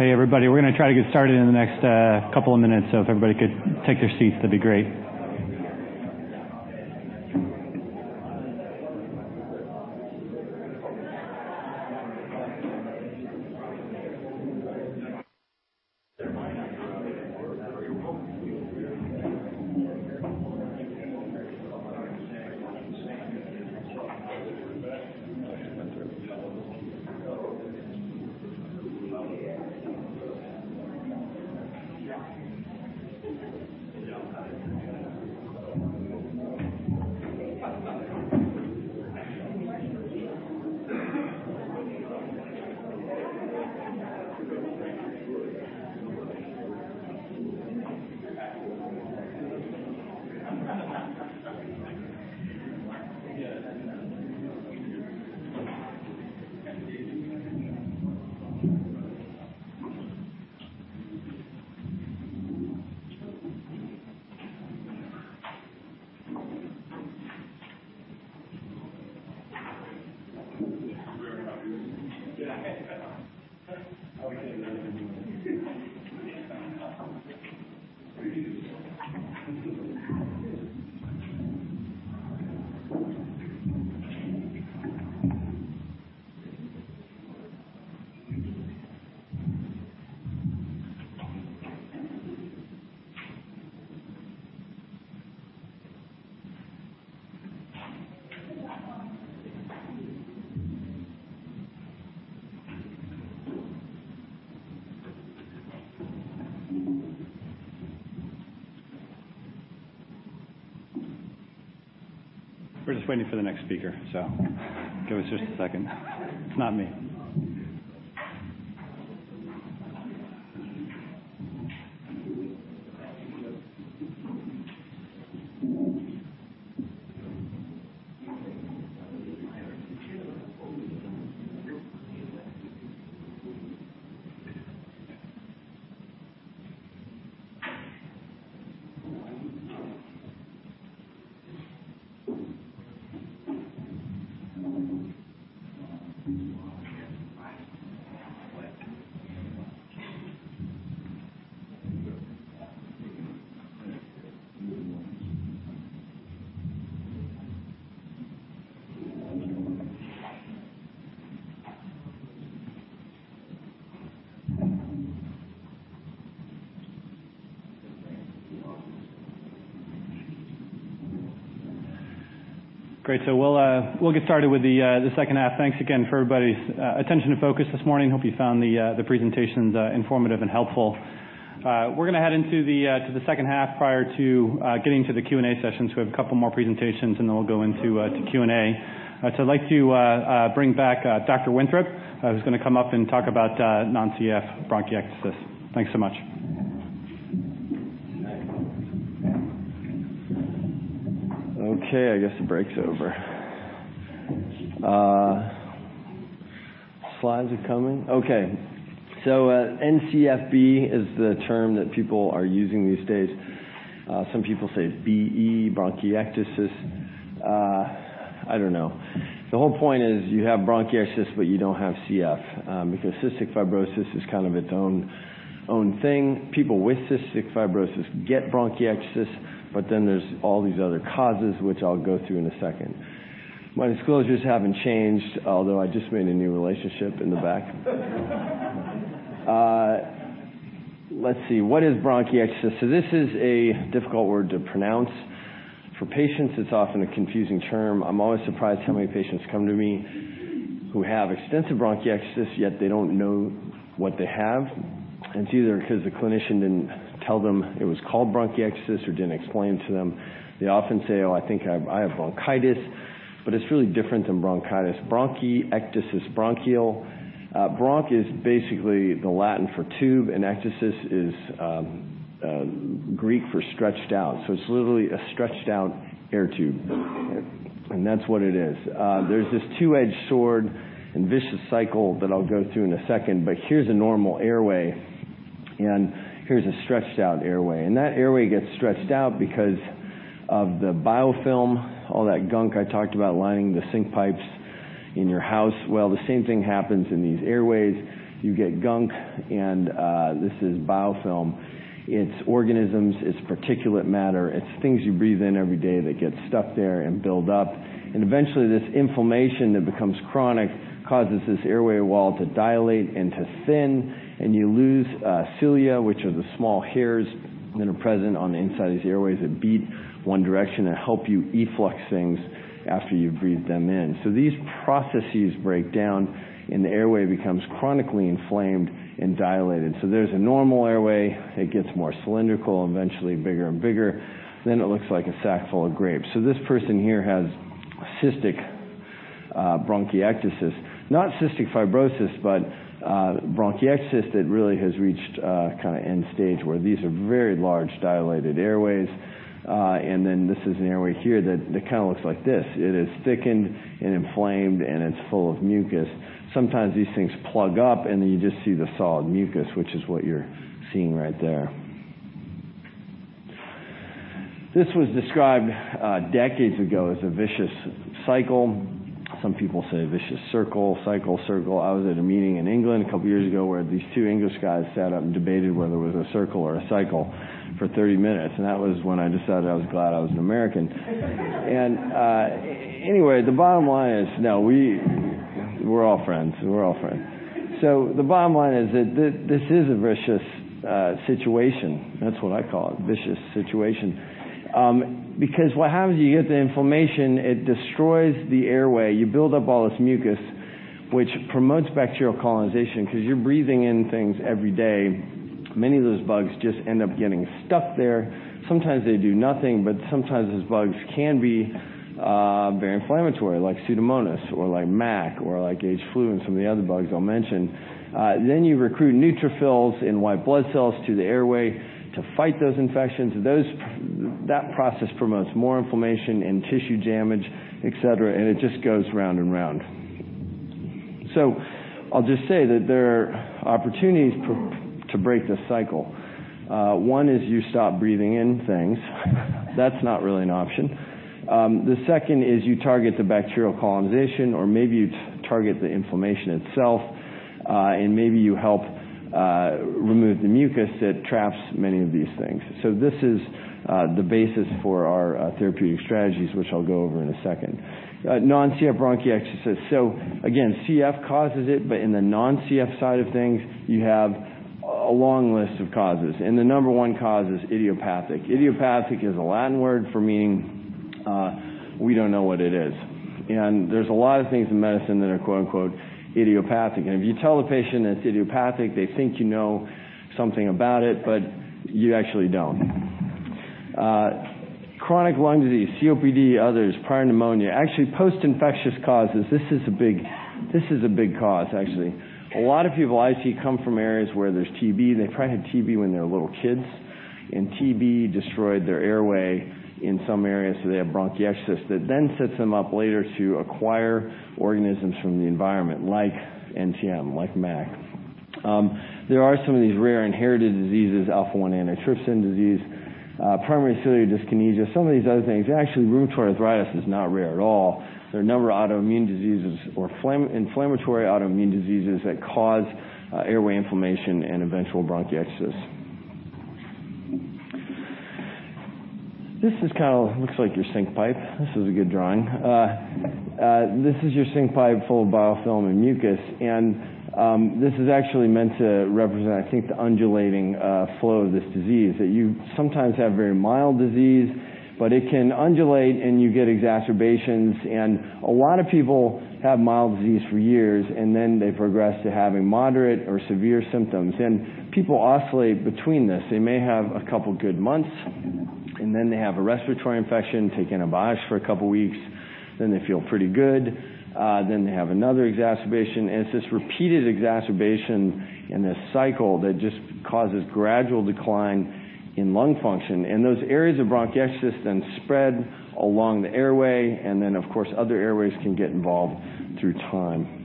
Hey everybody, we're going to try to get started in the next couple of minutes. If everybody could take their seats, that'd be great. We're just waiting for the next speaker. Give us just a second. It's not me. Great. We'll get started with the second half. Thanks again for everybody's attention and focus this morning. Hope you found the presentations informative and helpful. We're gonna head into the second half prior to getting to the Q&A session. We have a couple more presentations. We'll go into Q&A. I'd like to bring back Dr. Winthrop, who's going to come up and talk about non-CF bronchiectasis. Thanks so much. I guess the break's over. Slides are coming. NCFB is the term that people are using these days. Some people say B-E, bronchiectasis. I don't know. The whole point is you have bronchiectasis, but you don't have CF, because cystic fibrosis is kind of its own thing. People with cystic fibrosis get bronchiectasis, there's all these other causes, which I'll go through in a second. My disclosures haven't changed, although I just made a new relationship in the back. Let's see. What is bronchiectasis? This is a difficult word to pronounce. For patients, it's often a confusing term. I'm always surprised how many patients come to me who have extensive bronchiectasis, yet they don't know what they have. It's either because the clinician didn't tell them it was called bronchiectasis or didn't explain it to them. They often say, "Oh, I think I have bronchitis," it's really different than bronchitis. Bronchiectasis, bronchial. Bronch is basically the Latin for tube, and ectasis is Greek for stretched out. It's literally a stretched out air tube. That's what it is. There's this two-edged sword and vicious cycle that I'll go through in a second, here's a normal airway, and here's a stretched out airway. That airway gets stretched out because of the biofilm, all that gunk I talked about lining the sink pipes in your house. The same thing happens in these airways. You get gunk, and this is biofilm. It's organisms, it's particulate matter, it's things you breathe in every day that get stuck there and build up. Eventually this inflammation that becomes chronic causes this airway wall to dilate and to thin, and you lose cilia, which are the small hairs that are present on the inside of these airways that beat one direction and help you efflux things after you breathe them in. These processes break down, and the airway becomes chronically inflamed and dilated. There's a normal airway. It gets more cylindrical, eventually bigger and bigger. It looks like a sack full of grapes. This person here has cystic bronchiectasis. Not cystic fibrosis, bronchiectasis that really has reached end stage, where these are very large, dilated airways. This is an airway here that looks like this. It is thickened and inflamed, and it's full of mucus. Sometimes these things plug up, you just see the solid mucus, which is what you're seeing right there. This was described decades ago as a vicious cycle. Some people say vicious circle. Cycle, circle. I was at a meeting in England a couple of years ago where these two English guys sat up and debated whether it was a circle or a cycle for 30 minutes, and that was when I decided I was glad I was an American. Anyway, the bottom line is No, we're all friends. The bottom line is that this is a vicious situation. That's what I call it, vicious situation. What happens, you get the inflammation, it destroys the airway. You build up all this mucus, which promotes bacterial colonization because you're breathing in things every day. Many of those bugs just end up getting stuck there. Sometimes they do nothing, sometimes those bugs can be very inflammatory, like Pseudomonas or like MAC or like H. flu and some of the other bugs I'll mention. You recruit neutrophils and white blood cells to the airway to fight those infections. That process promotes more inflammation and tissue damage, et cetera, and it just goes round and round. I'll just say that there are opportunities to break this cycle. One is you stop breathing in things. That's not really an option. The second is you target the bacterial colonization, or maybe you target the inflammation itself, and maybe you help remove the mucus that traps many of these things. This is the basis for our therapeutic strategies, which I'll go over in a second. non-CF bronchiectasis. Again, CF causes it, but in the non-CF side of things, you have a long list of causes, and the number one cause is idiopathic. Idiopathic is a Latin word for meaning we don't know what it is. There's a lot of things in medicine that are, quote-unquote, "idiopathic." If you tell the patient that it's idiopathic, they think you know something about it, but you actually don't. Chronic lung disease, COPD, others, prior pneumonia. Actually post-infectious causes. This is a big cause, actually. A lot of people I see come from areas where there's TB. They probably had TB when they were little kids, and TB destroyed their airway in some areas, so they have bronchiectasis. That then sets them up later to acquire organisms from the environment like NTM, like MAC. There are some of these rare inherited diseases, alpha-1 antitrypsin disease, primary ciliary dyskinesia, some of these other things. Actually, rheumatoid arthritis is not rare at all. There are a number of autoimmune diseases or inflammatory autoimmune diseases that cause airway inflammation and eventual bronchiectasis. This just kind of looks like your sink pipe. This is a good drawing. This is your sink pipe full of biofilm and mucus, and this is actually meant to represent, I think, the undulating flow of this disease, that you sometimes have very mild disease, but it can undulate, and you get exacerbations. A lot of people have mild disease for years, and then they progress to having moderate or severe symptoms. People oscillate between this. They may have a couple good months, and then they have a respiratory infection, take antibiotics for a couple of weeks, then they feel pretty good. They have another exacerbation, and it's this repeated exacerbation and this cycle that just causes gradual decline in lung function. Those areas of bronchiectasis then spread along the airway, and then of course, other airways can get involved through time.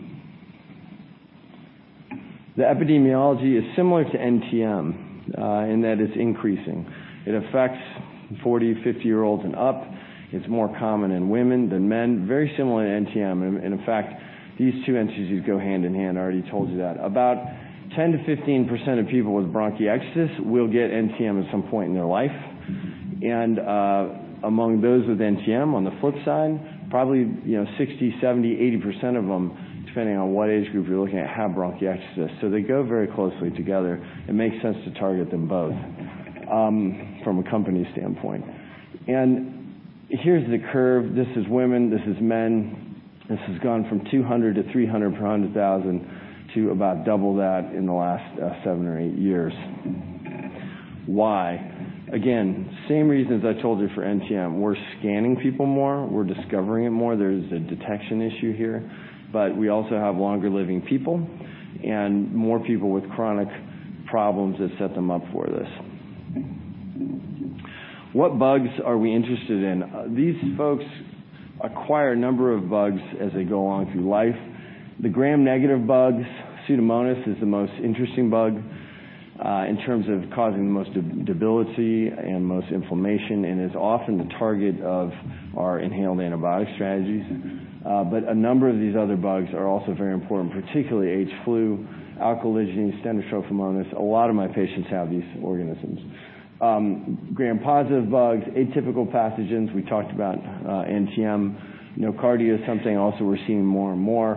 The epidemiology is similar to NTM in that it's increasing. It affects 40, 50-year-olds and up. It's more common in women than men. Very similar to NTM. In fact, these two entities go hand in hand. I already told you that. About 10%-15% of people with bronchiectasis will get NTM at some point in their life. Among those with NTM, on the flip side, probably 60%, 70%, 80% of them, depending on what age group you're looking at, have bronchiectasis. They go very closely together. It makes sense to target them both from a company standpoint. Here's the curve. This is women, this is men. This has gone from 200 to 300 per 100,000 to about double that in the last seven or eight years. Why? Again, same reasons I told you for NTM. We're scanning people more, we're discovering it more. There's a detection issue here, but we also have longer living people and more people with chronic problems that set them up for this. What bugs are we interested in? These folks acquire a number of bugs as they go along through life. The gram-negative bugs, Pseudomonas is the most interesting bug, in terms of causing the most debility and most inflammation, and is often the target of our inhaled antibiotic strategies. But a number of these other bugs are also very important, particularly H. flu, Alcaligenes, Stenotrophomonas. A lot of my patients have these organisms. Gram-positive bugs, atypical pathogens, we talked about NTM. Nocardia is something also we're seeing more and more.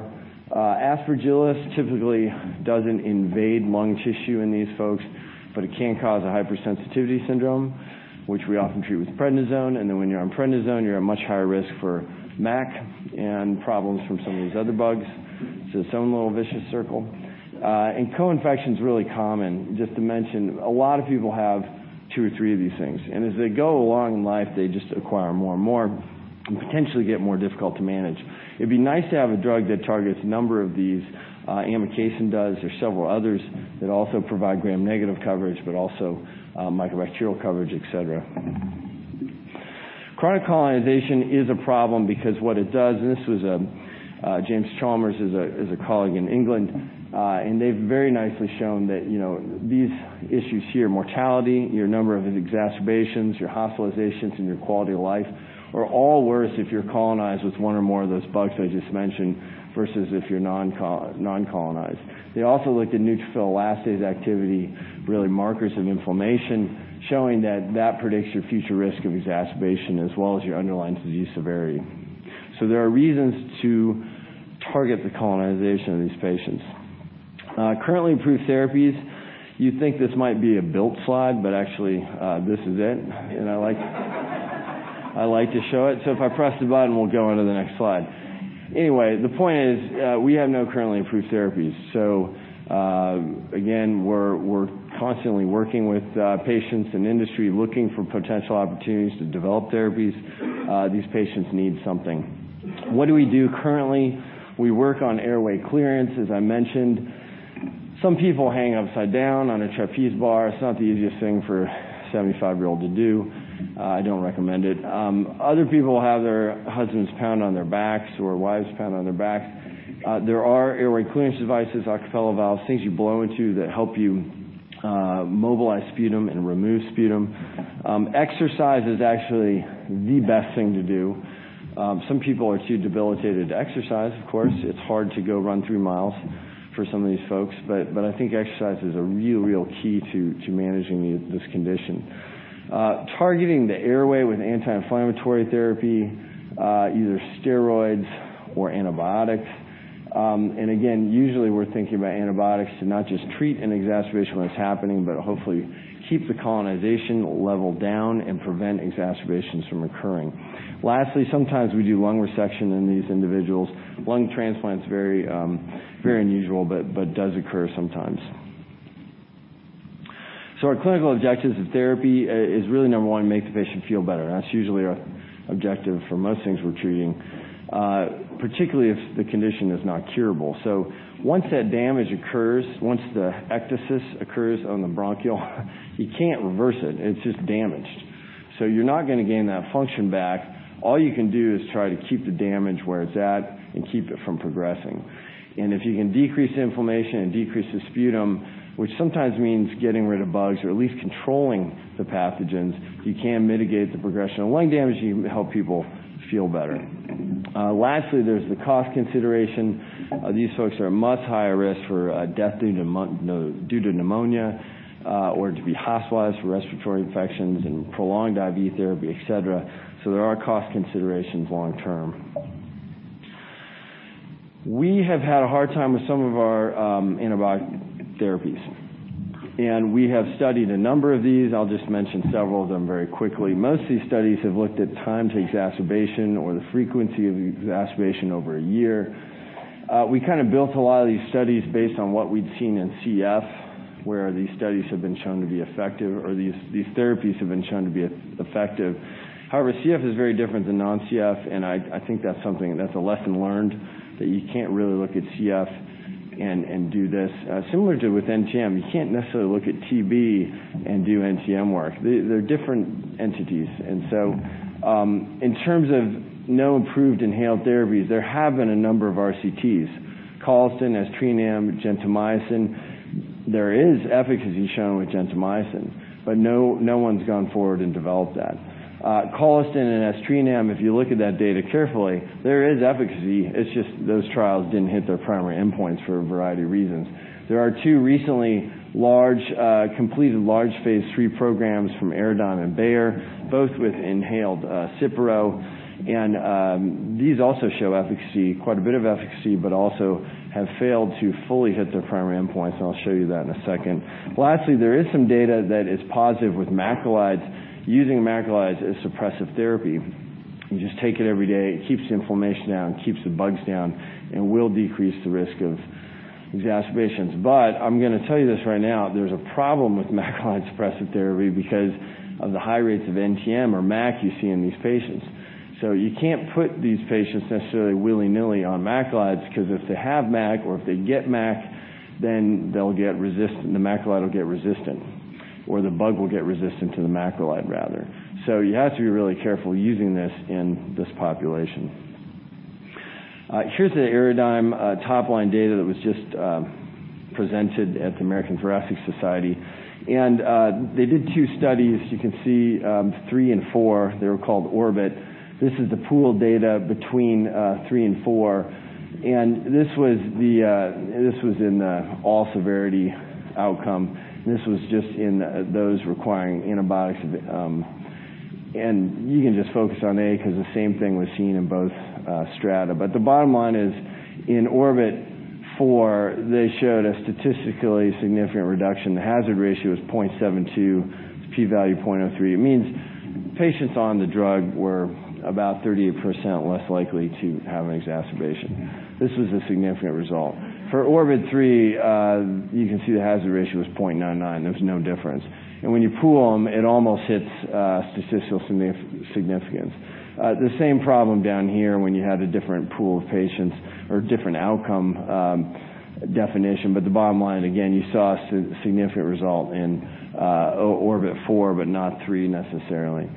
Aspergillus typically doesn't invade lung tissue in these folks, but it can cause a hypersensitivity syndrome, which we often treat with prednisone. When you're on prednisone, you're at much higher risk for MAC and problems from some of these other bugs. It's own little vicious circle. Co-infection's really common. Just to mention, a lot of people have two or three of these things. As they go along in life, they just acquire more and more, and potentially get more difficult to manage. It'd be nice to have a drug that targets a number of these. amikacin does. There's several others that also provide gram-negative coverage, but also mycobacterial coverage, et cetera. Chronic colonization is a problem because what it does, and this was James Chalmers, is a colleague in England. They've very nicely shown that these issues here, mortality, your number of exacerbations, your hospitalizations, and your quality of life are all worse if you're colonized with one or more of those bugs I just mentioned, versus if you're non-colonized. They also looked at neutrophil elastase activity, really markers of inflammation, showing that predicts your future risk of exacerbation as well as your underlying disease severity. There are reasons to target the colonization of these patients. Currently approved therapies, you'd think this might be a built slide, but actually, this is it. I like to show it. If I press the button, we'll go on to the next slide. The point is, we have no currently approved therapies. Again, we're constantly working with patients and industry, looking for potential opportunities to develop therapies. These patients need something. What do we do currently? We work on airway clearance, as I mentioned. Some people hang upside down on a trapeze bar. It's not the easiest thing for a 75-year-old to do. I don't recommend it. Other people have their husbands pound on their backs or wives pound on their backs. There are airway clearance devices, Acapella valves, things you blow into that help you mobilize sputum and remove sputum. Exercise is actually the best thing to do. Some people are too debilitated to exercise, of course. It's hard to go run three miles for some of these folks. But I think exercise is a real key to managing this condition. Targeting the airway with anti-inflammatory therapy, either steroids or antibiotics. Again, usually we're thinking about antibiotics to not just treat an exacerbation when it's happening, but hopefully keep the colonization level down and prevent exacerbations from occurring. Lastly, sometimes we do lung resection in these individuals. Lung transplant's very unusual but does occur sometimes. Our clinical objectives of therapy is really, number 1, make the patient feel better. That's usually our objective for most things we're treating, particularly if the condition is not curable. Once that damage occurs, once the ectasis occurs on the bronchiole, you can't reverse it. It's just damaged. You're not going to gain that function back. All you can do is try to keep the damage where it's at and keep it from progressing. If you can decrease inflammation and decrease the sputum, which sometimes means getting rid of bugs or at least controlling the pathogens, you can mitigate the progression of lung damage, and you help people feel better. Lastly, there's the cost consideration. These folks are at much higher risk for death due to pneumonia, or to be hospitalized for respiratory infections and prolonged IV therapy, et cetera. There are cost considerations long term. We have had a hard time with some of our antibiotic therapies, we have studied a number of these. I'll just mention several of them very quickly. Most of these studies have looked at time to exacerbation or the frequency of exacerbation over a year. We kind of built a lot of these studies based on what we'd seen in CF, where these studies have been shown to be effective, or these therapies have been shown to be effective. However, CF is very different than non-CF, and I think that's a lesson learned, that you can't really look at CF and do this. Similar to with NTM, you can't necessarily look at TB and do NTM work. They're different entities. In terms of no approved inhaled therapies, there have been a number of RCTs. colistin, aztreonam, gentamicin. There is efficacy shown with gentamicin, but no one's gone forward and developed that. colistin and aztreonam, if you look at that data carefully, there is efficacy. It's just those trials didn't hit their primary endpoints for a variety of reasons. There are two recently completed large phase III programs from Aradigm and Bayer, both with inhaled Cipro. These also show quite a bit of efficacy, but also have failed to fully hit their primary endpoints, and I'll show you that in a second. Lastly, there is some data that is positive with macrolides, using macrolides as suppressive therapy. You just take it every day, it keeps the inflammation down, it keeps the bugs down, and will decrease the risk of exacerbations. I'm going to tell you this right now, there's a problem with macrolide suppressive therapy because of the high rates of NTM or MAC you see in these patients. You can't put these patients necessarily willy-nilly on macrolides, because if they have MAC or if they get MAC, then the macrolide will get resistant, or the bug will get resistant to the macrolide, rather. You have to be really careful using this in this population. Here's the Aradigm top line data that was just presented at the American Thoracic Society. They did two studies. You can see 3 and 4. They were called ORBIT. This is the pool data between 3 and 4, and this was in the all-severity outcome. This was just in those requiring antibiotics. You can just focus on A, because the same thing was seen in both strata. The bottom line is, in ORBIT-4, they showed a statistically significant reduction. The hazard ratio is 0.72, its P value 0.03. It means patients on the drug were about 38% less likely to have an exacerbation. This was a significant result. For ORBIT-3, you can see the hazard ratio was 0.99. There was no difference. When you pool them, it almost hits statistical significance. The same problem down here when you had a different pool of patients or different outcome definition. The bottom line, again, you saw a significant result in ORBIT-4, but not 3 necessarily.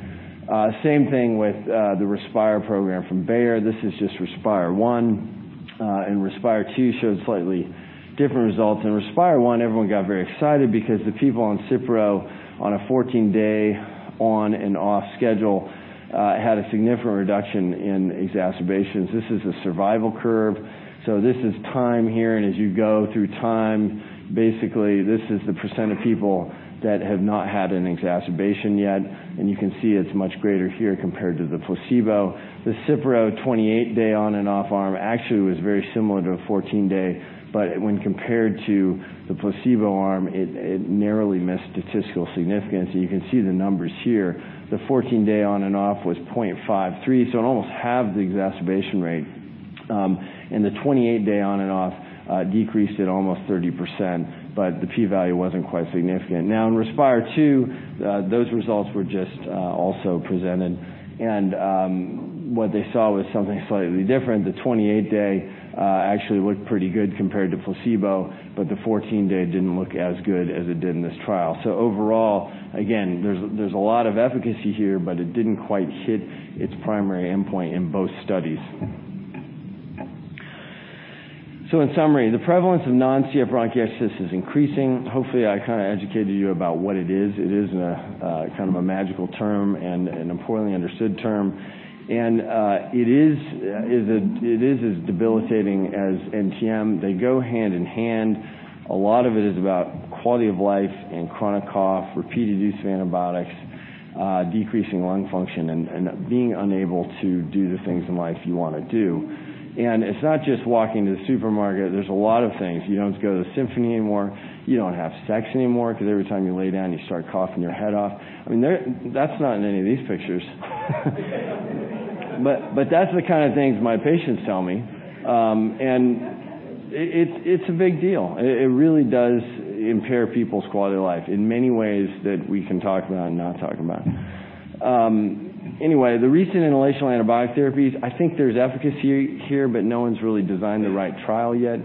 Same thing with the RESPIRE program from Bayer. This is just RESPIRE 1, RESPIRE 2 showed slightly different results. In RESPIRE 1, everyone got very excited because the people on Cipro on a 14-day on and off schedule had a significant reduction in exacerbations. This is a survival curve. This is time here, as you go through time, basically this is the percent of people that have not had an exacerbation yet, you can see it is much greater here compared to the placebo. The Cipro 28-day on and off arm actually was very similar to a 14-day, when compared to the placebo arm, it narrowly missed statistical significance, you can see the numbers here. The 14-day on and off was 0.53, almost half the exacerbation rate. The 28-day on and off decreased at almost 30%, the P value was not quite significant. In RESPIRE 2, those results were just also presented, what they saw was something slightly different. The 28-day actually looked pretty good compared to placebo, the 14-day did not look as good as it did in this trial. Overall, again, there is a lot of efficacy here, it did not quite hit its primary endpoint in both studies. Hopefully, I educated you about what it is. It is not a magical term, an importantly understood term. It is as debilitating as NTM. They go hand in hand. A lot of it is about quality of life and chronic cough, repeated use of antibiotics, decreasing lung function, being unable to do the things in life you want to do. It is not just walking to the supermarket. There is a lot of things. You do not go to the symphony anymore. You do not have sex anymore because every time you lay down, you start coughing your head off. That is not in any of these pictures. That is the kind of things my patients tell me. It is a big deal. It really does impair people's quality of life in many ways that we can talk about and not talk about. Anyway, the recent inhalational antibiotic therapies, I think there is efficacy here, no one has really designed the right trial yet,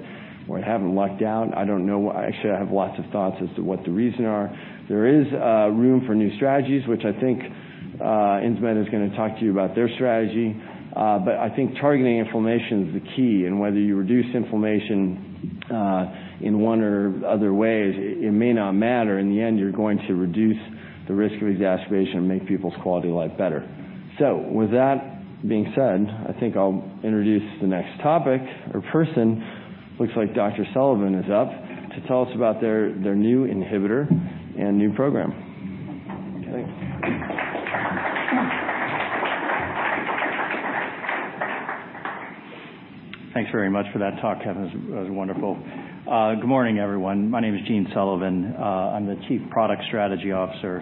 or have not lucked out. I do not know. Actually, I have lots of thoughts as to what the reason are. There is room for new strategies, which I think Insmed is going to talk to you about their strategy. I think targeting inflammation is the key, whether you reduce inflammation in one or other ways, it may not matter. In the end, you are going to reduce the risk of exacerbation and make people's quality of life better. With that being said, I think I will introduce the next topic or person. Looks like Dr. Sullivan is up to tell us about their new inhibitor and new program. Okay. Thanks very much for that talk, Kevin. It was wonderful. Good morning, everyone. My name is Gene Sullivan. I am the Chief Product Strategy Officer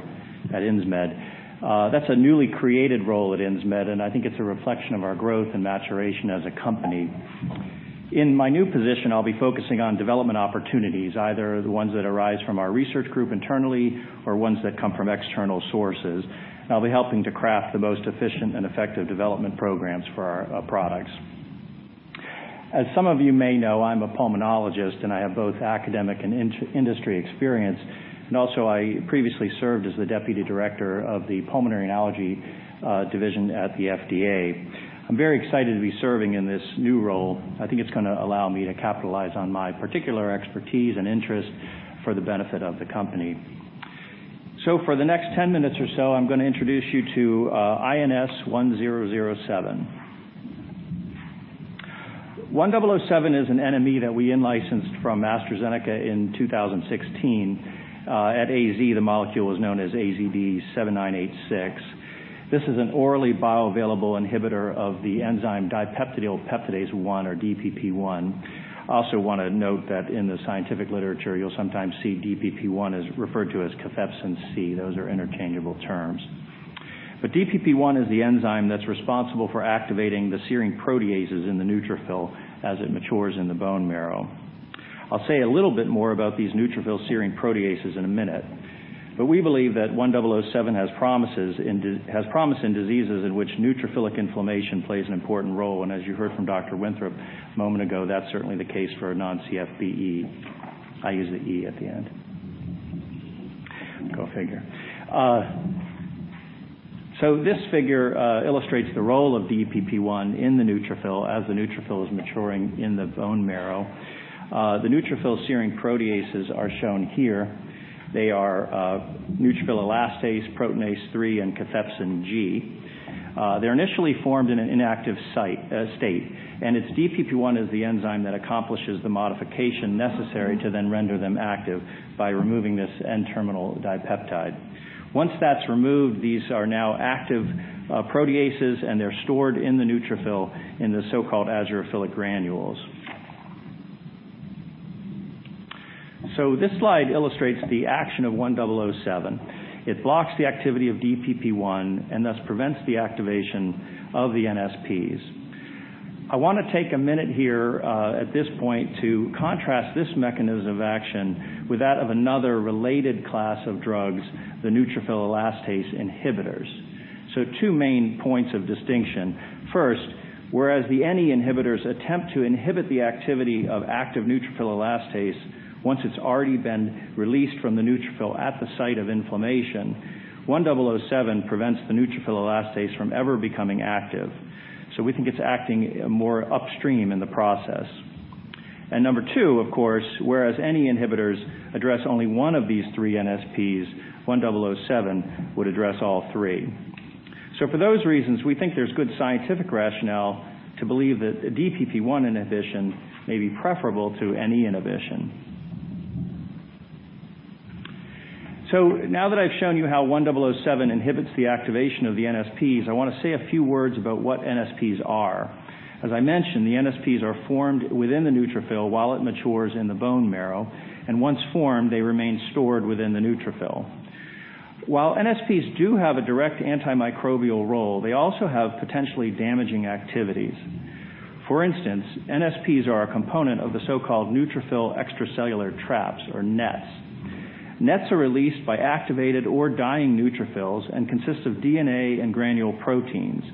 at Insmed. That is a newly created role at Insmed, and I think it is a reflection of our growth and maturation as a company. In my new position, I will be focusing on development opportunities, either the ones that arise from our research group internally or ones that come from external sources. I will be helping to craft the most efficient and effective development programs for our products. As some of you may know, I am a pulmonologist, and I have both academic and industry experience, and also I previously served as the Deputy Director of the Pulmonary and Allergy Division at the FDA. I am very excited to be serving in this new role. I think it is going to allow me to capitalize on my particular expertise and interest for the benefit of the company. For the next 10 minutes or so, I am going to introduce you to INS1007. 1007 is an NME that we in-licensed from AstraZeneca in 2016. At AZ, the molecule was known as AZD7986. This is an orally bioavailable inhibitor of the enzyme dipeptidyl peptidase 1, or DPP1. I also want to note that in the scientific literature, you will sometimes see DPP1 referred to as cathepsin C. Those are interchangeable terms. DPP1 is the enzyme that is responsible for activating the serine proteases in the neutrophil as it matures in the bone marrow. I will say a little bit more about these neutrophil serine proteases in a minute, but we believe that 1007 has promise in diseases in which neutrophilic inflammation plays an important role, and as you heard from Dr. Winthrop a moment ago, that is certainly the case for non-CF BE. I use the E at the end. Go figure. This figure illustrates the role of DPP1 in the neutrophil as the neutrophil is maturing in the bone marrow. The neutrophil serine proteases are shown here. They are neutrophil elastase, proteinase 3, and cathepsin G. They are initially formed in an inactive state, and it is DPP1 is the enzyme that accomplishes the modification necessary to then render them active by removing this N-terminal dipeptide. Once that is removed, these are now active proteases, and they are stored in the neutrophil in the so-called azurophilic granules. This slide illustrates the action of 1007. It blocks the activity of DPP1 and thus prevents the activation of the NSPs. I want to take a minute here at this point to contrast this mechanism of action with that of another related class of drugs, the neutrophil elastase inhibitors. Two main points of distinction. First, whereas the NE inhibitors attempt to inhibit the activity of active neutrophil elastase once it's already been released from the neutrophil at the site of inflammation, 1007 prevents the neutrophil elastase from ever becoming active. We think it's acting more upstream in the process. Number two, of course, whereas NE inhibitors address only one of these three NSPs, 1007 would address all three. For those reasons, we think there's good scientific rationale to believe that a DPP1 inhibition may be preferable to NE inhibition. Now that I've shown you how 1007 inhibits the activation of the NSPs, I want to say a few words about what NSPs are. As I mentioned, the NSPs are formed within the neutrophil while it matures in the bone marrow, and once formed, they remain stored within the neutrophil. While NSPs do have a direct antimicrobial role, they also have potentially damaging activities. For instance, NSPs are a component of the so-called neutrophil extracellular traps, or NETs. NETs are released by activated or dying neutrophils and consist of DNA and granule proteins.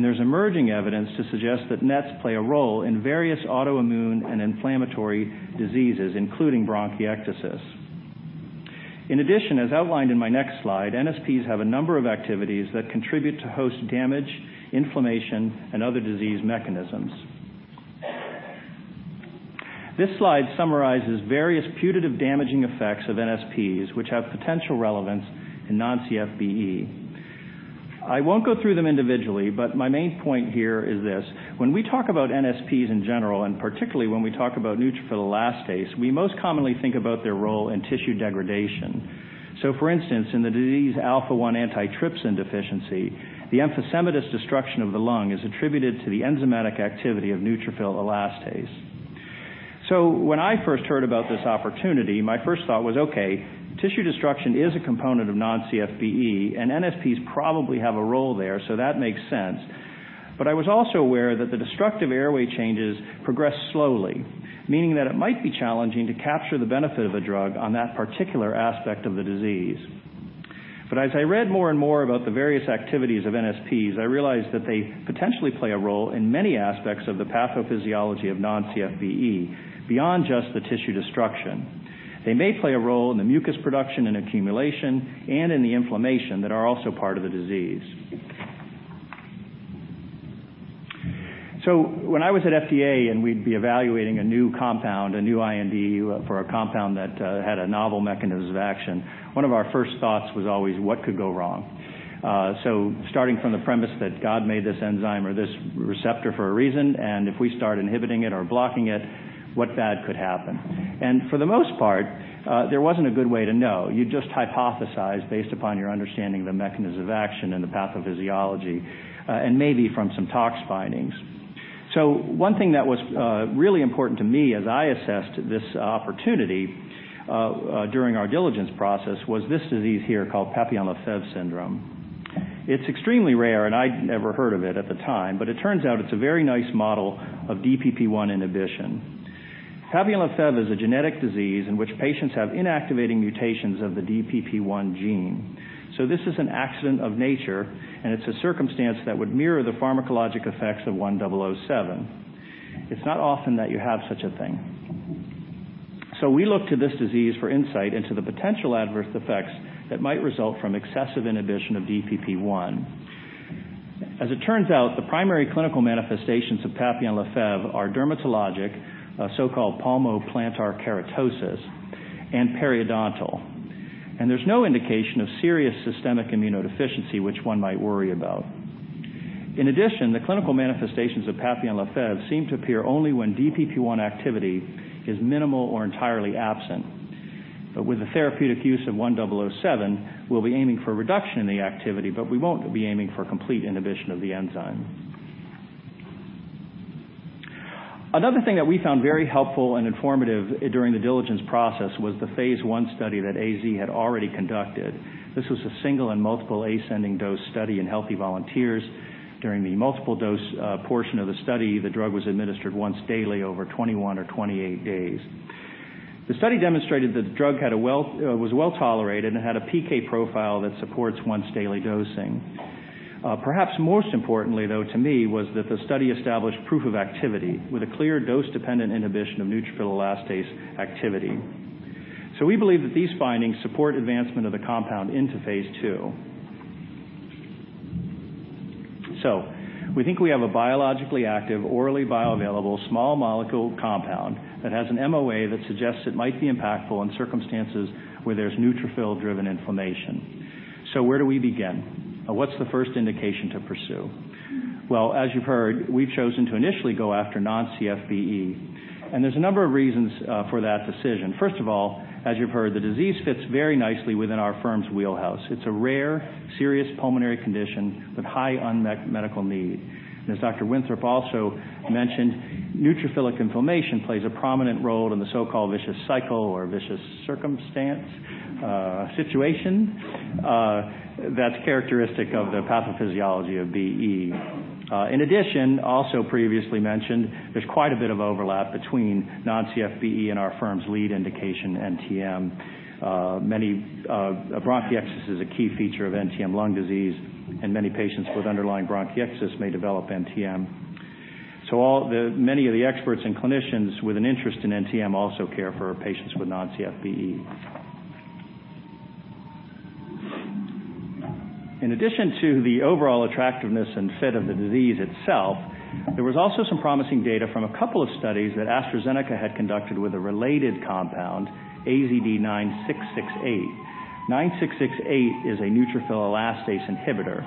There's emerging evidence to suggest that NETs play a role in various autoimmune and inflammatory diseases, including bronchiectasis. In addition, as outlined in my next slide, NSPs have a number of activities that contribute to host damage, inflammation, and other disease mechanisms. This slide summarizes various putative damaging effects of NSPs, which have potential relevance in non-CF BE. I won't go through them individually, but my main point here is this. When we talk about NSPs in general, and particularly when we talk about neutrophil elastase, we most commonly think about their role in tissue degradation. For instance, in the disease alpha-1 antitrypsin deficiency, the emphysematous destruction of the lung is attributed to the enzymatic activity of neutrophil elastase. When I first heard about this opportunity, my first thought was, okay, tissue destruction is a component of non-CF BE, and NSPs probably have a role there, so that makes sense. I was also aware that the destructive airway changes progress slowly, meaning that it might be challenging to capture the benefit of a drug on that particular aspect of the disease. As I read more and more about the various activities of NSPs, I realized that they potentially play a role in many aspects of the pathophysiology of non-CF BE, beyond just the tissue destruction. They may play a role in the mucus production and accumulation and in the inflammation that are also part of the disease. When I was at FDA and we'd be evaluating a new compound, a new IND for a compound that had a novel mechanism of action, one of our first thoughts was always what could go wrong. Starting from the premise that God made this enzyme or this receptor for a reason, and if we start inhibiting it or blocking it, what bad could happen? For the most part, there wasn't a good way to know. You just hypothesized based upon your understanding of the mechanism of action and the pathophysiology, and maybe from some tox findings. One thing that was really important to me as I assessed this opportunity during our diligence process was this disease here called Papillon-Lefèvre syndrome. It's extremely rare, and I'd never heard of it at the time, but it turns out it's a very nice model of DPP1 inhibition. Papillon-Lefèvre is a genetic disease in which patients have inactivating mutations of the DPP1 gene. This is an accident of nature, and it's a circumstance that would mirror the pharmacologic effects of 1007. It's not often that you have such a thing. We look to this disease for insight into the potential adverse effects that might result from excessive inhibition of DPP1. As it turns out, the primary clinical manifestations of Papillon-Lefèvre are dermatologic, so-called palmoplantar keratosis, and periodontal. There's no indication of serious systemic immunodeficiency, which one might worry about. In addition, the clinical manifestations of Papillon-Lefèvre seem to appear only when DPP-1 activity is minimal or entirely absent. With the therapeutic use of 1007, we'll be aiming for a reduction in the activity, but we won't be aiming for complete inhibition of the enzyme. Another thing that we found very helpful and informative during the diligence process was the phase I study that AZ had already conducted. This was a single and multiple ascending dose study in healthy volunteers. During the multiple dose portion of the study, the drug was administered once daily over 21 or 28 days. The study demonstrated that the drug was well-tolerated, and had a PK profile that supports once daily dosing. Perhaps most importantly, though, to me, was that the study established proof of activity with a clear dose-dependent inhibition of neutrophil elastase activity. We believe that these findings support advancement of the compound into phase II. We think we have a biologically active, orally bioavailable, small molecule compound that has an MOA that suggests it might be impactful in circumstances where there's neutrophil driven inflammation. Where do we begin? What's the first indication to pursue? Well, as you've heard, we've chosen to initially go after non-CF BE. There's a number of reasons for that decision. First of all, as you've heard, the disease fits very nicely within our firm's wheelhouse. It's a rare, serious pulmonary condition with high unmet medical need. As Dr. Kevin Winthrop also mentioned, neutrophilic inflammation plays a prominent role in the so-called vicious cycle or vicious circumstance situation that's characteristic of the pathophysiology of BE. In addition, also previously mentioned, there's quite a bit of overlap between non-CF BE and our firm's lead indication, NTM. Bronchiectasis is a key feature of NTM lung disease, and many patients with underlying bronchiectasis may develop NTM. Many of the experts and clinicians with an interest in NTM also care for patients with non-CF BE. In addition to the overall attractiveness and fit of the disease itself, there was also some promising data from a couple of studies that AstraZeneca had conducted with a related compound, AZD9668. 9668 is a neutrophil elastase inhibitor.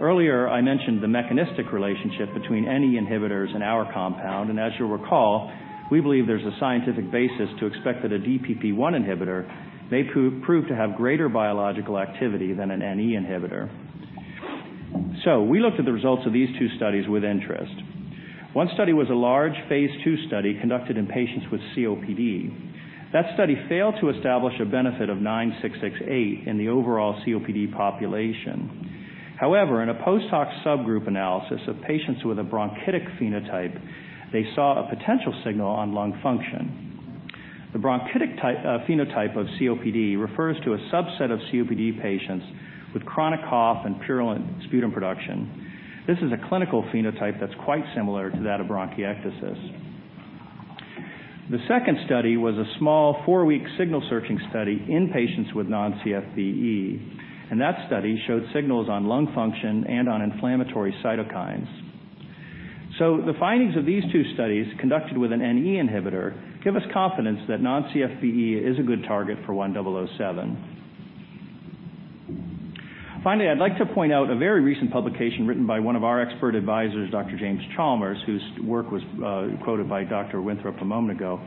Earlier, I mentioned the mechanistic relationship between NE inhibitors and our compound, as you'll recall, we believe there's a scientific basis to expect that a DPP-1 inhibitor may prove to have greater biological activity than an NE inhibitor. We looked at the results of these two studies with interest. One study was a large phase II study conducted in patients with COPD. That study failed to establish a benefit of 9668 in the overall COPD population. However, in a post-hoc subgroup analysis of patients with a bronchitic phenotype, they saw a potential signal on lung function. The bronchitic phenotype of COPD refers to a subset of COPD patients with chronic cough and purulent sputum production. This is a clinical phenotype that's quite similar to that of bronchiectasis. The second study was a small four-week signal searching study in patients with non-CF BE, that study showed signals on lung function and on inflammatory cytokines. The findings of these two studies conducted with an NE inhibitor give us confidence that non-CF BE is a good target for 1007. Finally, I'd like to point out a very recent publication written by one of our expert advisors, Dr. James Chalmers, whose work was quoted by Dr. Winthrop a moment ago,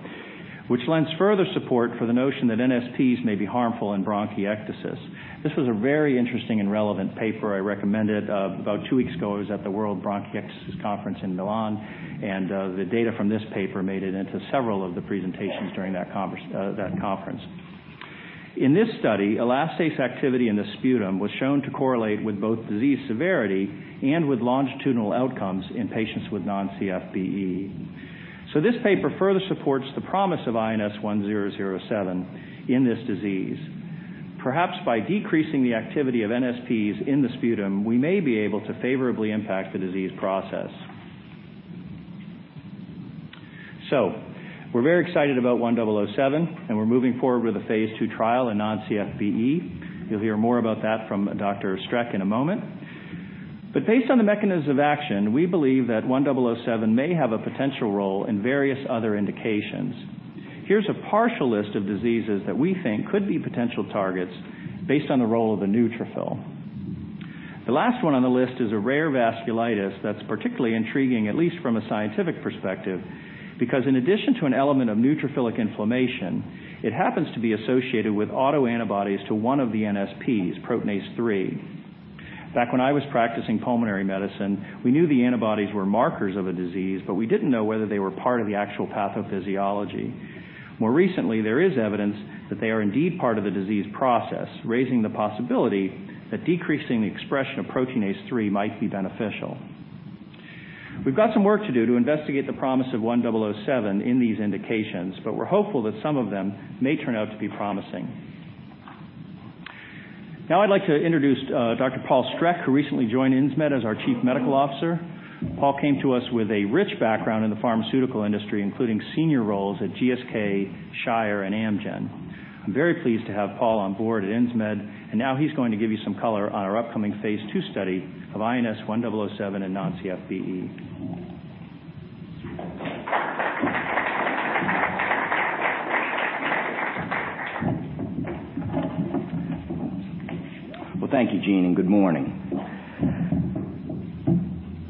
which lends further support for the notion that NSPs may be harmful in bronchiectasis. This was a very interesting and relevant paper I recommended about two weeks ago. It was at the World Bronchiectasis Conference in Milan, the data from this paper made it into several of the presentations during that conference. In this study, elastase activity in the sputum was shown to correlate with both disease severity and with longitudinal outcomes in patients with non-CF BE. This paper further supports the promise of INS1007 in this disease. Perhaps by decreasing the activity of NSPs in the sputum, we may be able to favorably impact the disease process. We're very excited about 1007, we're moving forward with a phase II trial in non-CF BE. You'll hear more about that from Dr. Streck in a moment. Based on the mechanism of action, we believe that 1007 may have a potential role in various other indications. Here's a partial list of diseases that we think could be potential targets based on the role of the neutrophil. The last one on the list is a rare vasculitis that's particularly intriguing, at least from a scientific perspective, because in addition to an element of neutrophilic inflammation, it happens to be associated with autoantibodies to one of the NSPs, proteinase three. Back when I was practicing pulmonary medicine, we knew the antibodies were markers of a disease, we didn't know whether they were part of the actual pathophysiology. More recently, there is evidence that they are indeed part of the disease process, raising the possibility that decreasing the expression of proteinase three might be beneficial. We've got some work to do to investigate the promise of 1007 in these indications, we're hopeful that some of them may turn out to be promising. Now I'd like to introduce Dr. Paul Streck, who recently joined Insmed as our Chief Medical Officer. Paul came to us with a rich background in the pharmaceutical industry, including senior roles at GSK, Shire, and Amgen. I'm very pleased to have Paul on board at Insmed. Now he's going to give you some color on our upcoming phase II study of INS1007 and non-CF BE. Well, thank you, Gene, and good morning.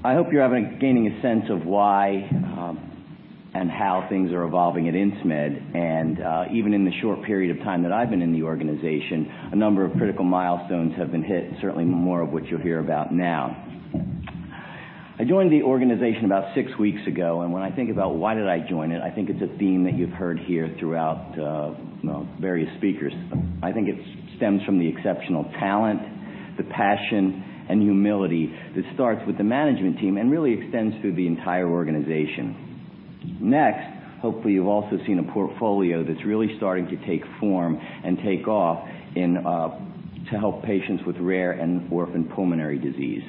I hope you're gaining a sense of why and how things are evolving at Insmed. Even in the short period of time that I've been in the organization, a number of critical milestones have been hit. Certainly more of which you'll hear about now. I joined the organization about six weeks ago. When I think about why did I join it, I think it's a theme that you've heard here throughout various speakers. I think it stems from the exceptional talent, the passion, and humility that starts with the management team and really extends through the entire organization. Next, hopefully you've also seen a portfolio that's really starting to take form and take off to help patients with rare and orphan pulmonary disease.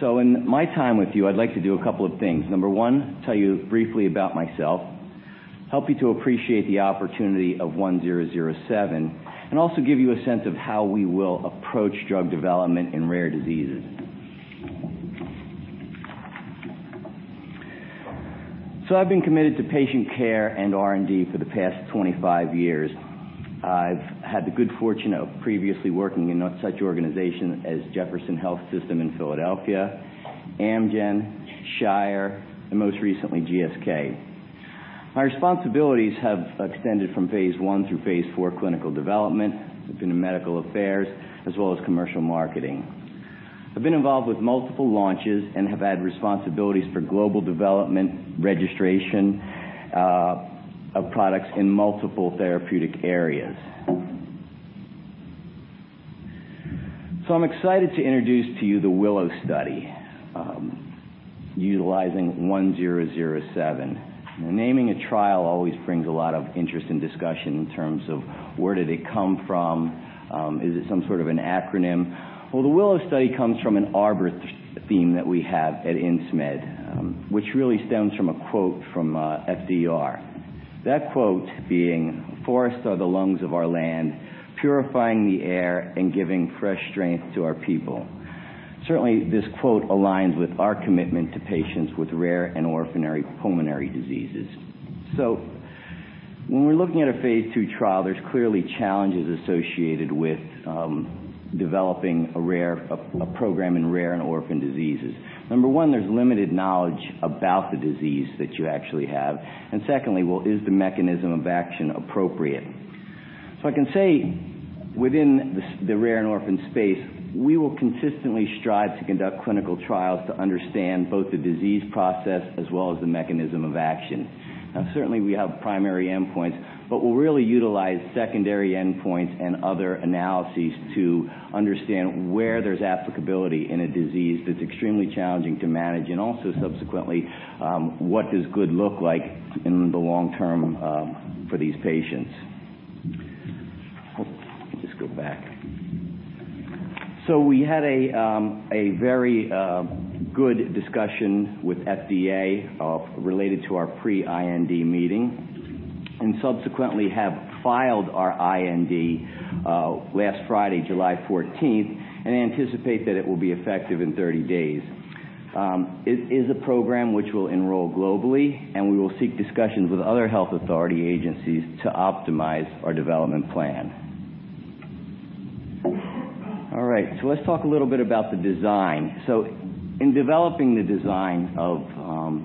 In my time with you, I'd like to do a couple of things. Number one, tell you briefly about myself, help you to appreciate the opportunity of 1007, and also give you a sense of how we will approach drug development in rare diseases. I've been committed to patient care and R&D for the past 25 years. I've had the good fortune of previously working in such organizations as Jefferson Health in Philadelphia, Amgen, Shire, and most recently, GSK. My responsibilities have extended from phase I through phase IV clinical development. I've been in medical affairs as well as commercial marketing. I've been involved with multiple launches and have had responsibilities for global development registration of products in multiple therapeutic areas. I'm excited to introduce to you the WILLOW Study utilizing 1007. Naming a trial always brings a lot of interest and discussion in terms of where did it come from? Is it some sort of an acronym? Well, the WILLOW Study comes from an arbor theme that we have at Insmed, which really stems from a quote from FDR. That quote being, "Forests are the lungs of our land, purifying the air and giving fresh strength to our people." Certainly, this quote aligns with our commitment to patients with rare and orphan pulmonary diseases. When we're looking at a phase II trial, there's clearly challenges associated with developing a program in rare and orphan diseases. Number one, there's limited knowledge about the disease that you actually have. Secondly, well, is the mechanism of action appropriate? I can say within the rare and orphan space, we will consistently strive to conduct clinical trials to understand both the disease process as well as the mechanism of action. Certainly we have primary endpoints, but we'll really utilize secondary endpoints and other analyses to understand where there's applicability in a disease that's extremely challenging to manage, and also subsequently, what does good look like in the long term for these patients. Let me just go back. We had a very good discussion with FDA related to our pre-IND meeting, and subsequently have filed our IND last Friday, July 14th, and anticipate that it will be effective in 30 days. It is a program which we'll enroll globally, and we will seek discussions with other health authority agencies to optimize our development plan. Let's talk a little bit about the design. In developing the design of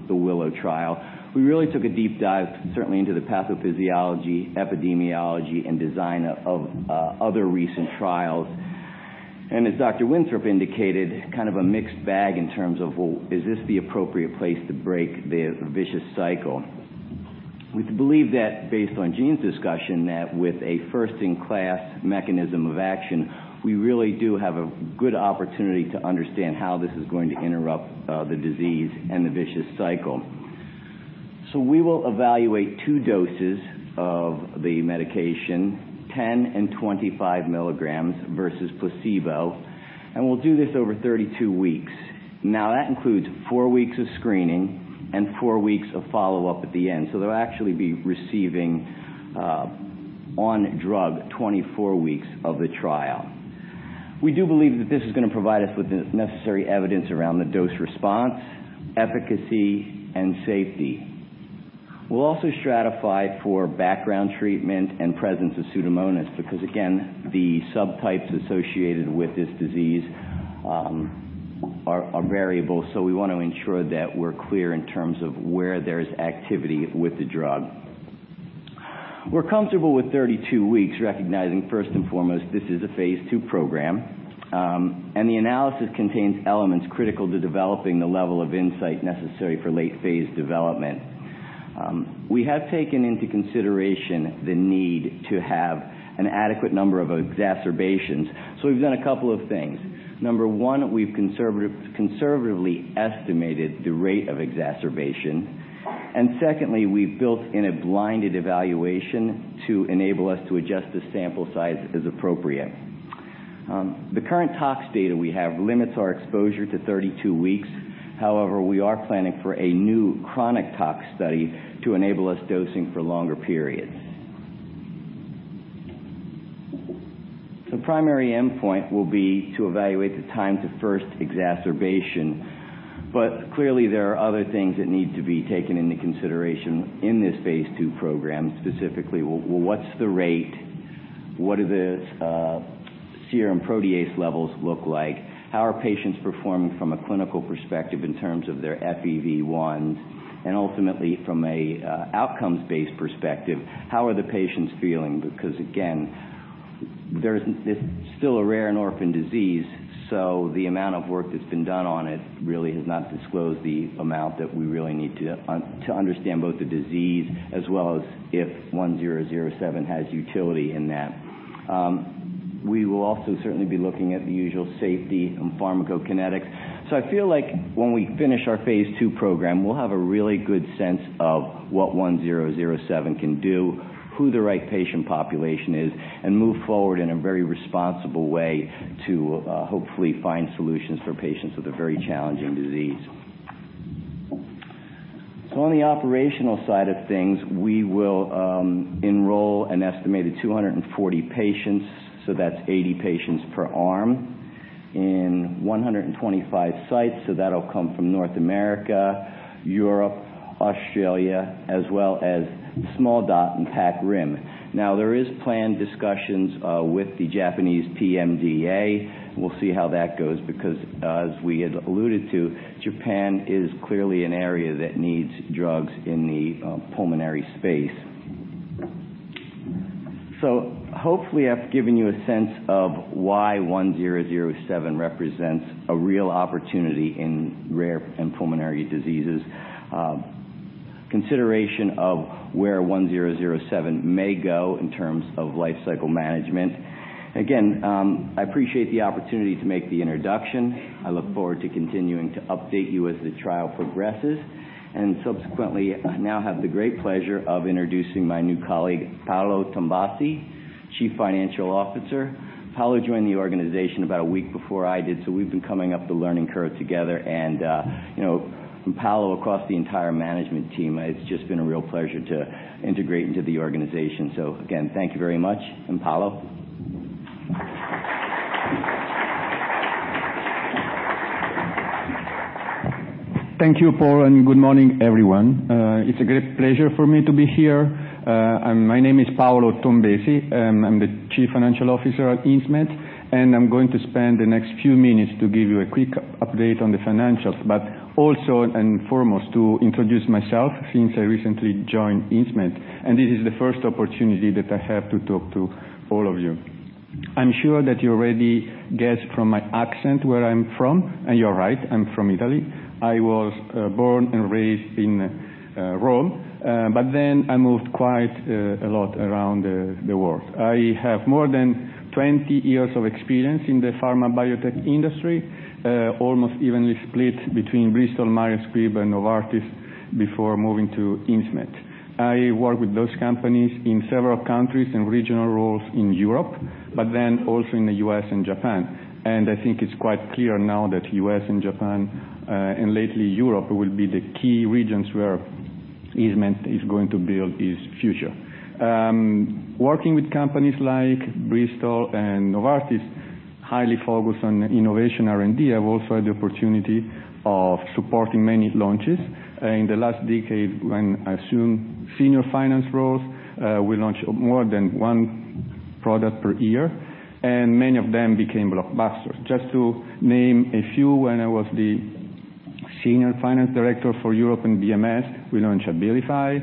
the WILLOW Trial, we really took a deep dive, certainly into the pathophysiology, epidemiology, and design of other recent trials. As Dr. Winthrop indicated, kind of a mixed bag in terms of, well, is this the appropriate place to break the vicious cycle? We believe that based on Gene's discussion, that with a first-in-class mechanism of action, we really do have a good opportunity to understand how this is going to interrupt the disease and the vicious cycle. We will evaluate two doses of the medication, 10 and 25 milligrams versus placebo, and we'll do this over 32 weeks. That includes four weeks of screening and four weeks of follow-up at the end. They'll actually be receiving on drug 24 weeks of the trial. We do believe that this is going to provide us with the necessary evidence around the dose response, efficacy, and safety. We'll also stratify for background treatment and presence of Pseudomonas because, again, the subtypes associated with this disease are variable. We want to ensure that we're clear in terms of where there's activity with the drug. We're comfortable with 32 weeks recognizing first and foremost, this is a phase II program. The analysis contains elements critical to developing the level of insight necessary for late phase development. We have taken into consideration the need to have an adequate number of exacerbations. We've done a couple of things. Number one, we've conservatively estimated the rate of exacerbation, and secondly, we've built in a blinded evaluation to enable us to adjust the sample size as appropriate. The current tox data we have limits our exposure to 32 weeks. However, we are planning for a new chronic tox study to enable us dosing for longer periods. The primary endpoint will be to evaluate the time to first exacerbation. Clearly, there are other things that need to be taken into consideration in this phase II program, specifically, what's the rate? What do the serum protease levels look like? How are patients performing from a clinical perspective in terms of their FEV1s? Ultimately, from an outcomes-based perspective, how are the patients feeling? Because again, it's still a rare and orphan disease, the amount of work that's been done on it really has not disclosed the amount that we really need to understand both the disease as well as if INS1007 has utility in that. We will also certainly be looking at the usual safety and pharmacokinetics. I feel like when we finish our phase II program, we'll have a really good sense of what 1007 can do, who the right patient population is, and move forward in a very responsible way to hopefully find solutions for patients with a very challenging disease. On the operational side of things, we will enroll an estimated 240 patients, that's 80 patients per arm, in 125 sites. That'll come from North America, Europe, Australia, as well as small dot and Pac Rim. There is planned discussions with the Japanese PMDA. We'll see how that goes because as we had alluded to, Japan is clearly an area that needs drugs in the pulmonary space. Hopefully, I've given you a sense of why 1007 represents a real opportunity in rare and pulmonary diseases. Consideration of where 1007 may go in terms of life cycle management. I appreciate the opportunity to make the introduction. I look forward to continuing to update you as the trial progresses. Subsequently, I now have the great pleasure of introducing my new colleague, Paolo Tombesi, Chief Financial Officer. Paolo joined the organization about a week before I did, we've been coming up the learning curve together. Paolo across the entire management team, it's just been a real pleasure to integrate into the organization. Again, thank you very much. Paolo. Thank you, Paul. Good morning, everyone. It's a great pleasure for me to be here. My name is Paolo Tombesi, I'm the Chief Financial Officer at Insmed, I'm going to spend the next few minutes to give you a quick update on the financials. Also and foremost to introduce myself since I recently joined Insmed, this is the first opportunity that I have to talk to all of you. I'm sure that you already guessed from my accent where I'm from, you're right, I'm from Italy. I was born and raised in Rome, then I moved quite a lot around the world. I have more than 20 years of experience in the pharma biotech industry, almost evenly split between Bristol Myers Squibb and Novartis before moving to Insmed. I worked with those companies in several countries in regional roles in Europe, then also in the U.S. and Japan. I think it's quite clear now that U.S. and Japan, and lately Europe, will be the key regions where Insmed is going to build its future. Working with companies like Bristol and Novartis, highly focused on innovation R&D. I've also had the opportunity of supporting many launches. In the last decade when I assumed senior finance roles, we launched more than one product per year, many of them became blockbusters. Just to name a few, when I was the Senior Finance Director for Europe and BMS, we launched Abilify.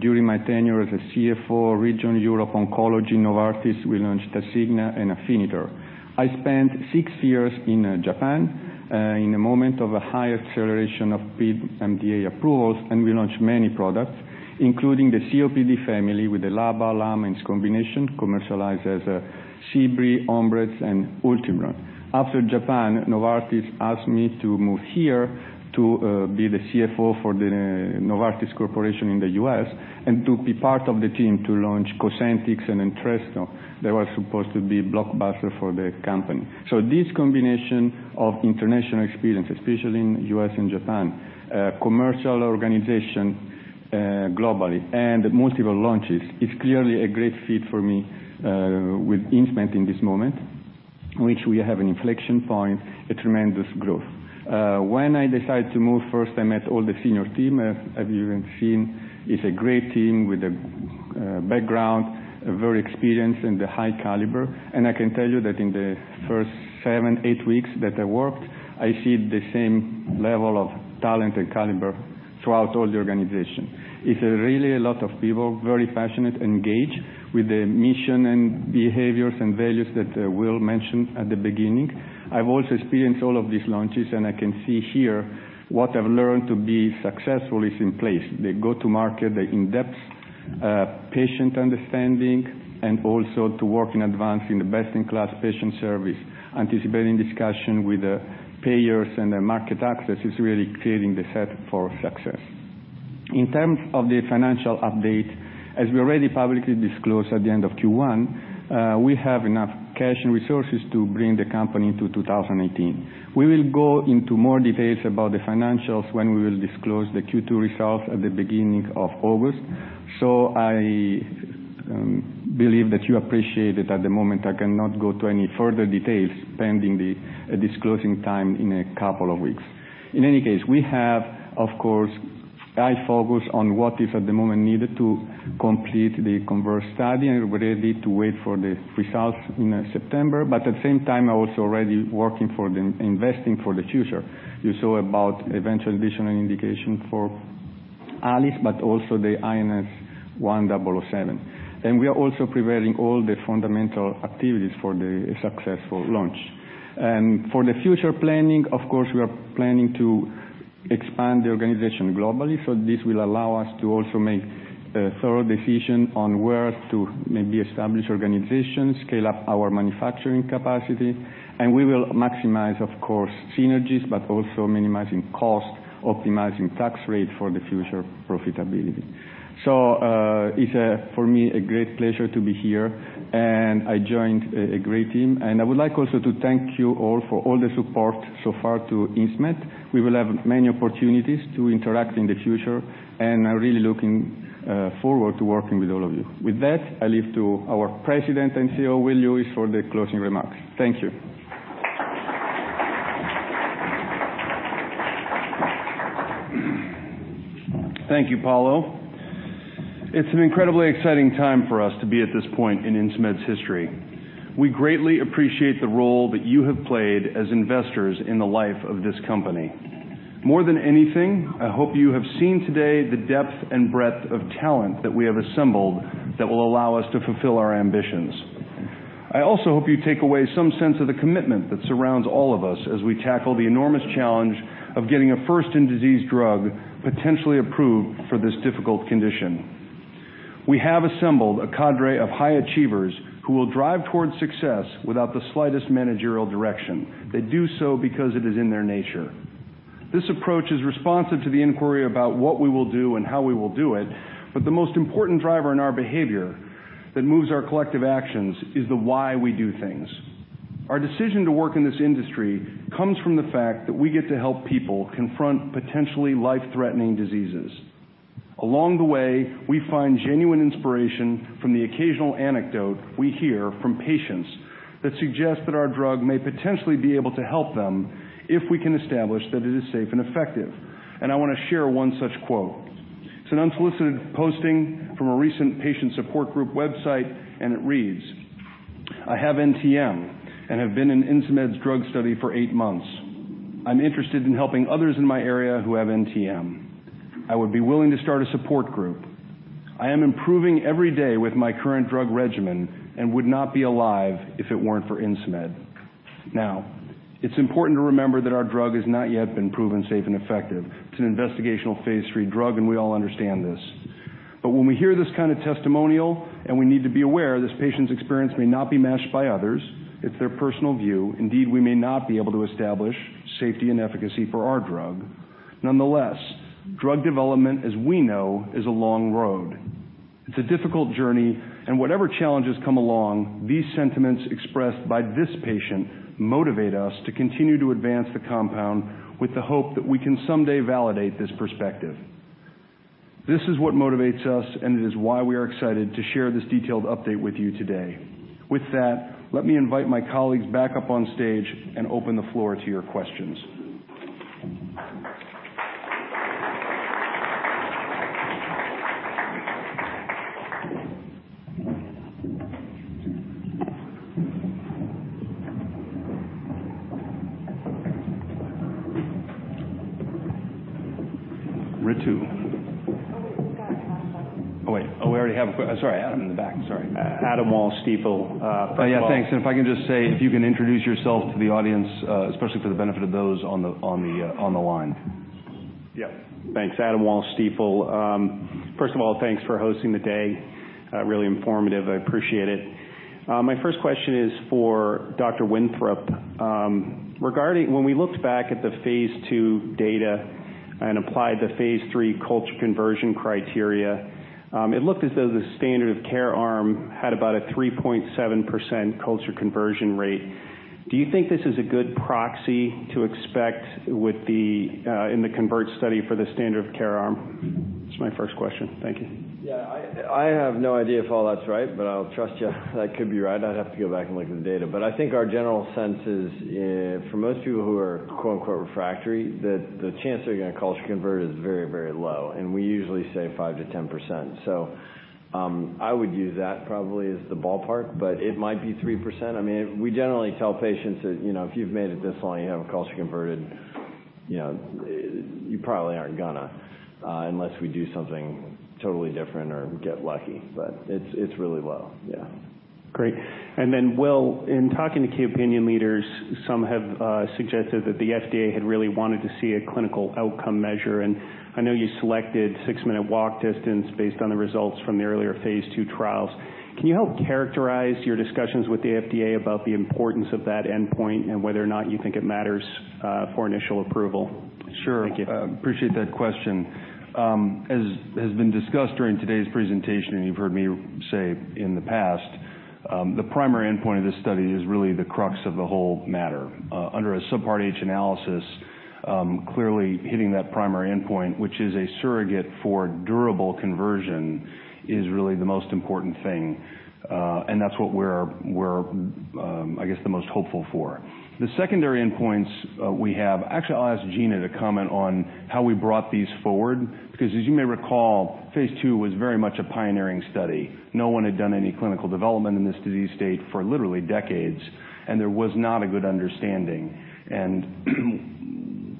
During my tenure as a CFO Region Europe Oncology Novartis, we launched Tasigna and Afinitor. I spent six years in Japan, in a moment of a high acceleration of PMDA approvals, and we launched many products, including the COPD family with the LABA/LAMA in combination commercialized as Seebri, Onbrez, and Ultibro. After Japan, Novartis asked me to move here to be the CFO for the Novartis Pharmaceuticals Corporation in the U.S. and to be part of the team to launch Cosentyx and Entresto. They were supposed to be blockbuster for the company. This combination of international experience, especially in U.S. and Japan, commercial organization globally, and multiple launches is clearly a great fit for me with Insmed in this moment, which we have an inflection point, a tremendous growth. When I decided to move, first I met all the senior team. As you have seen, it's a great team with a background, very experienced and a high caliber. I can tell you that in the first seven, eight weeks that I worked, I see the same level of talent and caliber throughout all the organization. It's really a lot of people, very passionate, engaged with the mission and behaviors and values that Will mentioned at the beginning. I've also experienced all of these launches, and I can see here what I've learned to be successful is in place. The go-to-market, the in-depth patient understanding, and also to work in advancing the best-in-class patient service, anticipating discussion with the payers and the market access is really creating the set for success. In terms of the financial update, as we already publicly disclosed at the end of Q1, we have enough cash and resources to bring the company to 2018. We will go into more details about the financials when we will disclose the Q2 results at the beginning of August. I believe that you appreciate that at the moment, I cannot go to any further details pending this closing time in a couple of weeks. In any case, we have, of course, high focus on what is at the moment needed to complete the CONVERT study, and we're ready to wait for the results in September. At the same time, are also already working for the investing for the future. You saw about eventual additional indication for ALIS, but also the INS1007. We are also preparing all the fundamental activities for the successful launch. For the future planning, of course, we are planning to expand the organization globally. This will allow us to also make a thorough decision on where to maybe establish organizations, scale up our manufacturing capacity. We will maximize, of course, synergies, but also minimizing cost, optimizing tax rate for the future profitability. It's for me, a great pleasure to be here, and I joined a great team. I would like also to thank you all for all the support so far to Insmed. We will have many opportunities to interact in the future, and I'm really looking forward to working with all of you. With that, I leave to our President and Chief Executive Officer, Will Lewis, for the closing remarks. Thank you. Thank you, Paolo. It's an incredibly exciting time for us to be at this point in Insmed's history. We greatly appreciate the role that you have played as investors in the life of this company. More than anything, I hope you have seen today the depth and breadth of talent that we have assembled that will allow us to fulfill our ambitions. I also hope you take away some sense of the commitment that surrounds all of us as we tackle the enormous challenge of getting a first-in-disease drug potentially approved for this difficult condition. We have assembled a cadre of high achievers who will drive towards success without the slightest managerial direction. They do so because it is in their nature. This approach is responsive to the inquiry about what we will do and how we will do it, the most important driver in our behavior that moves our collective actions is the why we do things. Our decision to work in this industry comes from the fact that we get to help people confront potentially life-threatening diseases. Along the way, we find genuine inspiration from the occasional anecdote we hear from patients that suggest that our drug may potentially be able to help them if we can establish that it is safe and effective. I want to share one such quote. It's an unsolicited posting from a recent patient support group website, and it reads, "I have NTM and have been in Insmed's drug study for eight months. I'm interested in helping others in my area who have NTM. I would be willing to start a support group. I am improving every day with my current drug regimen and would not be alive if it weren't for Insmed." It's important to remember that our drug has not yet been proven safe and effective. It's an investigational phase III drug, we all understand this. When we hear this kind of testimonial, we need to be aware this patient's experience may not be matched by others, it's their personal view. Indeed, we may not be able to establish safety and efficacy for our drug. Nonetheless, drug development, as we know, is a long road. It's a difficult journey, whatever challenges come along, these sentiments expressed by this patient motivate us to continue to advance the compound with the hope that we can someday validate this perspective. This is what motivates us, it is why we are excited to share this detailed update with you today. With that, let me invite my colleagues back up on stage and open the floor to your questions. Ritu. Oh, wait. We've got Adam next. Oh, wait. We already have Adam in the back. Sorry. Adam Walsh, Stifel. Yeah. Thanks. If I can just say, if you can introduce yourself to the audience, especially for the benefit of those on the line. Yeah. Thanks. Adam Walsh, Stifel. First of all, thanks for hosting the day. Really informative. I appreciate it. My first question is for Dr. Winthrop. When we looked back at the phase II data and applied the phase III culture conversion criteria, it looked as though the standard of care arm had about a 3.7% culture conversion rate. Do you think this is a good proxy to expect in the CONVERT study for the standard of care arm? That's my first question. Thank you. Yeah. I have no idea if all that's right, but I'll trust you. That could be right. I'd have to go back and look at the data. I think our general sense is, for most people who are quote unquote "refractory," that the chance they're going to culture convert is very low, and we usually say 5%-10%. I would use that probably as the ballpark, but it might be 3%. We generally tell patients that if you've made it this long and you haven't culture converted, you probably aren't gonna, unless we do something totally different or get lucky. It's really low. Yeah. Great. Then, Will, in talking to key opinion leaders, some have suggested that the FDA had really wanted to see a clinical outcome measure. I know you selected six-minute walk distance based on the results from the earlier phase II trials. Can you help characterize your discussions with the FDA about the importance of that endpoint and whether or not you think it matters for initial approval? Sure. Thank you. Appreciate that question. As has been discussed during today's presentation, and you've heard me say in the past, the primary endpoint of this study is really the crux of the whole matter. Under a Subpart H analysis, clearly hitting that primary endpoint, which is a surrogate for durable conversion, is really the most important thing. That's what we're the most hopeful for. The secondary endpoints we have, actually, I'll ask Gina to comment on how we brought these forward, because as you may recall, phase II was very much a pioneering study. No one had done any clinical development in this disease state for literally decades, and there was not a good understanding.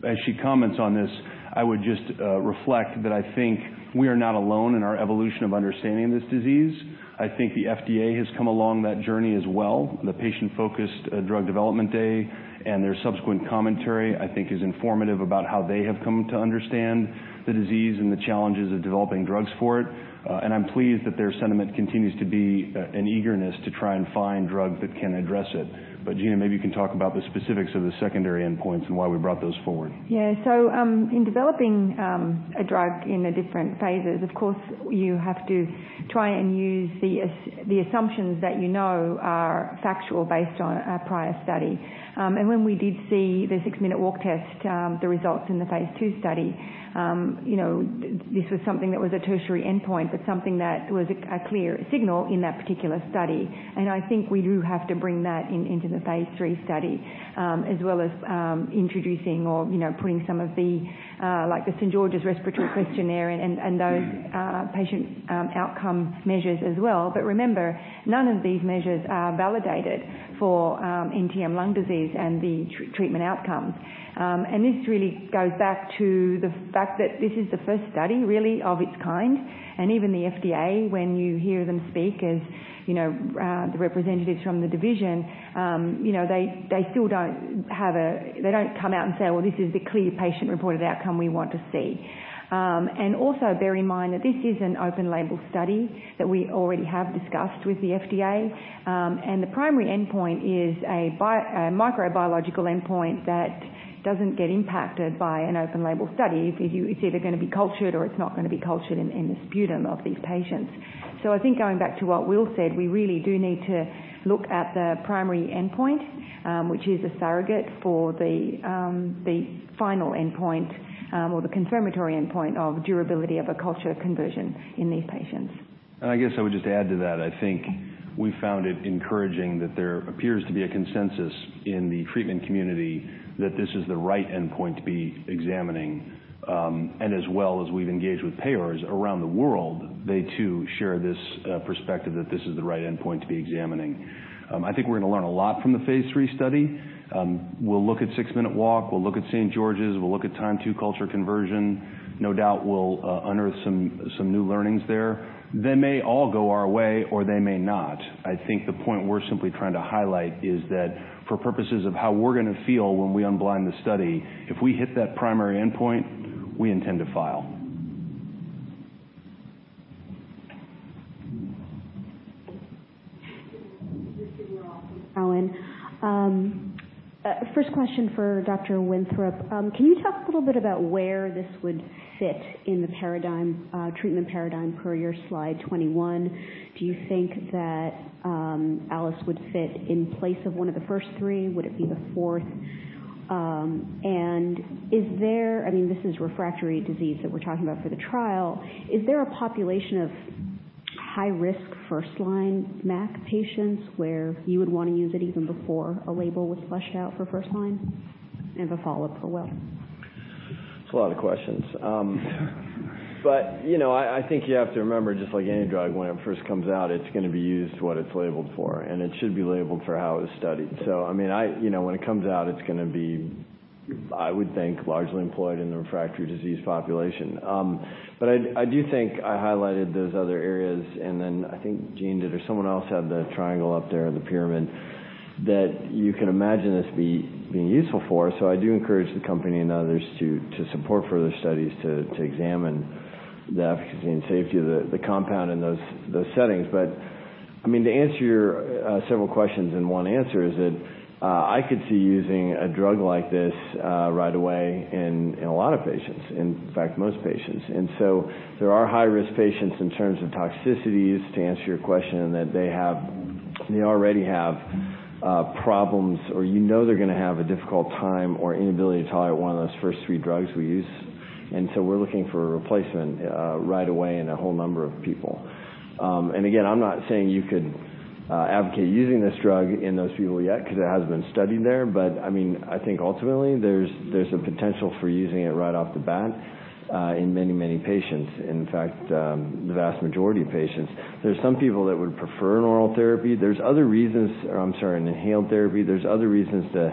As she comments on this, I would just reflect that I think we are not alone in our evolution of understanding this disease. I think the FDA has come along that journey as well. The Patient Focused Drug Development Day and their subsequent commentary, I think is informative about how they have come to understand the disease and the challenges of developing drugs for it. I'm pleased that their sentiment continues to be an eagerness to try and find drugs that can address it. Gina, maybe you can talk about the specifics of the secondary endpoints and why we brought those forward. Yeah. In developing a drug in the different phases, of course, you have to try and use the assumptions that you know are factual based on a prior study. When we did see the six-minute walk test, the results in the phase II study, this was something that was a tertiary endpoint, but something that was a clear signal in that particular study. I think we do have to bring that into the phase III study, as well as introducing or putting some of the St. George's Respiratory Questionnaire and those patient outcome measures as well. Remember, none of these measures are validated for NTM lung disease and the treatment outcomes. This really goes back to the fact that this is the first study, really, of its kind, and even the FDA, when you hear them speak as the representatives from the division, they don't come out and say, "Well, this is the clear patient-reported outcome we want to see." Also bear in mind that this is an open label study that we already have discussed with the FDA. The primary endpoint is a microbiological endpoint that doesn't get impacted by an open label study. It's either going to be cultured or it's not going to be cultured in the sputum of these patients. I think going back to what Will said, we really do need to look at the primary endpoint, which is a surrogate for the final endpoint or the confirmatory endpoint of durability of a culture conversion in these patients. I guess I would just add to that, I think we found it encouraging that there appears to be a consensus in the treatment community that this is the right endpoint to be examining. As well as we've engaged with payers around the world, they too share this perspective that this is the right endpoint to be examining. I think we're going to learn a lot from the phase III study. We'll look at six-minute walk. We'll look at St. George's. We'll look at time to culture conversion. No doubt we'll unearth some new learnings there. They may all go our way, or they may not. I think the point we're simply trying to highlight is that for purposes of how we're going to feel when we unblind the study, if we hit that primary endpoint, we intend to file. First question for Dr. Winthrop. Can you talk a little bit about where this would fit in the treatment paradigm per your slide 21? Do you think that ALIS would fit in place of one of the first three? Would it be the fourth? Is there, this is refractory disease that we're talking about for the trial, is there a population of high-risk first-line MAC patients where you would want to use it even before a label was fleshed out for first line? A follow-up for Will. It's a lot of questions. I think you have to remember, just like any drug when it first comes out, it's going to be used what it's labeled for, and it should be labeled for how it was studied. When it comes out, it's going to be, I would think, largely employed in the refractory disease population. I do think I highlighted those other areas, and then I think Gina or someone else had the triangle up there or the pyramid, that you can imagine this being useful for. I do encourage the company and others to support further studies to examine the efficacy and safety of the compound in those settings. To answer your several questions in one answer is that I could see using a drug like this right away in a lot of patients. In fact, most patients. There are high-risk patients in terms of toxicities, to answer your question, in that they already have problems, or you know they're going to have a difficult time or inability to tolerate one of those first three drugs we use. We're looking for a replacement right away in a whole number of people. Again, I'm not saying you could advocate using this drug in those people yet because it hasn't been studied there. I think ultimately there's a potential for using it right off the bat in many, many patients. In fact, the vast majority of patients. There's some people that would prefer an oral therapy. There's other reasons, or I'm sorry, an inhaled therapy. There's other reasons to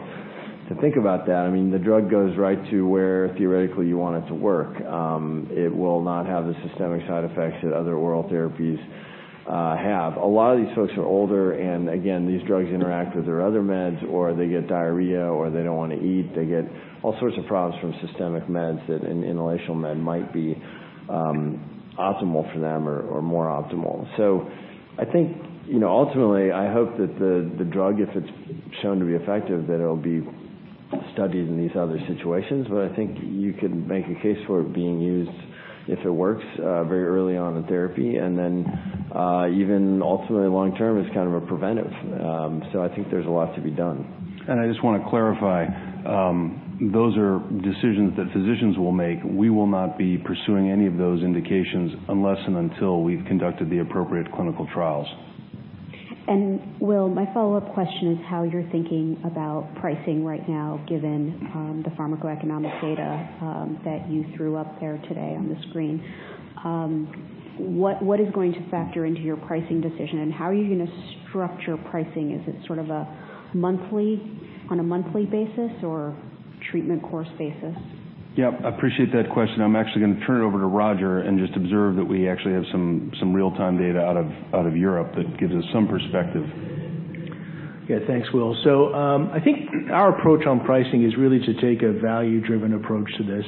think about that. The drug goes right to where theoretically you want it to work. It will not have the systemic side effects that other oral therapies have. A lot of these folks are older, and again, these drugs interact with their other meds, or they get diarrhea, or they don't want to eat. They get all sorts of problems from systemic meds that an inhalational med might be optimal for them or more optimal. I think ultimately, I hope that the drug, if it's shown to be effective, that it'll be Studied in these other situations, I think you can make a case for it being used if it works very early on in therapy, and then even ultimately long-term as kind of a preventive. I think there's a lot to be done. I just want to clarify, those are decisions that physicians will make. We will not be pursuing any of those indications unless and until we've conducted the appropriate clinical trials. Will, my follow-up question is how you're thinking about pricing right now, given the pharmacoeconomic data that you threw up there today on the screen. What is going to factor into your pricing decision, and how are you going to structure pricing? Is it sort of on a monthly basis or treatment course basis? Yeah, I appreciate that question. I'm actually going to turn it over to Roger and just observe that we actually have some real-time data out of Europe that gives us some perspective. Thanks, Will. I think our approach on pricing is really to take a value-driven approach to this.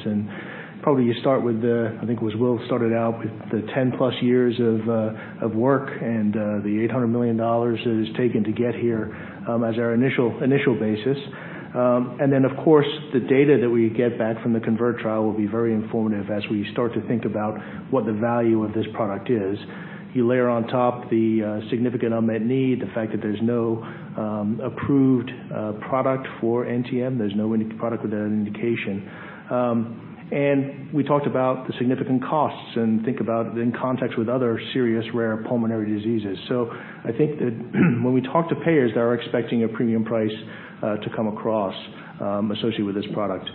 Probably you start with the, I think it was Will, started out with the 10 plus years of work and the $800 million that it has taken to get here as our initial basis. Then of course, the data that we get back from the CONVERT trial will be very informative as we start to think about what the value of this product is. You layer on top the significant unmet need, the fact that there's no approved product for NTM. There's no product with that indication. We talked about the significant costs and think about it in context with other serious rare pulmonary diseases. I think that when we talk to payers, they are expecting a premium price to come across associated with this product.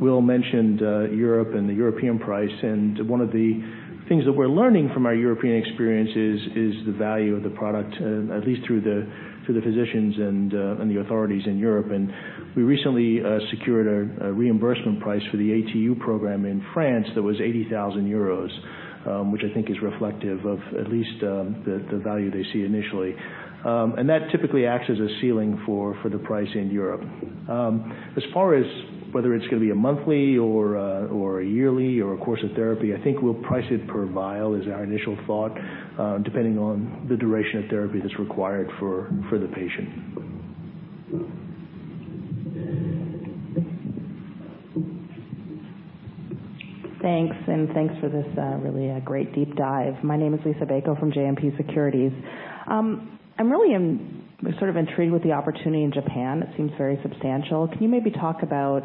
Will mentioned Europe and the European price, one of the things that we're learning from our European experience is the value of the product, at least through the physicians and the authorities in Europe. We recently secured a reimbursement price for the ATU program in France that was 80,000 euros, which I think is reflective of at least the value they see initially. That typically acts as a ceiling for the price in Europe. As far as whether it's going to be a monthly or a yearly or a course of therapy, I think we'll price it per vial is our initial thought, depending on the duration of therapy that's required for the patient. Thanks, thanks for this really great deep dive. My name is Liisa Bayko from JMP Securities. I'm really sort of intrigued with the opportunity in Japan. It seems very substantial. Can you maybe talk about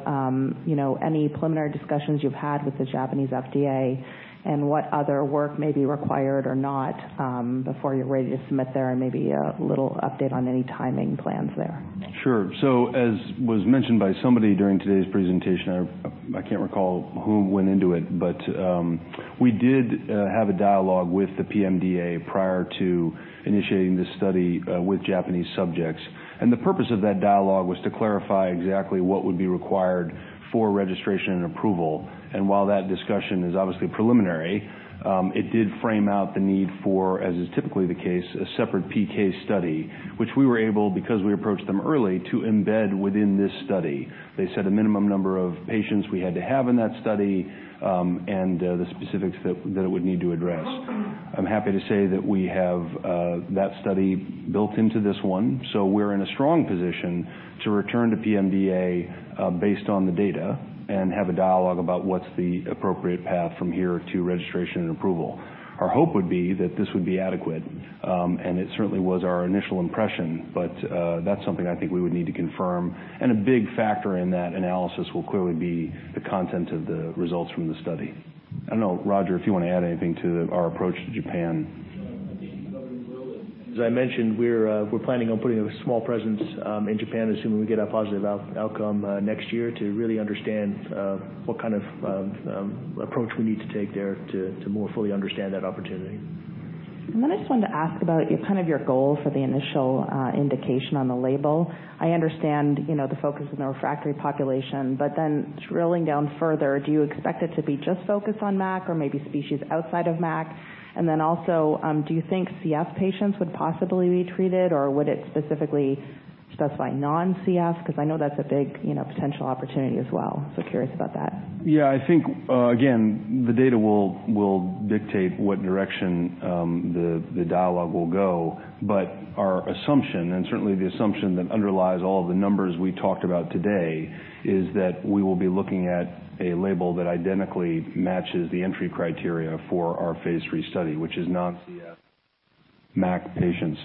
any preliminary discussions you've had with the Japanese FDA and what other work may be required or not before you're ready to submit there? Maybe a little update on any timing plans there. Sure. As was mentioned by somebody during today's presentation, I can't recall who went into it, but we did have a dialogue with the PMDA prior to initiating this study with Japanese subjects. The purpose of that dialogue was to clarify exactly what would be required for registration and approval. While that discussion is obviously preliminary, it did frame out the need for, as is typically the case, a separate PK study, which we were able, because we approached them early, to embed within this study. They set a minimum number of patients we had to have in that study, and the specifics that it would need to address. I'm happy to say that we have that study built into this one. We're in a strong position to return to PMDA based on the data and have a dialogue about what's the appropriate path from here to registration and approval. Our hope would be that this would be adequate, and it certainly was our initial impression, but that's something I think we would need to confirm. A big factor in that analysis will clearly be the content of the results from the study. I don't know, Roger, if you want to add anything to our approach to Japan. No, I think you covered it well. As I mentioned, we're planning on putting a small presence in Japan assuming we get a positive outcome next year to really understand what kind of approach we need to take there to more fully understand that opportunity. I just wanted to ask about your goal for the initial indication on the label. I understand the focus on the refractory population, but then drilling down further, do you expect it to be just focused on MAC or maybe species outside of MAC? Also, do you think CF patients would possibly be treated, or would it specifically specify non-CF? Because I know that's a big potential opportunity as well. Curious about that. I think, again, the data will dictate what direction the dialogue will go. Our assumption, and certainly the assumption that underlies all of the numbers we talked about today, is that we will be looking at a label that identically matches the entry criteria for our phase III study, which is non-CF MAC patients.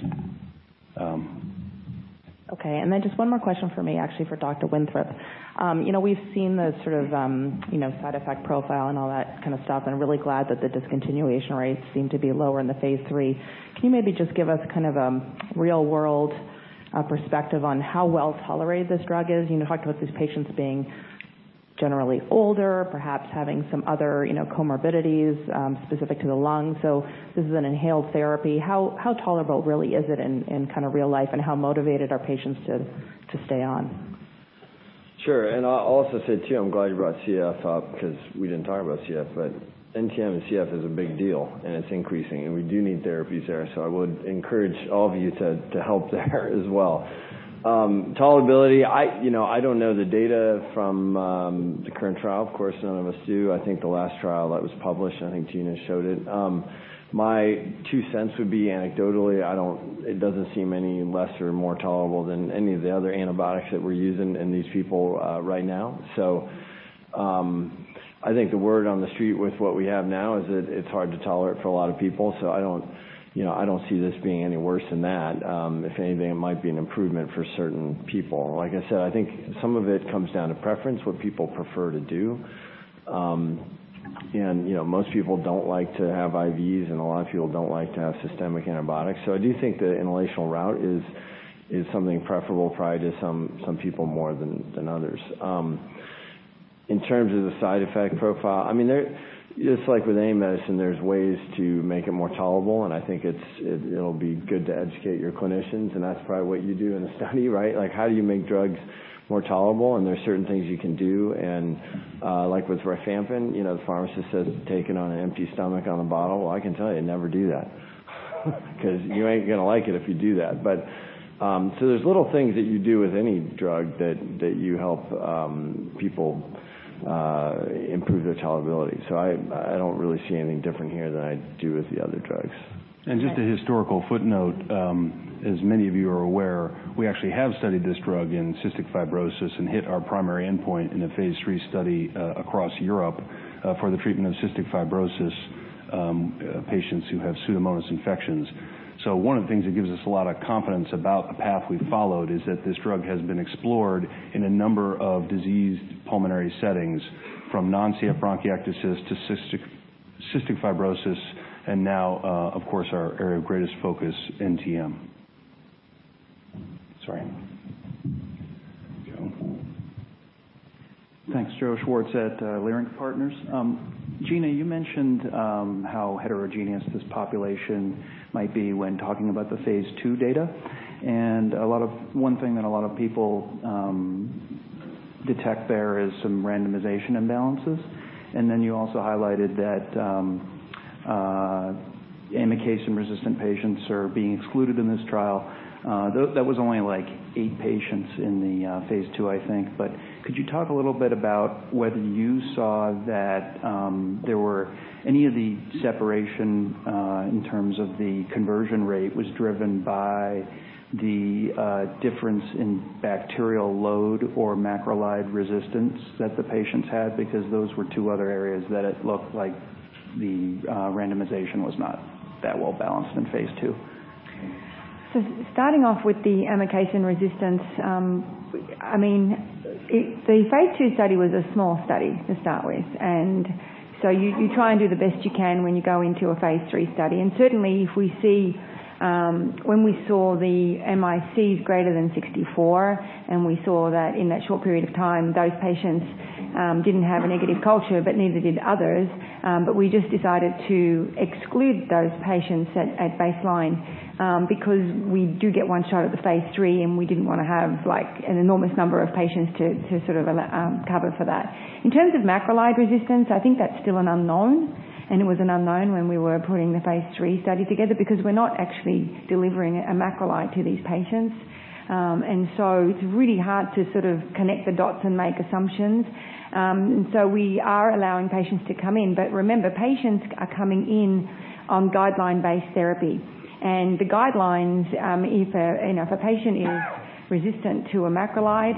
Just one more question from me, actually for Dr. Winthrop. We've seen the sort of side effect profile and all that kind of stuff, and really glad that the discontinuation rates seem to be lower in the phase III. Can you maybe just give us a real-world perspective on how well tolerated this drug is? You talked about these patients being generally older, perhaps having some other comorbidities specific to the lungs. This is an inhaled therapy. How tolerable really is it in real life, and how motivated are patients to stay on? Sure. I'll also say too, I'm glad you brought CF up because we didn't talk about CF, but NTM and CF is a big deal, and it's increasing, and we do need therapies there. I would encourage all of you to help there as well. Tolerability, I don't know the data from the current trial. Of course, none of us do. I think the last trial that was published, I think Gina showed it. My two cents would be anecdotally, it doesn't seem any less or more tolerable than any of the other antibiotics that we're using in these people right now. I think the word on the street with what we have now is that it's hard to tolerate for a lot of people, so I don't see this being any worse than that. If anything, it might be an improvement for certain people. Like I said, I think some of it comes down to preference, what people prefer to do. Most people don't like to have IVs, and a lot of people don't like to have systemic antibiotics. I do think the inhalational route is something preferable, probably to some people more than others. In terms of the side effect profile, just like with any medicine, there's ways to make it more tolerable, and I think it'll be good to educate your clinicians, and that's probably what you do in a study, right? How do you make drugs more tolerable? There's certain things you can do. Like with rifampin, the pharmacist says, "Take it on an empty stomach" on the bottle. Well, I can tell you, never do that. You ain't going to like it if you do that. There's little things that you do with any drug that you help people improve their tolerability. I don't really see anything different here than I do with the other drugs. Just a historical footnote. As many of you are aware, we actually have studied this drug in cystic fibrosis and hit our primary endpoint in a phase III study across Europe for the treatment of cystic fibrosis patients who have Pseudomonas infections. One of the things that gives us a lot of confidence about the path we've followed is that this drug has been explored in a number of diseased pulmonary settings, from non-CF bronchiectasis to cystic fibrosis, and now, of course, our area of greatest focus, NTM. Sorry. Joe. Thanks. Joseph Schwartz at Leerink Partners. Gina, you mentioned how heterogeneous this population might be when talking about the phase II data. One thing that a lot of people detect there is some randomization imbalances. You also highlighted that amikacin-resistant patients are being excluded in this trial. That was only eight patients in the phase II, I think. Could you talk a little bit about whether you saw that there were any of the separation in terms of the conversion rate was driven by the difference in bacterial load or macrolide resistance that the patients had, because those were two other areas that it looked like the randomization was not that well balanced in phase II. Starting off with the amikacin resistance, the phase II study was a small study to start with. You try and do the best you can when you go into a phase III study. Certainly when we saw the MICs greater than 64, and we saw that in that short period of time, those patients didn't have a negative culture, but neither did others. We just decided to exclude those patients at baseline, because we do get one shot at the phase III, and we didn't want to have an enormous number of patients to sort of cover for that. In terms of macrolide resistance, I think that's still an unknown, and it was an unknown when we were putting the phase III study together, because we're not actually delivering a macrolide to these patients. It's really hard to sort of connect the dots and make assumptions. We are allowing patients to come in. Remember, patients are coming in on guideline-based therapy. The guidelines, if a patient is resistant to a macrolide,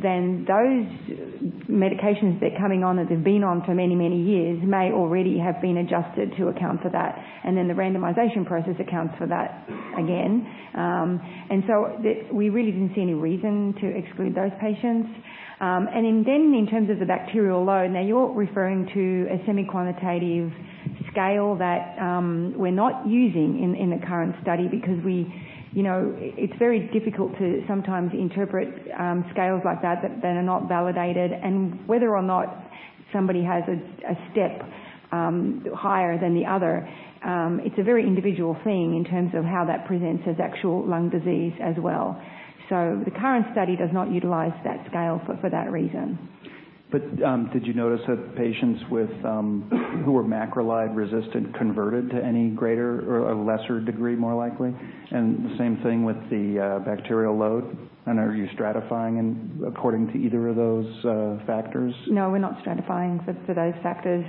then those medications they're coming on that they've been on for many, many years may already have been adjusted to account for that. The randomization process accounts for that again. We really didn't see any reason to exclude those patients. In terms of the bacterial load, now you're referring to a semi-quantitative scale that we're not using in the current study because it's very difficult to sometimes interpret scales like that are not validated. Whether or not somebody has a step higher than the other, it's a very individual thing in terms of how that presents as actual lung disease as well. The current study does not utilize that scale for that reason. Did you notice that patients who were macrolide resistant converted to any greater or a lesser degree, more likely? The same thing with the bacterial load. Are you stratifying according to either of those factors? No, we're not stratifying for those factors.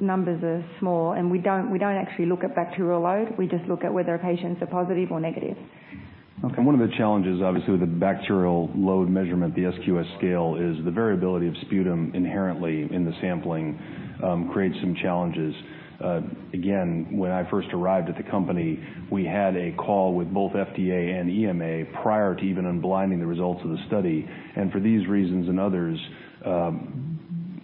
Numbers are small, and we don't actually look at bacterial load. We just look at whether patients are positive or negative. Okay. One of the challenges, obviously, with the bacterial load measurement, the SQS scale, is the variability of sputum inherently in the sampling creates some challenges. When I first arrived at the company, we had a call with both FDA and EMA prior to even unblinding the results of the study. For these reasons and others, to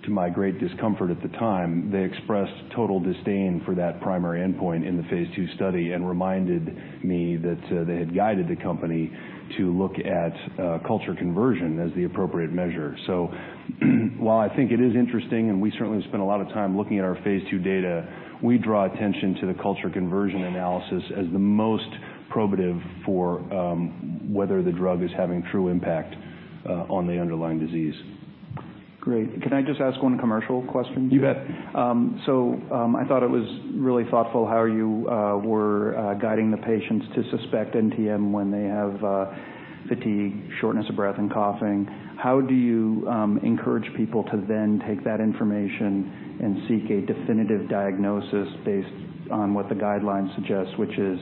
my great discomfort at the time, they expressed total disdain for that primary endpoint in the phase II study and reminded me that they had guided the company to look at culture conversion as the appropriate measure. While I think it is interesting, and we certainly have spent a lot of time looking at our phase II data, we draw attention to the culture conversion analysis as the most probative for whether the drug is having true impact on the underlying disease. Great. Can I just ask one commercial question? You bet. I thought it was really thoughtful how you were guiding the patients to suspect NTM when they have fatigue, shortness of breath, and coughing. How do you encourage people to then take that information and seek a definitive diagnosis based on what the guidelines suggest, which is,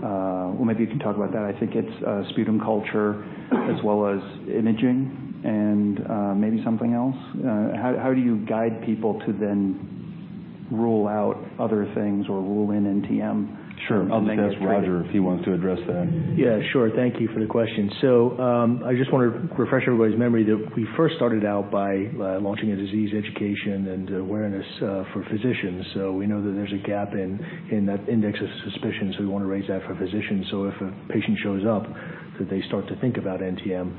well, maybe you can talk about that. I think it's sputum culture as well as imaging and maybe something else. How do you guide people to then rule out other things or rule in NTM? Sure. I'll ask Roger if he wants to address that. I just want to refresh everybody's memory that we first started out by launching a disease education and awareness for physicians. We know that there's a gap in that index of suspicion, so we want to raise that for physicians, so if a patient shows up, that they start to think about NTM.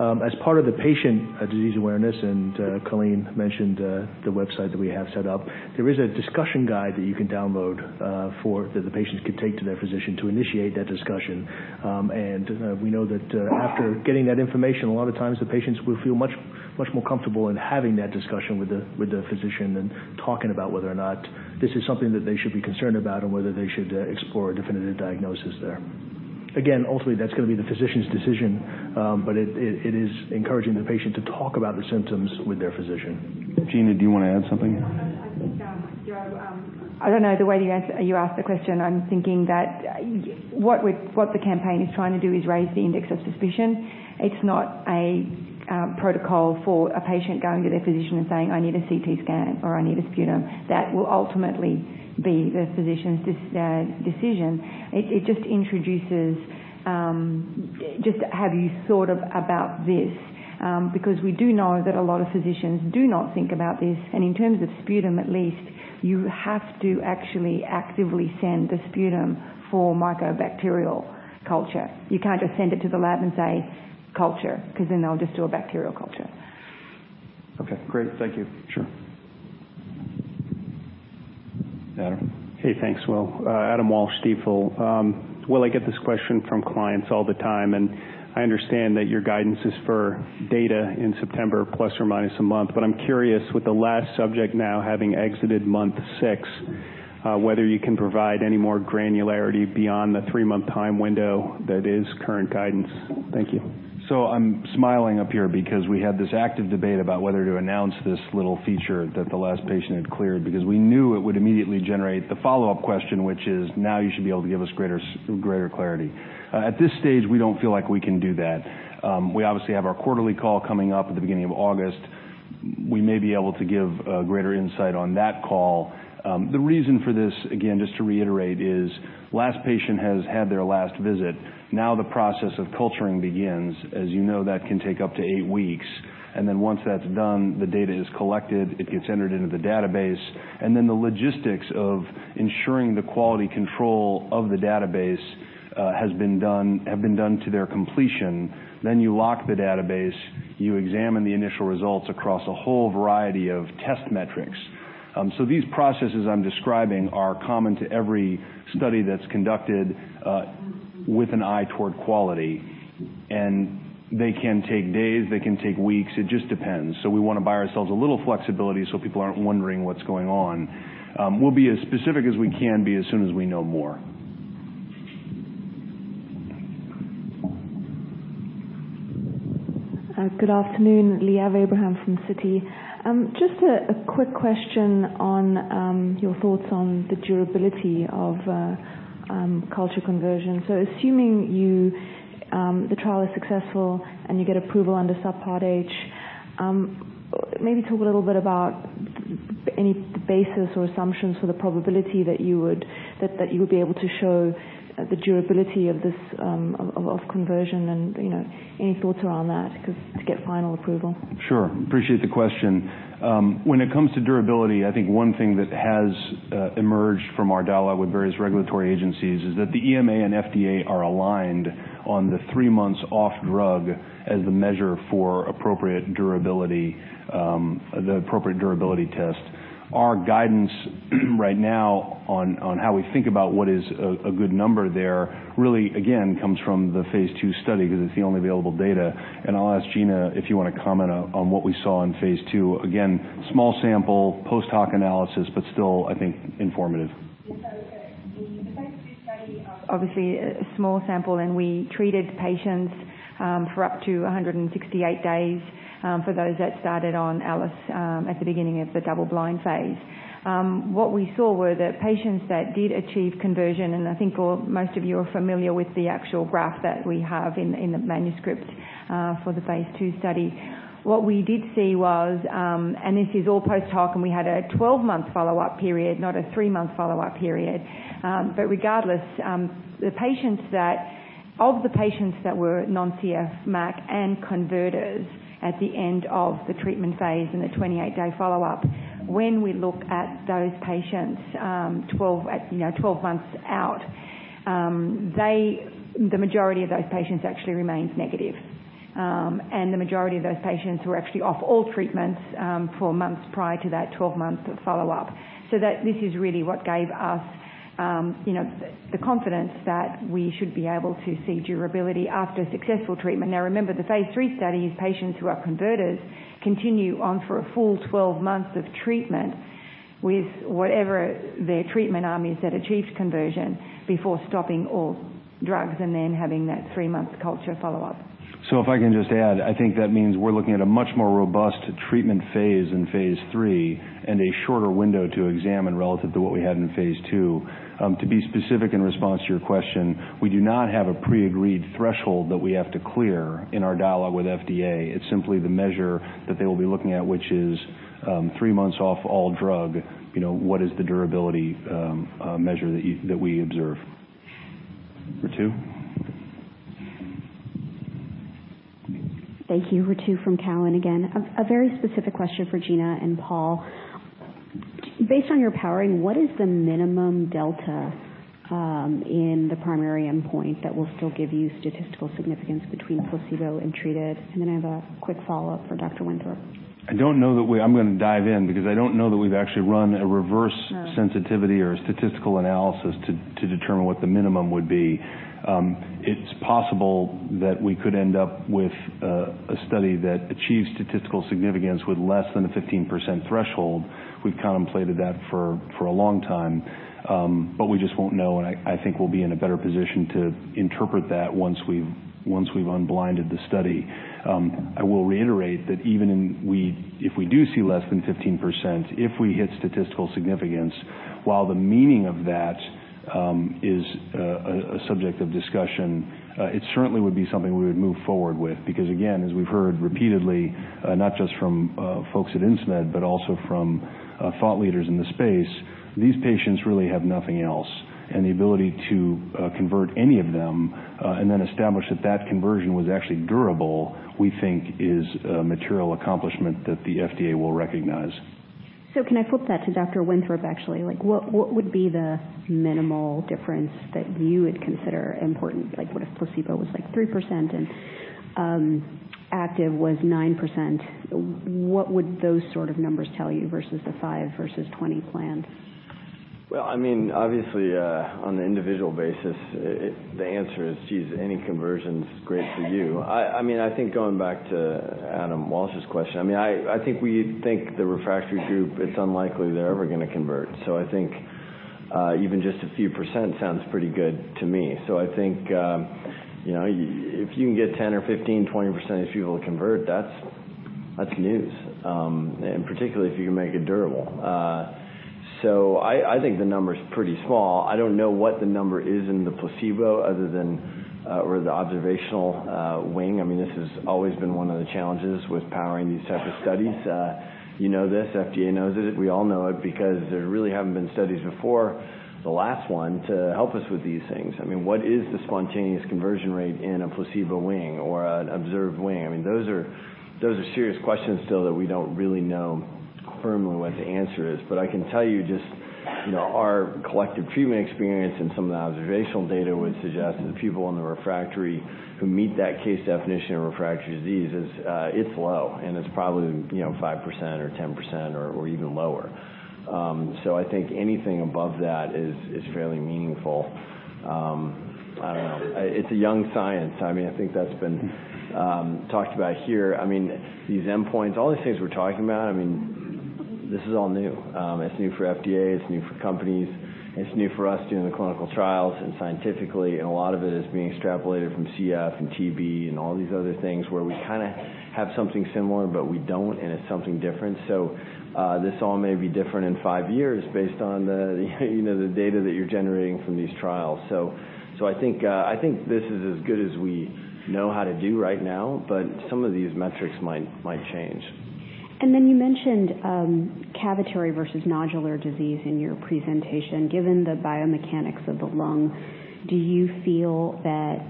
As part of the patient disease awareness, and Colleen mentioned the website that we have set up, there is a discussion guide that you can download that the patients can take to their physician to initiate that discussion. We know that after getting that information, a lot of times the patients will feel much more comfortable in having that discussion with their physician than talking about whether or not this is something that they should be concerned about or whether they should explore a definitive diagnosis there. Again, ultimately, that's going to be the physician's decision, but it is encouraging the patient to talk about the symptoms with their physician. Gina, do you want to add something? I think, I don't know, the way you asked the question, I'm thinking that what the campaign is trying to do is raise the index of suspicion. It's not a protocol for a patient going to their physician and saying, "I need a CT scan," or, "I need a sputum." That will ultimately be the physician's decision. It just introduces, have you thought about this? Because we do know that a lot of physicians do not think about this, and in terms of sputum, at least, you have to actually actively send the sputum for mycobacterial culture. You can't just send it to the lab and say culture, because then they'll just do a bacterial culture. Okay, great. Thank you. Sure. Adam. Hey, thanks, Will. Adam Walsh, Stifel. Will, I get this question from clients all the time, and I understand that your guidance is for data in September, plus or minus a month. I'm curious, with the last subject now having exited month six, whether you can provide any more granularity beyond the three-month time window that is current guidance. Thank you. I'm smiling up here because we had this active debate about whether to announce this little feature that the last patient had cleared because we knew it would immediately generate the follow-up question, which is, now you should be able to give us greater clarity. At this stage, we don't feel like we can do that. We obviously have our quarterly call coming up at the beginning of August. We may be able to give greater insight on that call. The reason for this, again, just to reiterate, is last patient has had their last visit. Now the process of culturing begins. As you know, that can take up to eight weeks. Once that's done, the data is collected, it gets entered into the database, and then the logistics of ensuring the quality control of the database have been done to their completion. You lock the database, you examine the initial results across a whole variety of test metrics. These processes I'm describing are common to every study that's conducted with an eye toward quality. They can take days, they can take weeks, it just depends. We want to buy ourselves a little flexibility so people aren't wondering what's going on. We'll be as specific as we can be as soon as we know more. Good afternoon, Liav Abraham from Citi. Just a quick question on your thoughts on the durability of culture conversion. Assuming the trial is successful and you get approval under Subpart H, maybe talk a little bit about any basis or assumptions for the probability that you would be able to show the durability of conversion and any thoughts around that to get final approval. Sure. Appreciate the question. When it comes to durability, I think one thing that has emerged from our dialogue with various regulatory agencies is that the EMA and FDA are aligned on the three months off drug as the measure for appropriate durability, the appropriate durability test. Our guidance right now on how we think about what is a good number there really, again, comes from the phase II study because it's the only available data. I'll ask Gina if you want to comment on what we saw in phase II. Again, small sample, post hoc analysis, but still, I think, informative. Yeah. The phase II study, obviously, a small sample, and we treated patients for up to 168 days for those that started on ALIS at the beginning of the double blind phase. What we saw were the patients that did achieve conversion, I think most of you are familiar with the actual graph that we have in the manuscript for the phase II study. What we did see was, this is all post hoc, and we had a 12-month follow-up period, not a three-month follow-up period. Regardless, of the patients that were non-CF MAC and converters at the end of the treatment phase and the 28-day follow-up, when we look at those patients 12 months out, the majority of those patients actually remained negative. The majority of those patients were actually off all treatments for months prior to that 12-month follow-up. This is really what gave us the confidence that we should be able to see durability after successful treatment. Remember, the phase III study, patients who are converters continue on for a full 12 months of treatment. With whatever their treatment arm is that achieves conversion before stopping all drugs and then having that three-month culture follow-up. If I can just add, I think that means we're looking at a much more robust treatment phase in phase III and a shorter window to examine relative to what we had in phase II. To be specific in response to your question, we do not have a pre-agreed threshold that we have to clear in our dialogue with FDA. It's simply the measure that they will be looking at, which is three months off all drug, what is the durability measure that we observe. Ritu? Thank you. Ritu from Cowen again. A very specific question for Gina and Paul. Based on your powering, what is the minimum delta in the primary endpoint that will still give you statistical significance between placebo and treated? I have a quick follow-up for Dr. Winthrop. I'm going to dive in because I don't know that we've actually run a reverse sensitivity or a statistical analysis to determine what the minimum would be. It's possible that we could end up with a study that achieves statistical significance with less than a 15% threshold. We've contemplated that for a long time. We just won't know, and I think we'll be in a better position to interpret that once we've unblinded the study. I will reiterate that even if we do see less than 15%, if we hit statistical significance, while the meaning of that is a subject of discussion, it certainly would be something we would move forward with. Again, as we've heard repeatedly, not just from folks at Insmed, but also from thought leaders in the space, these patients really have nothing else. The ability to convert any of them and then establish that conversion was actually durable, we think is a material accomplishment that the FDA will recognize. Can I flip that to Dr. Winthrop, actually? What would be the minimal difference that you would consider important? What if placebo was 3% and active was 9%? What would those sort of numbers tell you versus the 5 versus 20 planned? Well, obviously, on the individual basis, the answer is, geez, any conversion's great for you. I think going back to Adam Walsh's question, I think we think the refractory group, it's unlikely they're ever going to convert. I think even just a few percent sounds pretty good to me. I think, if you can get 10 or 15, 20% of these people to convert, that's news. Particularly if you can make it durable. I think the number's pretty small. I don't know what the number is in the placebo other than or the observational wing. This has always been one of the challenges with powering these types of studies. You know this, FDA knows it, we all know it, there really haven't been studies before the last one to help us with these things. What is the spontaneous conversion rate in a placebo wing or an observed wing? Those are serious questions still that we don't really know firmly what the answer is. I can tell you just our collective treatment experience and some of the observational data would suggest that the people in the refractory who meet that case definition of refractory disease, it's low, and it's probably 5% or 10% or even lower. I think anything above that is fairly meaningful. I don't know. It's a young science. I think that's been talked about here. These endpoints, all these things we're talking about, this is all new. It's new for FDA, it's new for companies, it's new for us doing the clinical trials and scientifically, and a lot of it is being extrapolated from CF and TB and all these other things where we kind of have something similar, but we don't and it's something different. This all may be different in five years based on the data that you're generating from these trials. I think this is as good as we know how to do right now, but some of these metrics might change. You mentioned cavitary versus nodular disease in your presentation. Given the biomechanics of the lung, do you feel that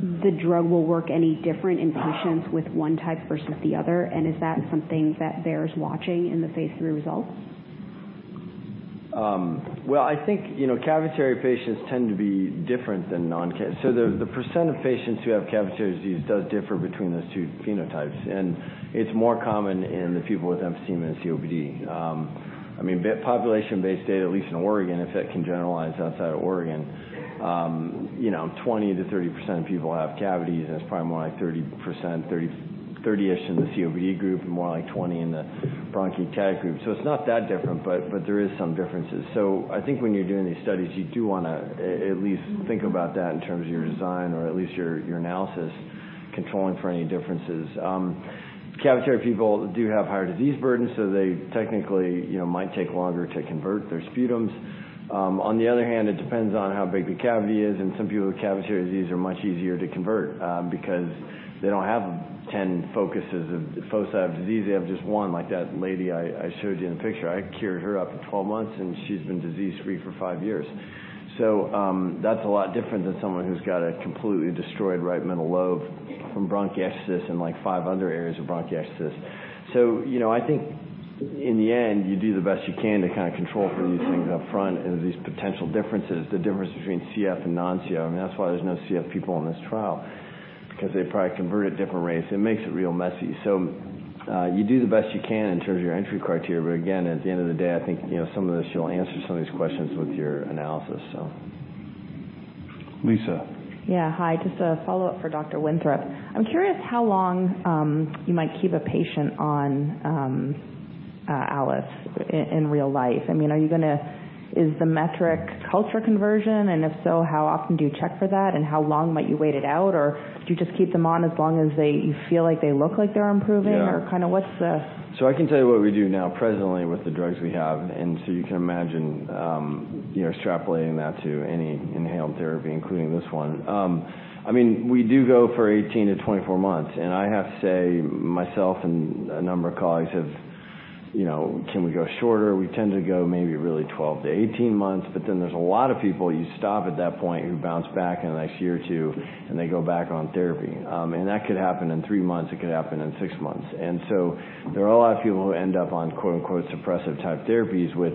the drug will work any different in patients with one type versus the other? Is that something that bears watching in the phase III results? I think cavitary patients tend to be different than. The percent of patients who have cavitary disease does differ between those two phenotypes, and it's more common in the people with emphysema than COPD. Population-based data, at least in Oregon, if that can generalize outside of Oregon, 20%-30% of people have cavities, and it's probably more like 30%, 30-ish in the COPD group, and more like 20 in the bronchiectasis group. It's not that different, but there is some differences. I think when you're doing these studies, you do want to at least think about that in terms of your design or at least your analysis, controlling for any differences. Cavitary people do have higher disease burdens, they technically might take longer to convert their sputums. On the other hand, it depends on how big the cavity is, and some people with cavitary disease are much easier to convert because they don't have 10 foci of disease. They have just one, like that lady I showed you in the picture. I cured her up for 12 months, and she's been disease-free for five years. That's a lot different than someone who's got a completely destroyed right middle lobe from bronchiectasis and, like, five other areas of bronchiectasis. I think in the end, you do the best you can to control for these things upfront and these potential differences, the difference between CF and non-CF. That's why there's no CF people in this trial, because they probably convert at different rates. It makes it real messy. You do the best you can in terms of your entry criteria, but again, at the end of the day, I think some of this you'll answer some of these questions with your analysis. Liisa. Yeah, hi. Just a follow-up for Dr. Winthrop. I'm curious how long you might keep a patient on ALIS in real life. Is the metric culture conversion? And if so, how often do you check for that, and how long might you wait it out? Do you just keep them on as long as you feel like they look like they're improving? Yeah. Or what's the- I can tell you what we do now presently with the drugs we have, and so you can imagine extrapolating that to any inhaled therapy, including this one. We do go for 18-24 months, and I have to say, myself and a number of colleagues have, can we go shorter? We tend to go maybe really 12-18 months, but then there's a lot of people you stop at that point who bounce back in the next year or two, and they go back on therapy. That could happen in three months, it could happen in six months. There are a lot of people who end up on quote unquote 'suppressive type therapies' with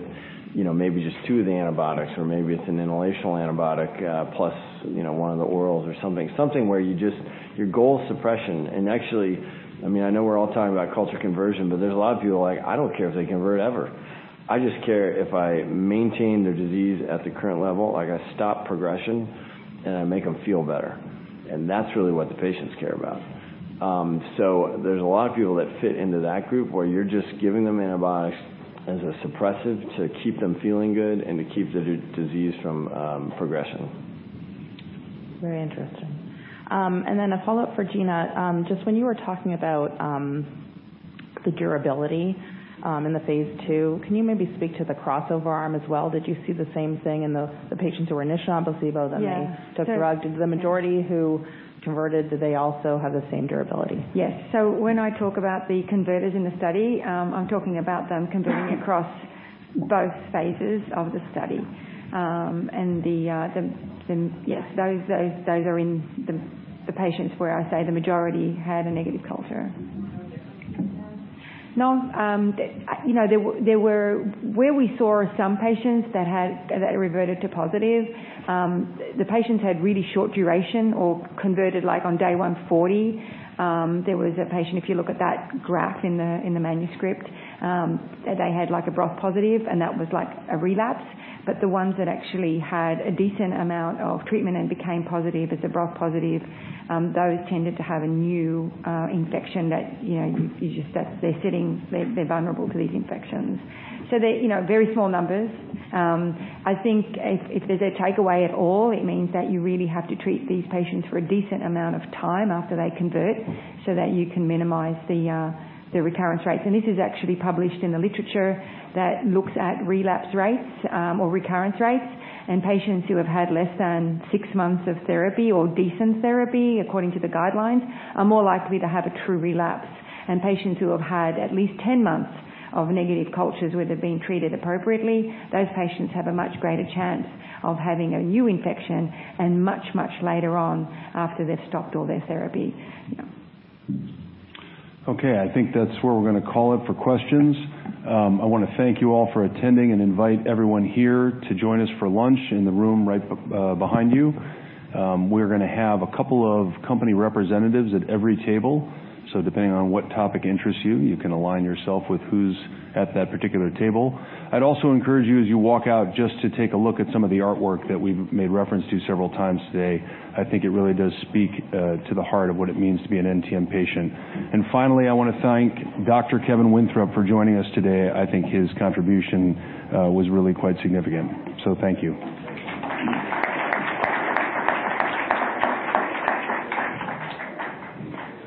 maybe just two of the antibiotics, or maybe it's an inhalational antibiotic, plus one of the orals or something. Something where your goal is suppression. Actually, I know we're all talking about culture conversion, but there's a lot of people, like, I don't care if they convert ever. I just care if I maintain their disease at the current level, I stop progression, and I make them feel better. That's really what the patients care about. There's a lot of people that fit into that group, where you're just giving them antibiotics as a suppressive to keep them feeling good and to keep the disease from progressing. Very interesting. Then a follow-up for Gina. Just when you were talking about the durability in the phase II, can you maybe speak to the crossover arm as well? Did you see the same thing in the patients who were initially on placebo, then they Yeah took the drug. Did the majority who converted, did they also have the same durability? Yes. When I talk about the converters in the study, I'm talking about them converting across both phases of the study. Yes, those are in the patients where I say the majority had a negative culture. Were there ones? No. Where we saw some patients that reverted to positive, the patients had really short duration or converted like on day 140. There was a patient, if you look at that graph in the manuscript, they had a broth positive, and that was a relapse. The ones that actually had a decent amount of treatment and became positive as a broth positive, those tended to have a new infection that they're sitting, they're vulnerable to these infections. They're very small numbers. I think if there's a takeaway at all, it means that you really have to treat these patients for a decent amount of time after they convert so that you can minimize the recurrence rates. This is actually published in the literature that looks at relapse rates, or recurrence rates, and patients who have had less than six months of therapy or decent therapy according to the guidelines, are more likely to have a true relapse. Patients who have had at least 10 months of negative cultures where they're being treated appropriately, those patients have a much greater chance of having a new infection, and much, much later on after they've stopped all their therapy. Yeah. Okay, I think that's where we're going to call it for questions. I want to thank you all for attending and invite everyone here to join us for lunch in the room right behind you. We're going to have a couple of company representatives at every table, so depending on what topic interests you can align yourself with who's at that particular table. I'd also encourage you, as you walk out, just to take a look at some of the artwork that we've made reference to several times today. I think it really does speak to the heart of what it means to be an NTM patient. Finally, I want to thank Dr. Kevin Winthrop for joining us today. I think his contribution was really quite significant. Thank you.